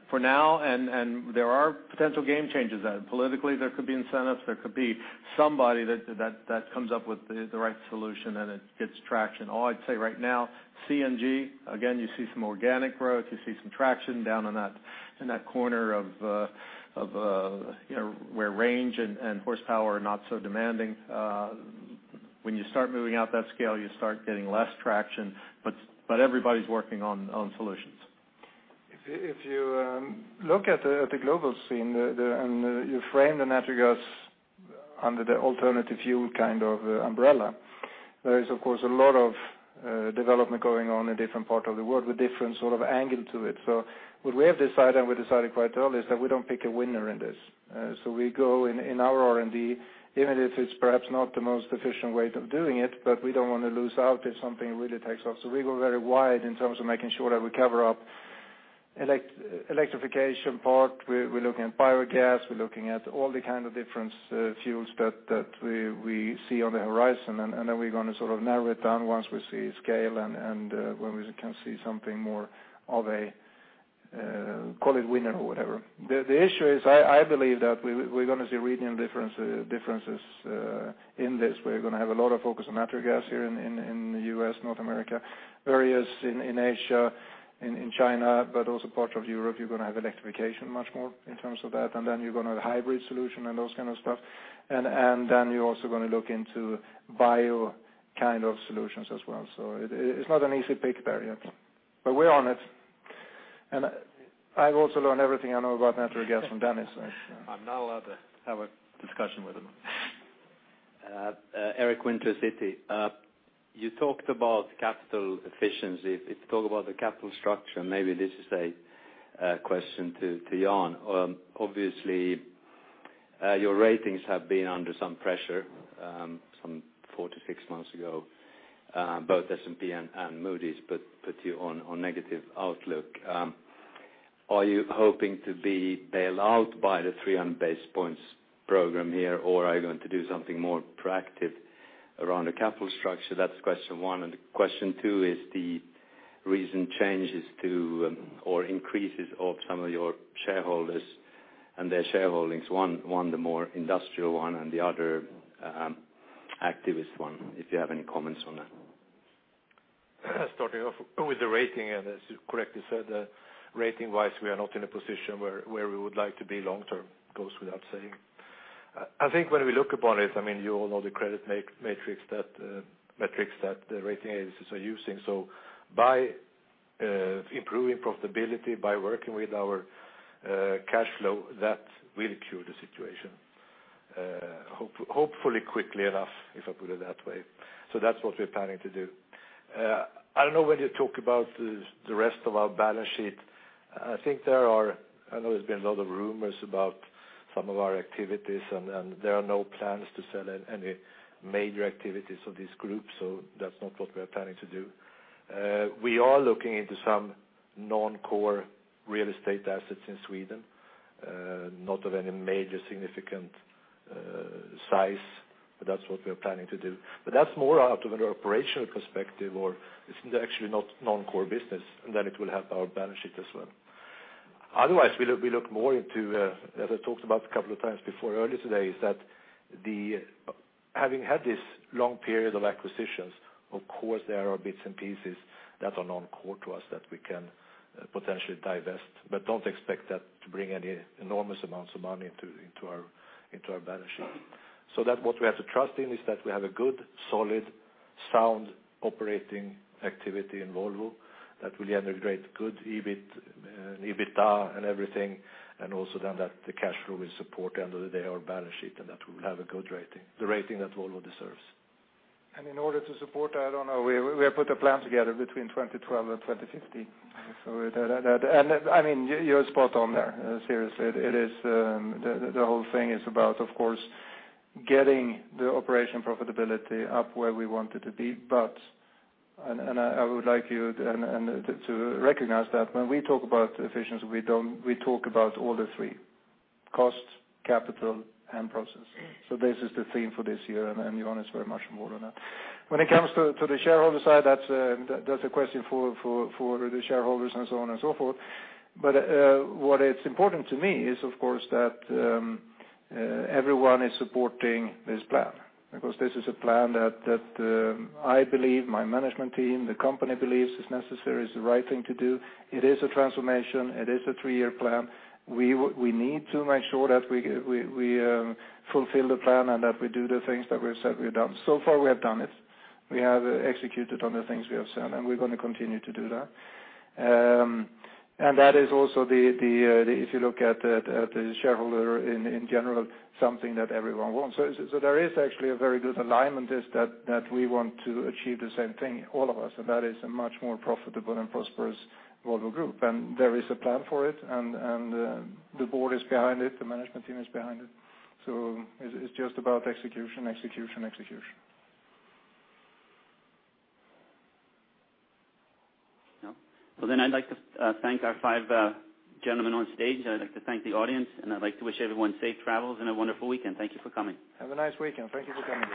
For now, and there are potential game changes. Politically, there could be incentives, there could be somebody that comes up with the right solution and it gets traction. All I'd say right now, CNG, again, you see some organic growth. You see some traction down in that corner of where range and horsepower are not so demanding. When you start moving out that scale, you start getting less traction, everybody's working on solutions.
Look at the global scene you frame the natural gas under the alternative fuel kind of umbrella. There is, of course, a lot of development going on in different parts of the world with different angle to it. What we have decided, and we decided quite early, is that we don't pick a winner in this. We go in our R&D, even if it's perhaps not the most efficient way of doing it, we don't want to lose out if something really takes off. We go very wide in terms of making sure that we cover up electrification part. We're looking at biogas, we're looking at all the kind of different fuels that we see on the horizon, then we're going to narrow it down once we see scale and when we can see something more of a call it winner or whatever. The issue is I believe that we're going to see regional differences in this, where you're going to have a lot of focus on natural gas here in the U.S., North America. Various in Asia, in China, also parts of Europe, you're going to have electrification much more in terms of that. You're going to have hybrid solution and those kind of stuff. You're also going to look into bio kind of solutions as well. It's not an easy pick there yet, we're on it. I've also learned everything I know about natural gas from Dennis.
I'm now allowed to have a discussion with him.
[Eric], Winter City. You talked about capital efficiency. If you talk about the capital structure, maybe this is a question to Jan. Obviously, your ratings have been under some pressure, some four to six months ago, both S&P and Moody's put you on negative outlook. Are you hoping to be bailed out by the 300 basis points program here, or are you going to do something more proactive around the capital structure? That's question one. Question two is the recent changes to or increases of some of your shareholders and their shareholdings, one, the more industrial one and the other activist one. If you have any comments on that.
Starting off with the rating, as you correctly said, rating-wise, we are not in a position where we would like to be long-term, goes without saying. I think when we look upon it, you all know the credit metrics that the rating agencies are using. By improving profitability, by working with our cash flow, that will cure the situation. Hopefully quickly enough, if I put it that way. That's what we're planning to do. I don't know when you talk about the rest of our balance sheet. I know there's been a lot of rumors about some of our activities, there are no plans to sell any major activities of this group, that's not what we are planning to do. We are looking into some non-core real estate assets in Sweden, not of any major significant size, but that's what we're planning to do. That's more out of an operational perspective or it's actually not non-core business, then it will help our balance sheet as well. Otherwise, we look more into, as I talked about a couple of times before earlier today, is that having had this long period of acquisitions, of course, there are bits and pieces that are non-core to us that we can potentially divest, don't expect that to bring any enormous amounts of money into our balance sheet. That what we have to trust in is that we have a good, solid, sound operating activity in Volvo that will generate good EBIT and EBITDA and everything, also then that the cash flow will support end of the day our balance sheet and that we will have a good rating, the rating that Volvo deserves.
In order to support that, I don't know, we have put a plan together between 2012 and 2015. You're spot on there. Seriously, the whole thing is about, of course, getting the operation profitability up where we want it to be. I would like you to recognize that when we talk about efficiency, we talk about all the three: cost, capital, and process. This is the theme for this year, and Jan is very much more on that. When it comes to the shareholder side, that's a question for the shareholders and so on and so forth. What is important to me is, of course, that everyone is supporting this plan because this is a plan that I believe my management team, the company believes is necessary, is the right thing to do. It is a transformation. It is a three-year plan. We need to make sure that we fulfill the plan and that we do the things that we said we've done. So far we have done it. We have executed on the things we have said, and we're going to continue to do that. That is also the, if you look at the shareholder in general, something that everyone wants. There is actually a very good alignment is that we want to achieve the same thing, all of us, and that is a much more profitable and prosperous Volvo Group. There is a plan for it, and the board is behind it, the management team is behind it. It's just about execution.
I'd like to thank our five gentlemen on stage. I'd like to thank the audience, and I'd like to wish everyone safe travels and a wonderful weekend. Thank you for coming.
Have a nice weekend. Thank you for coming.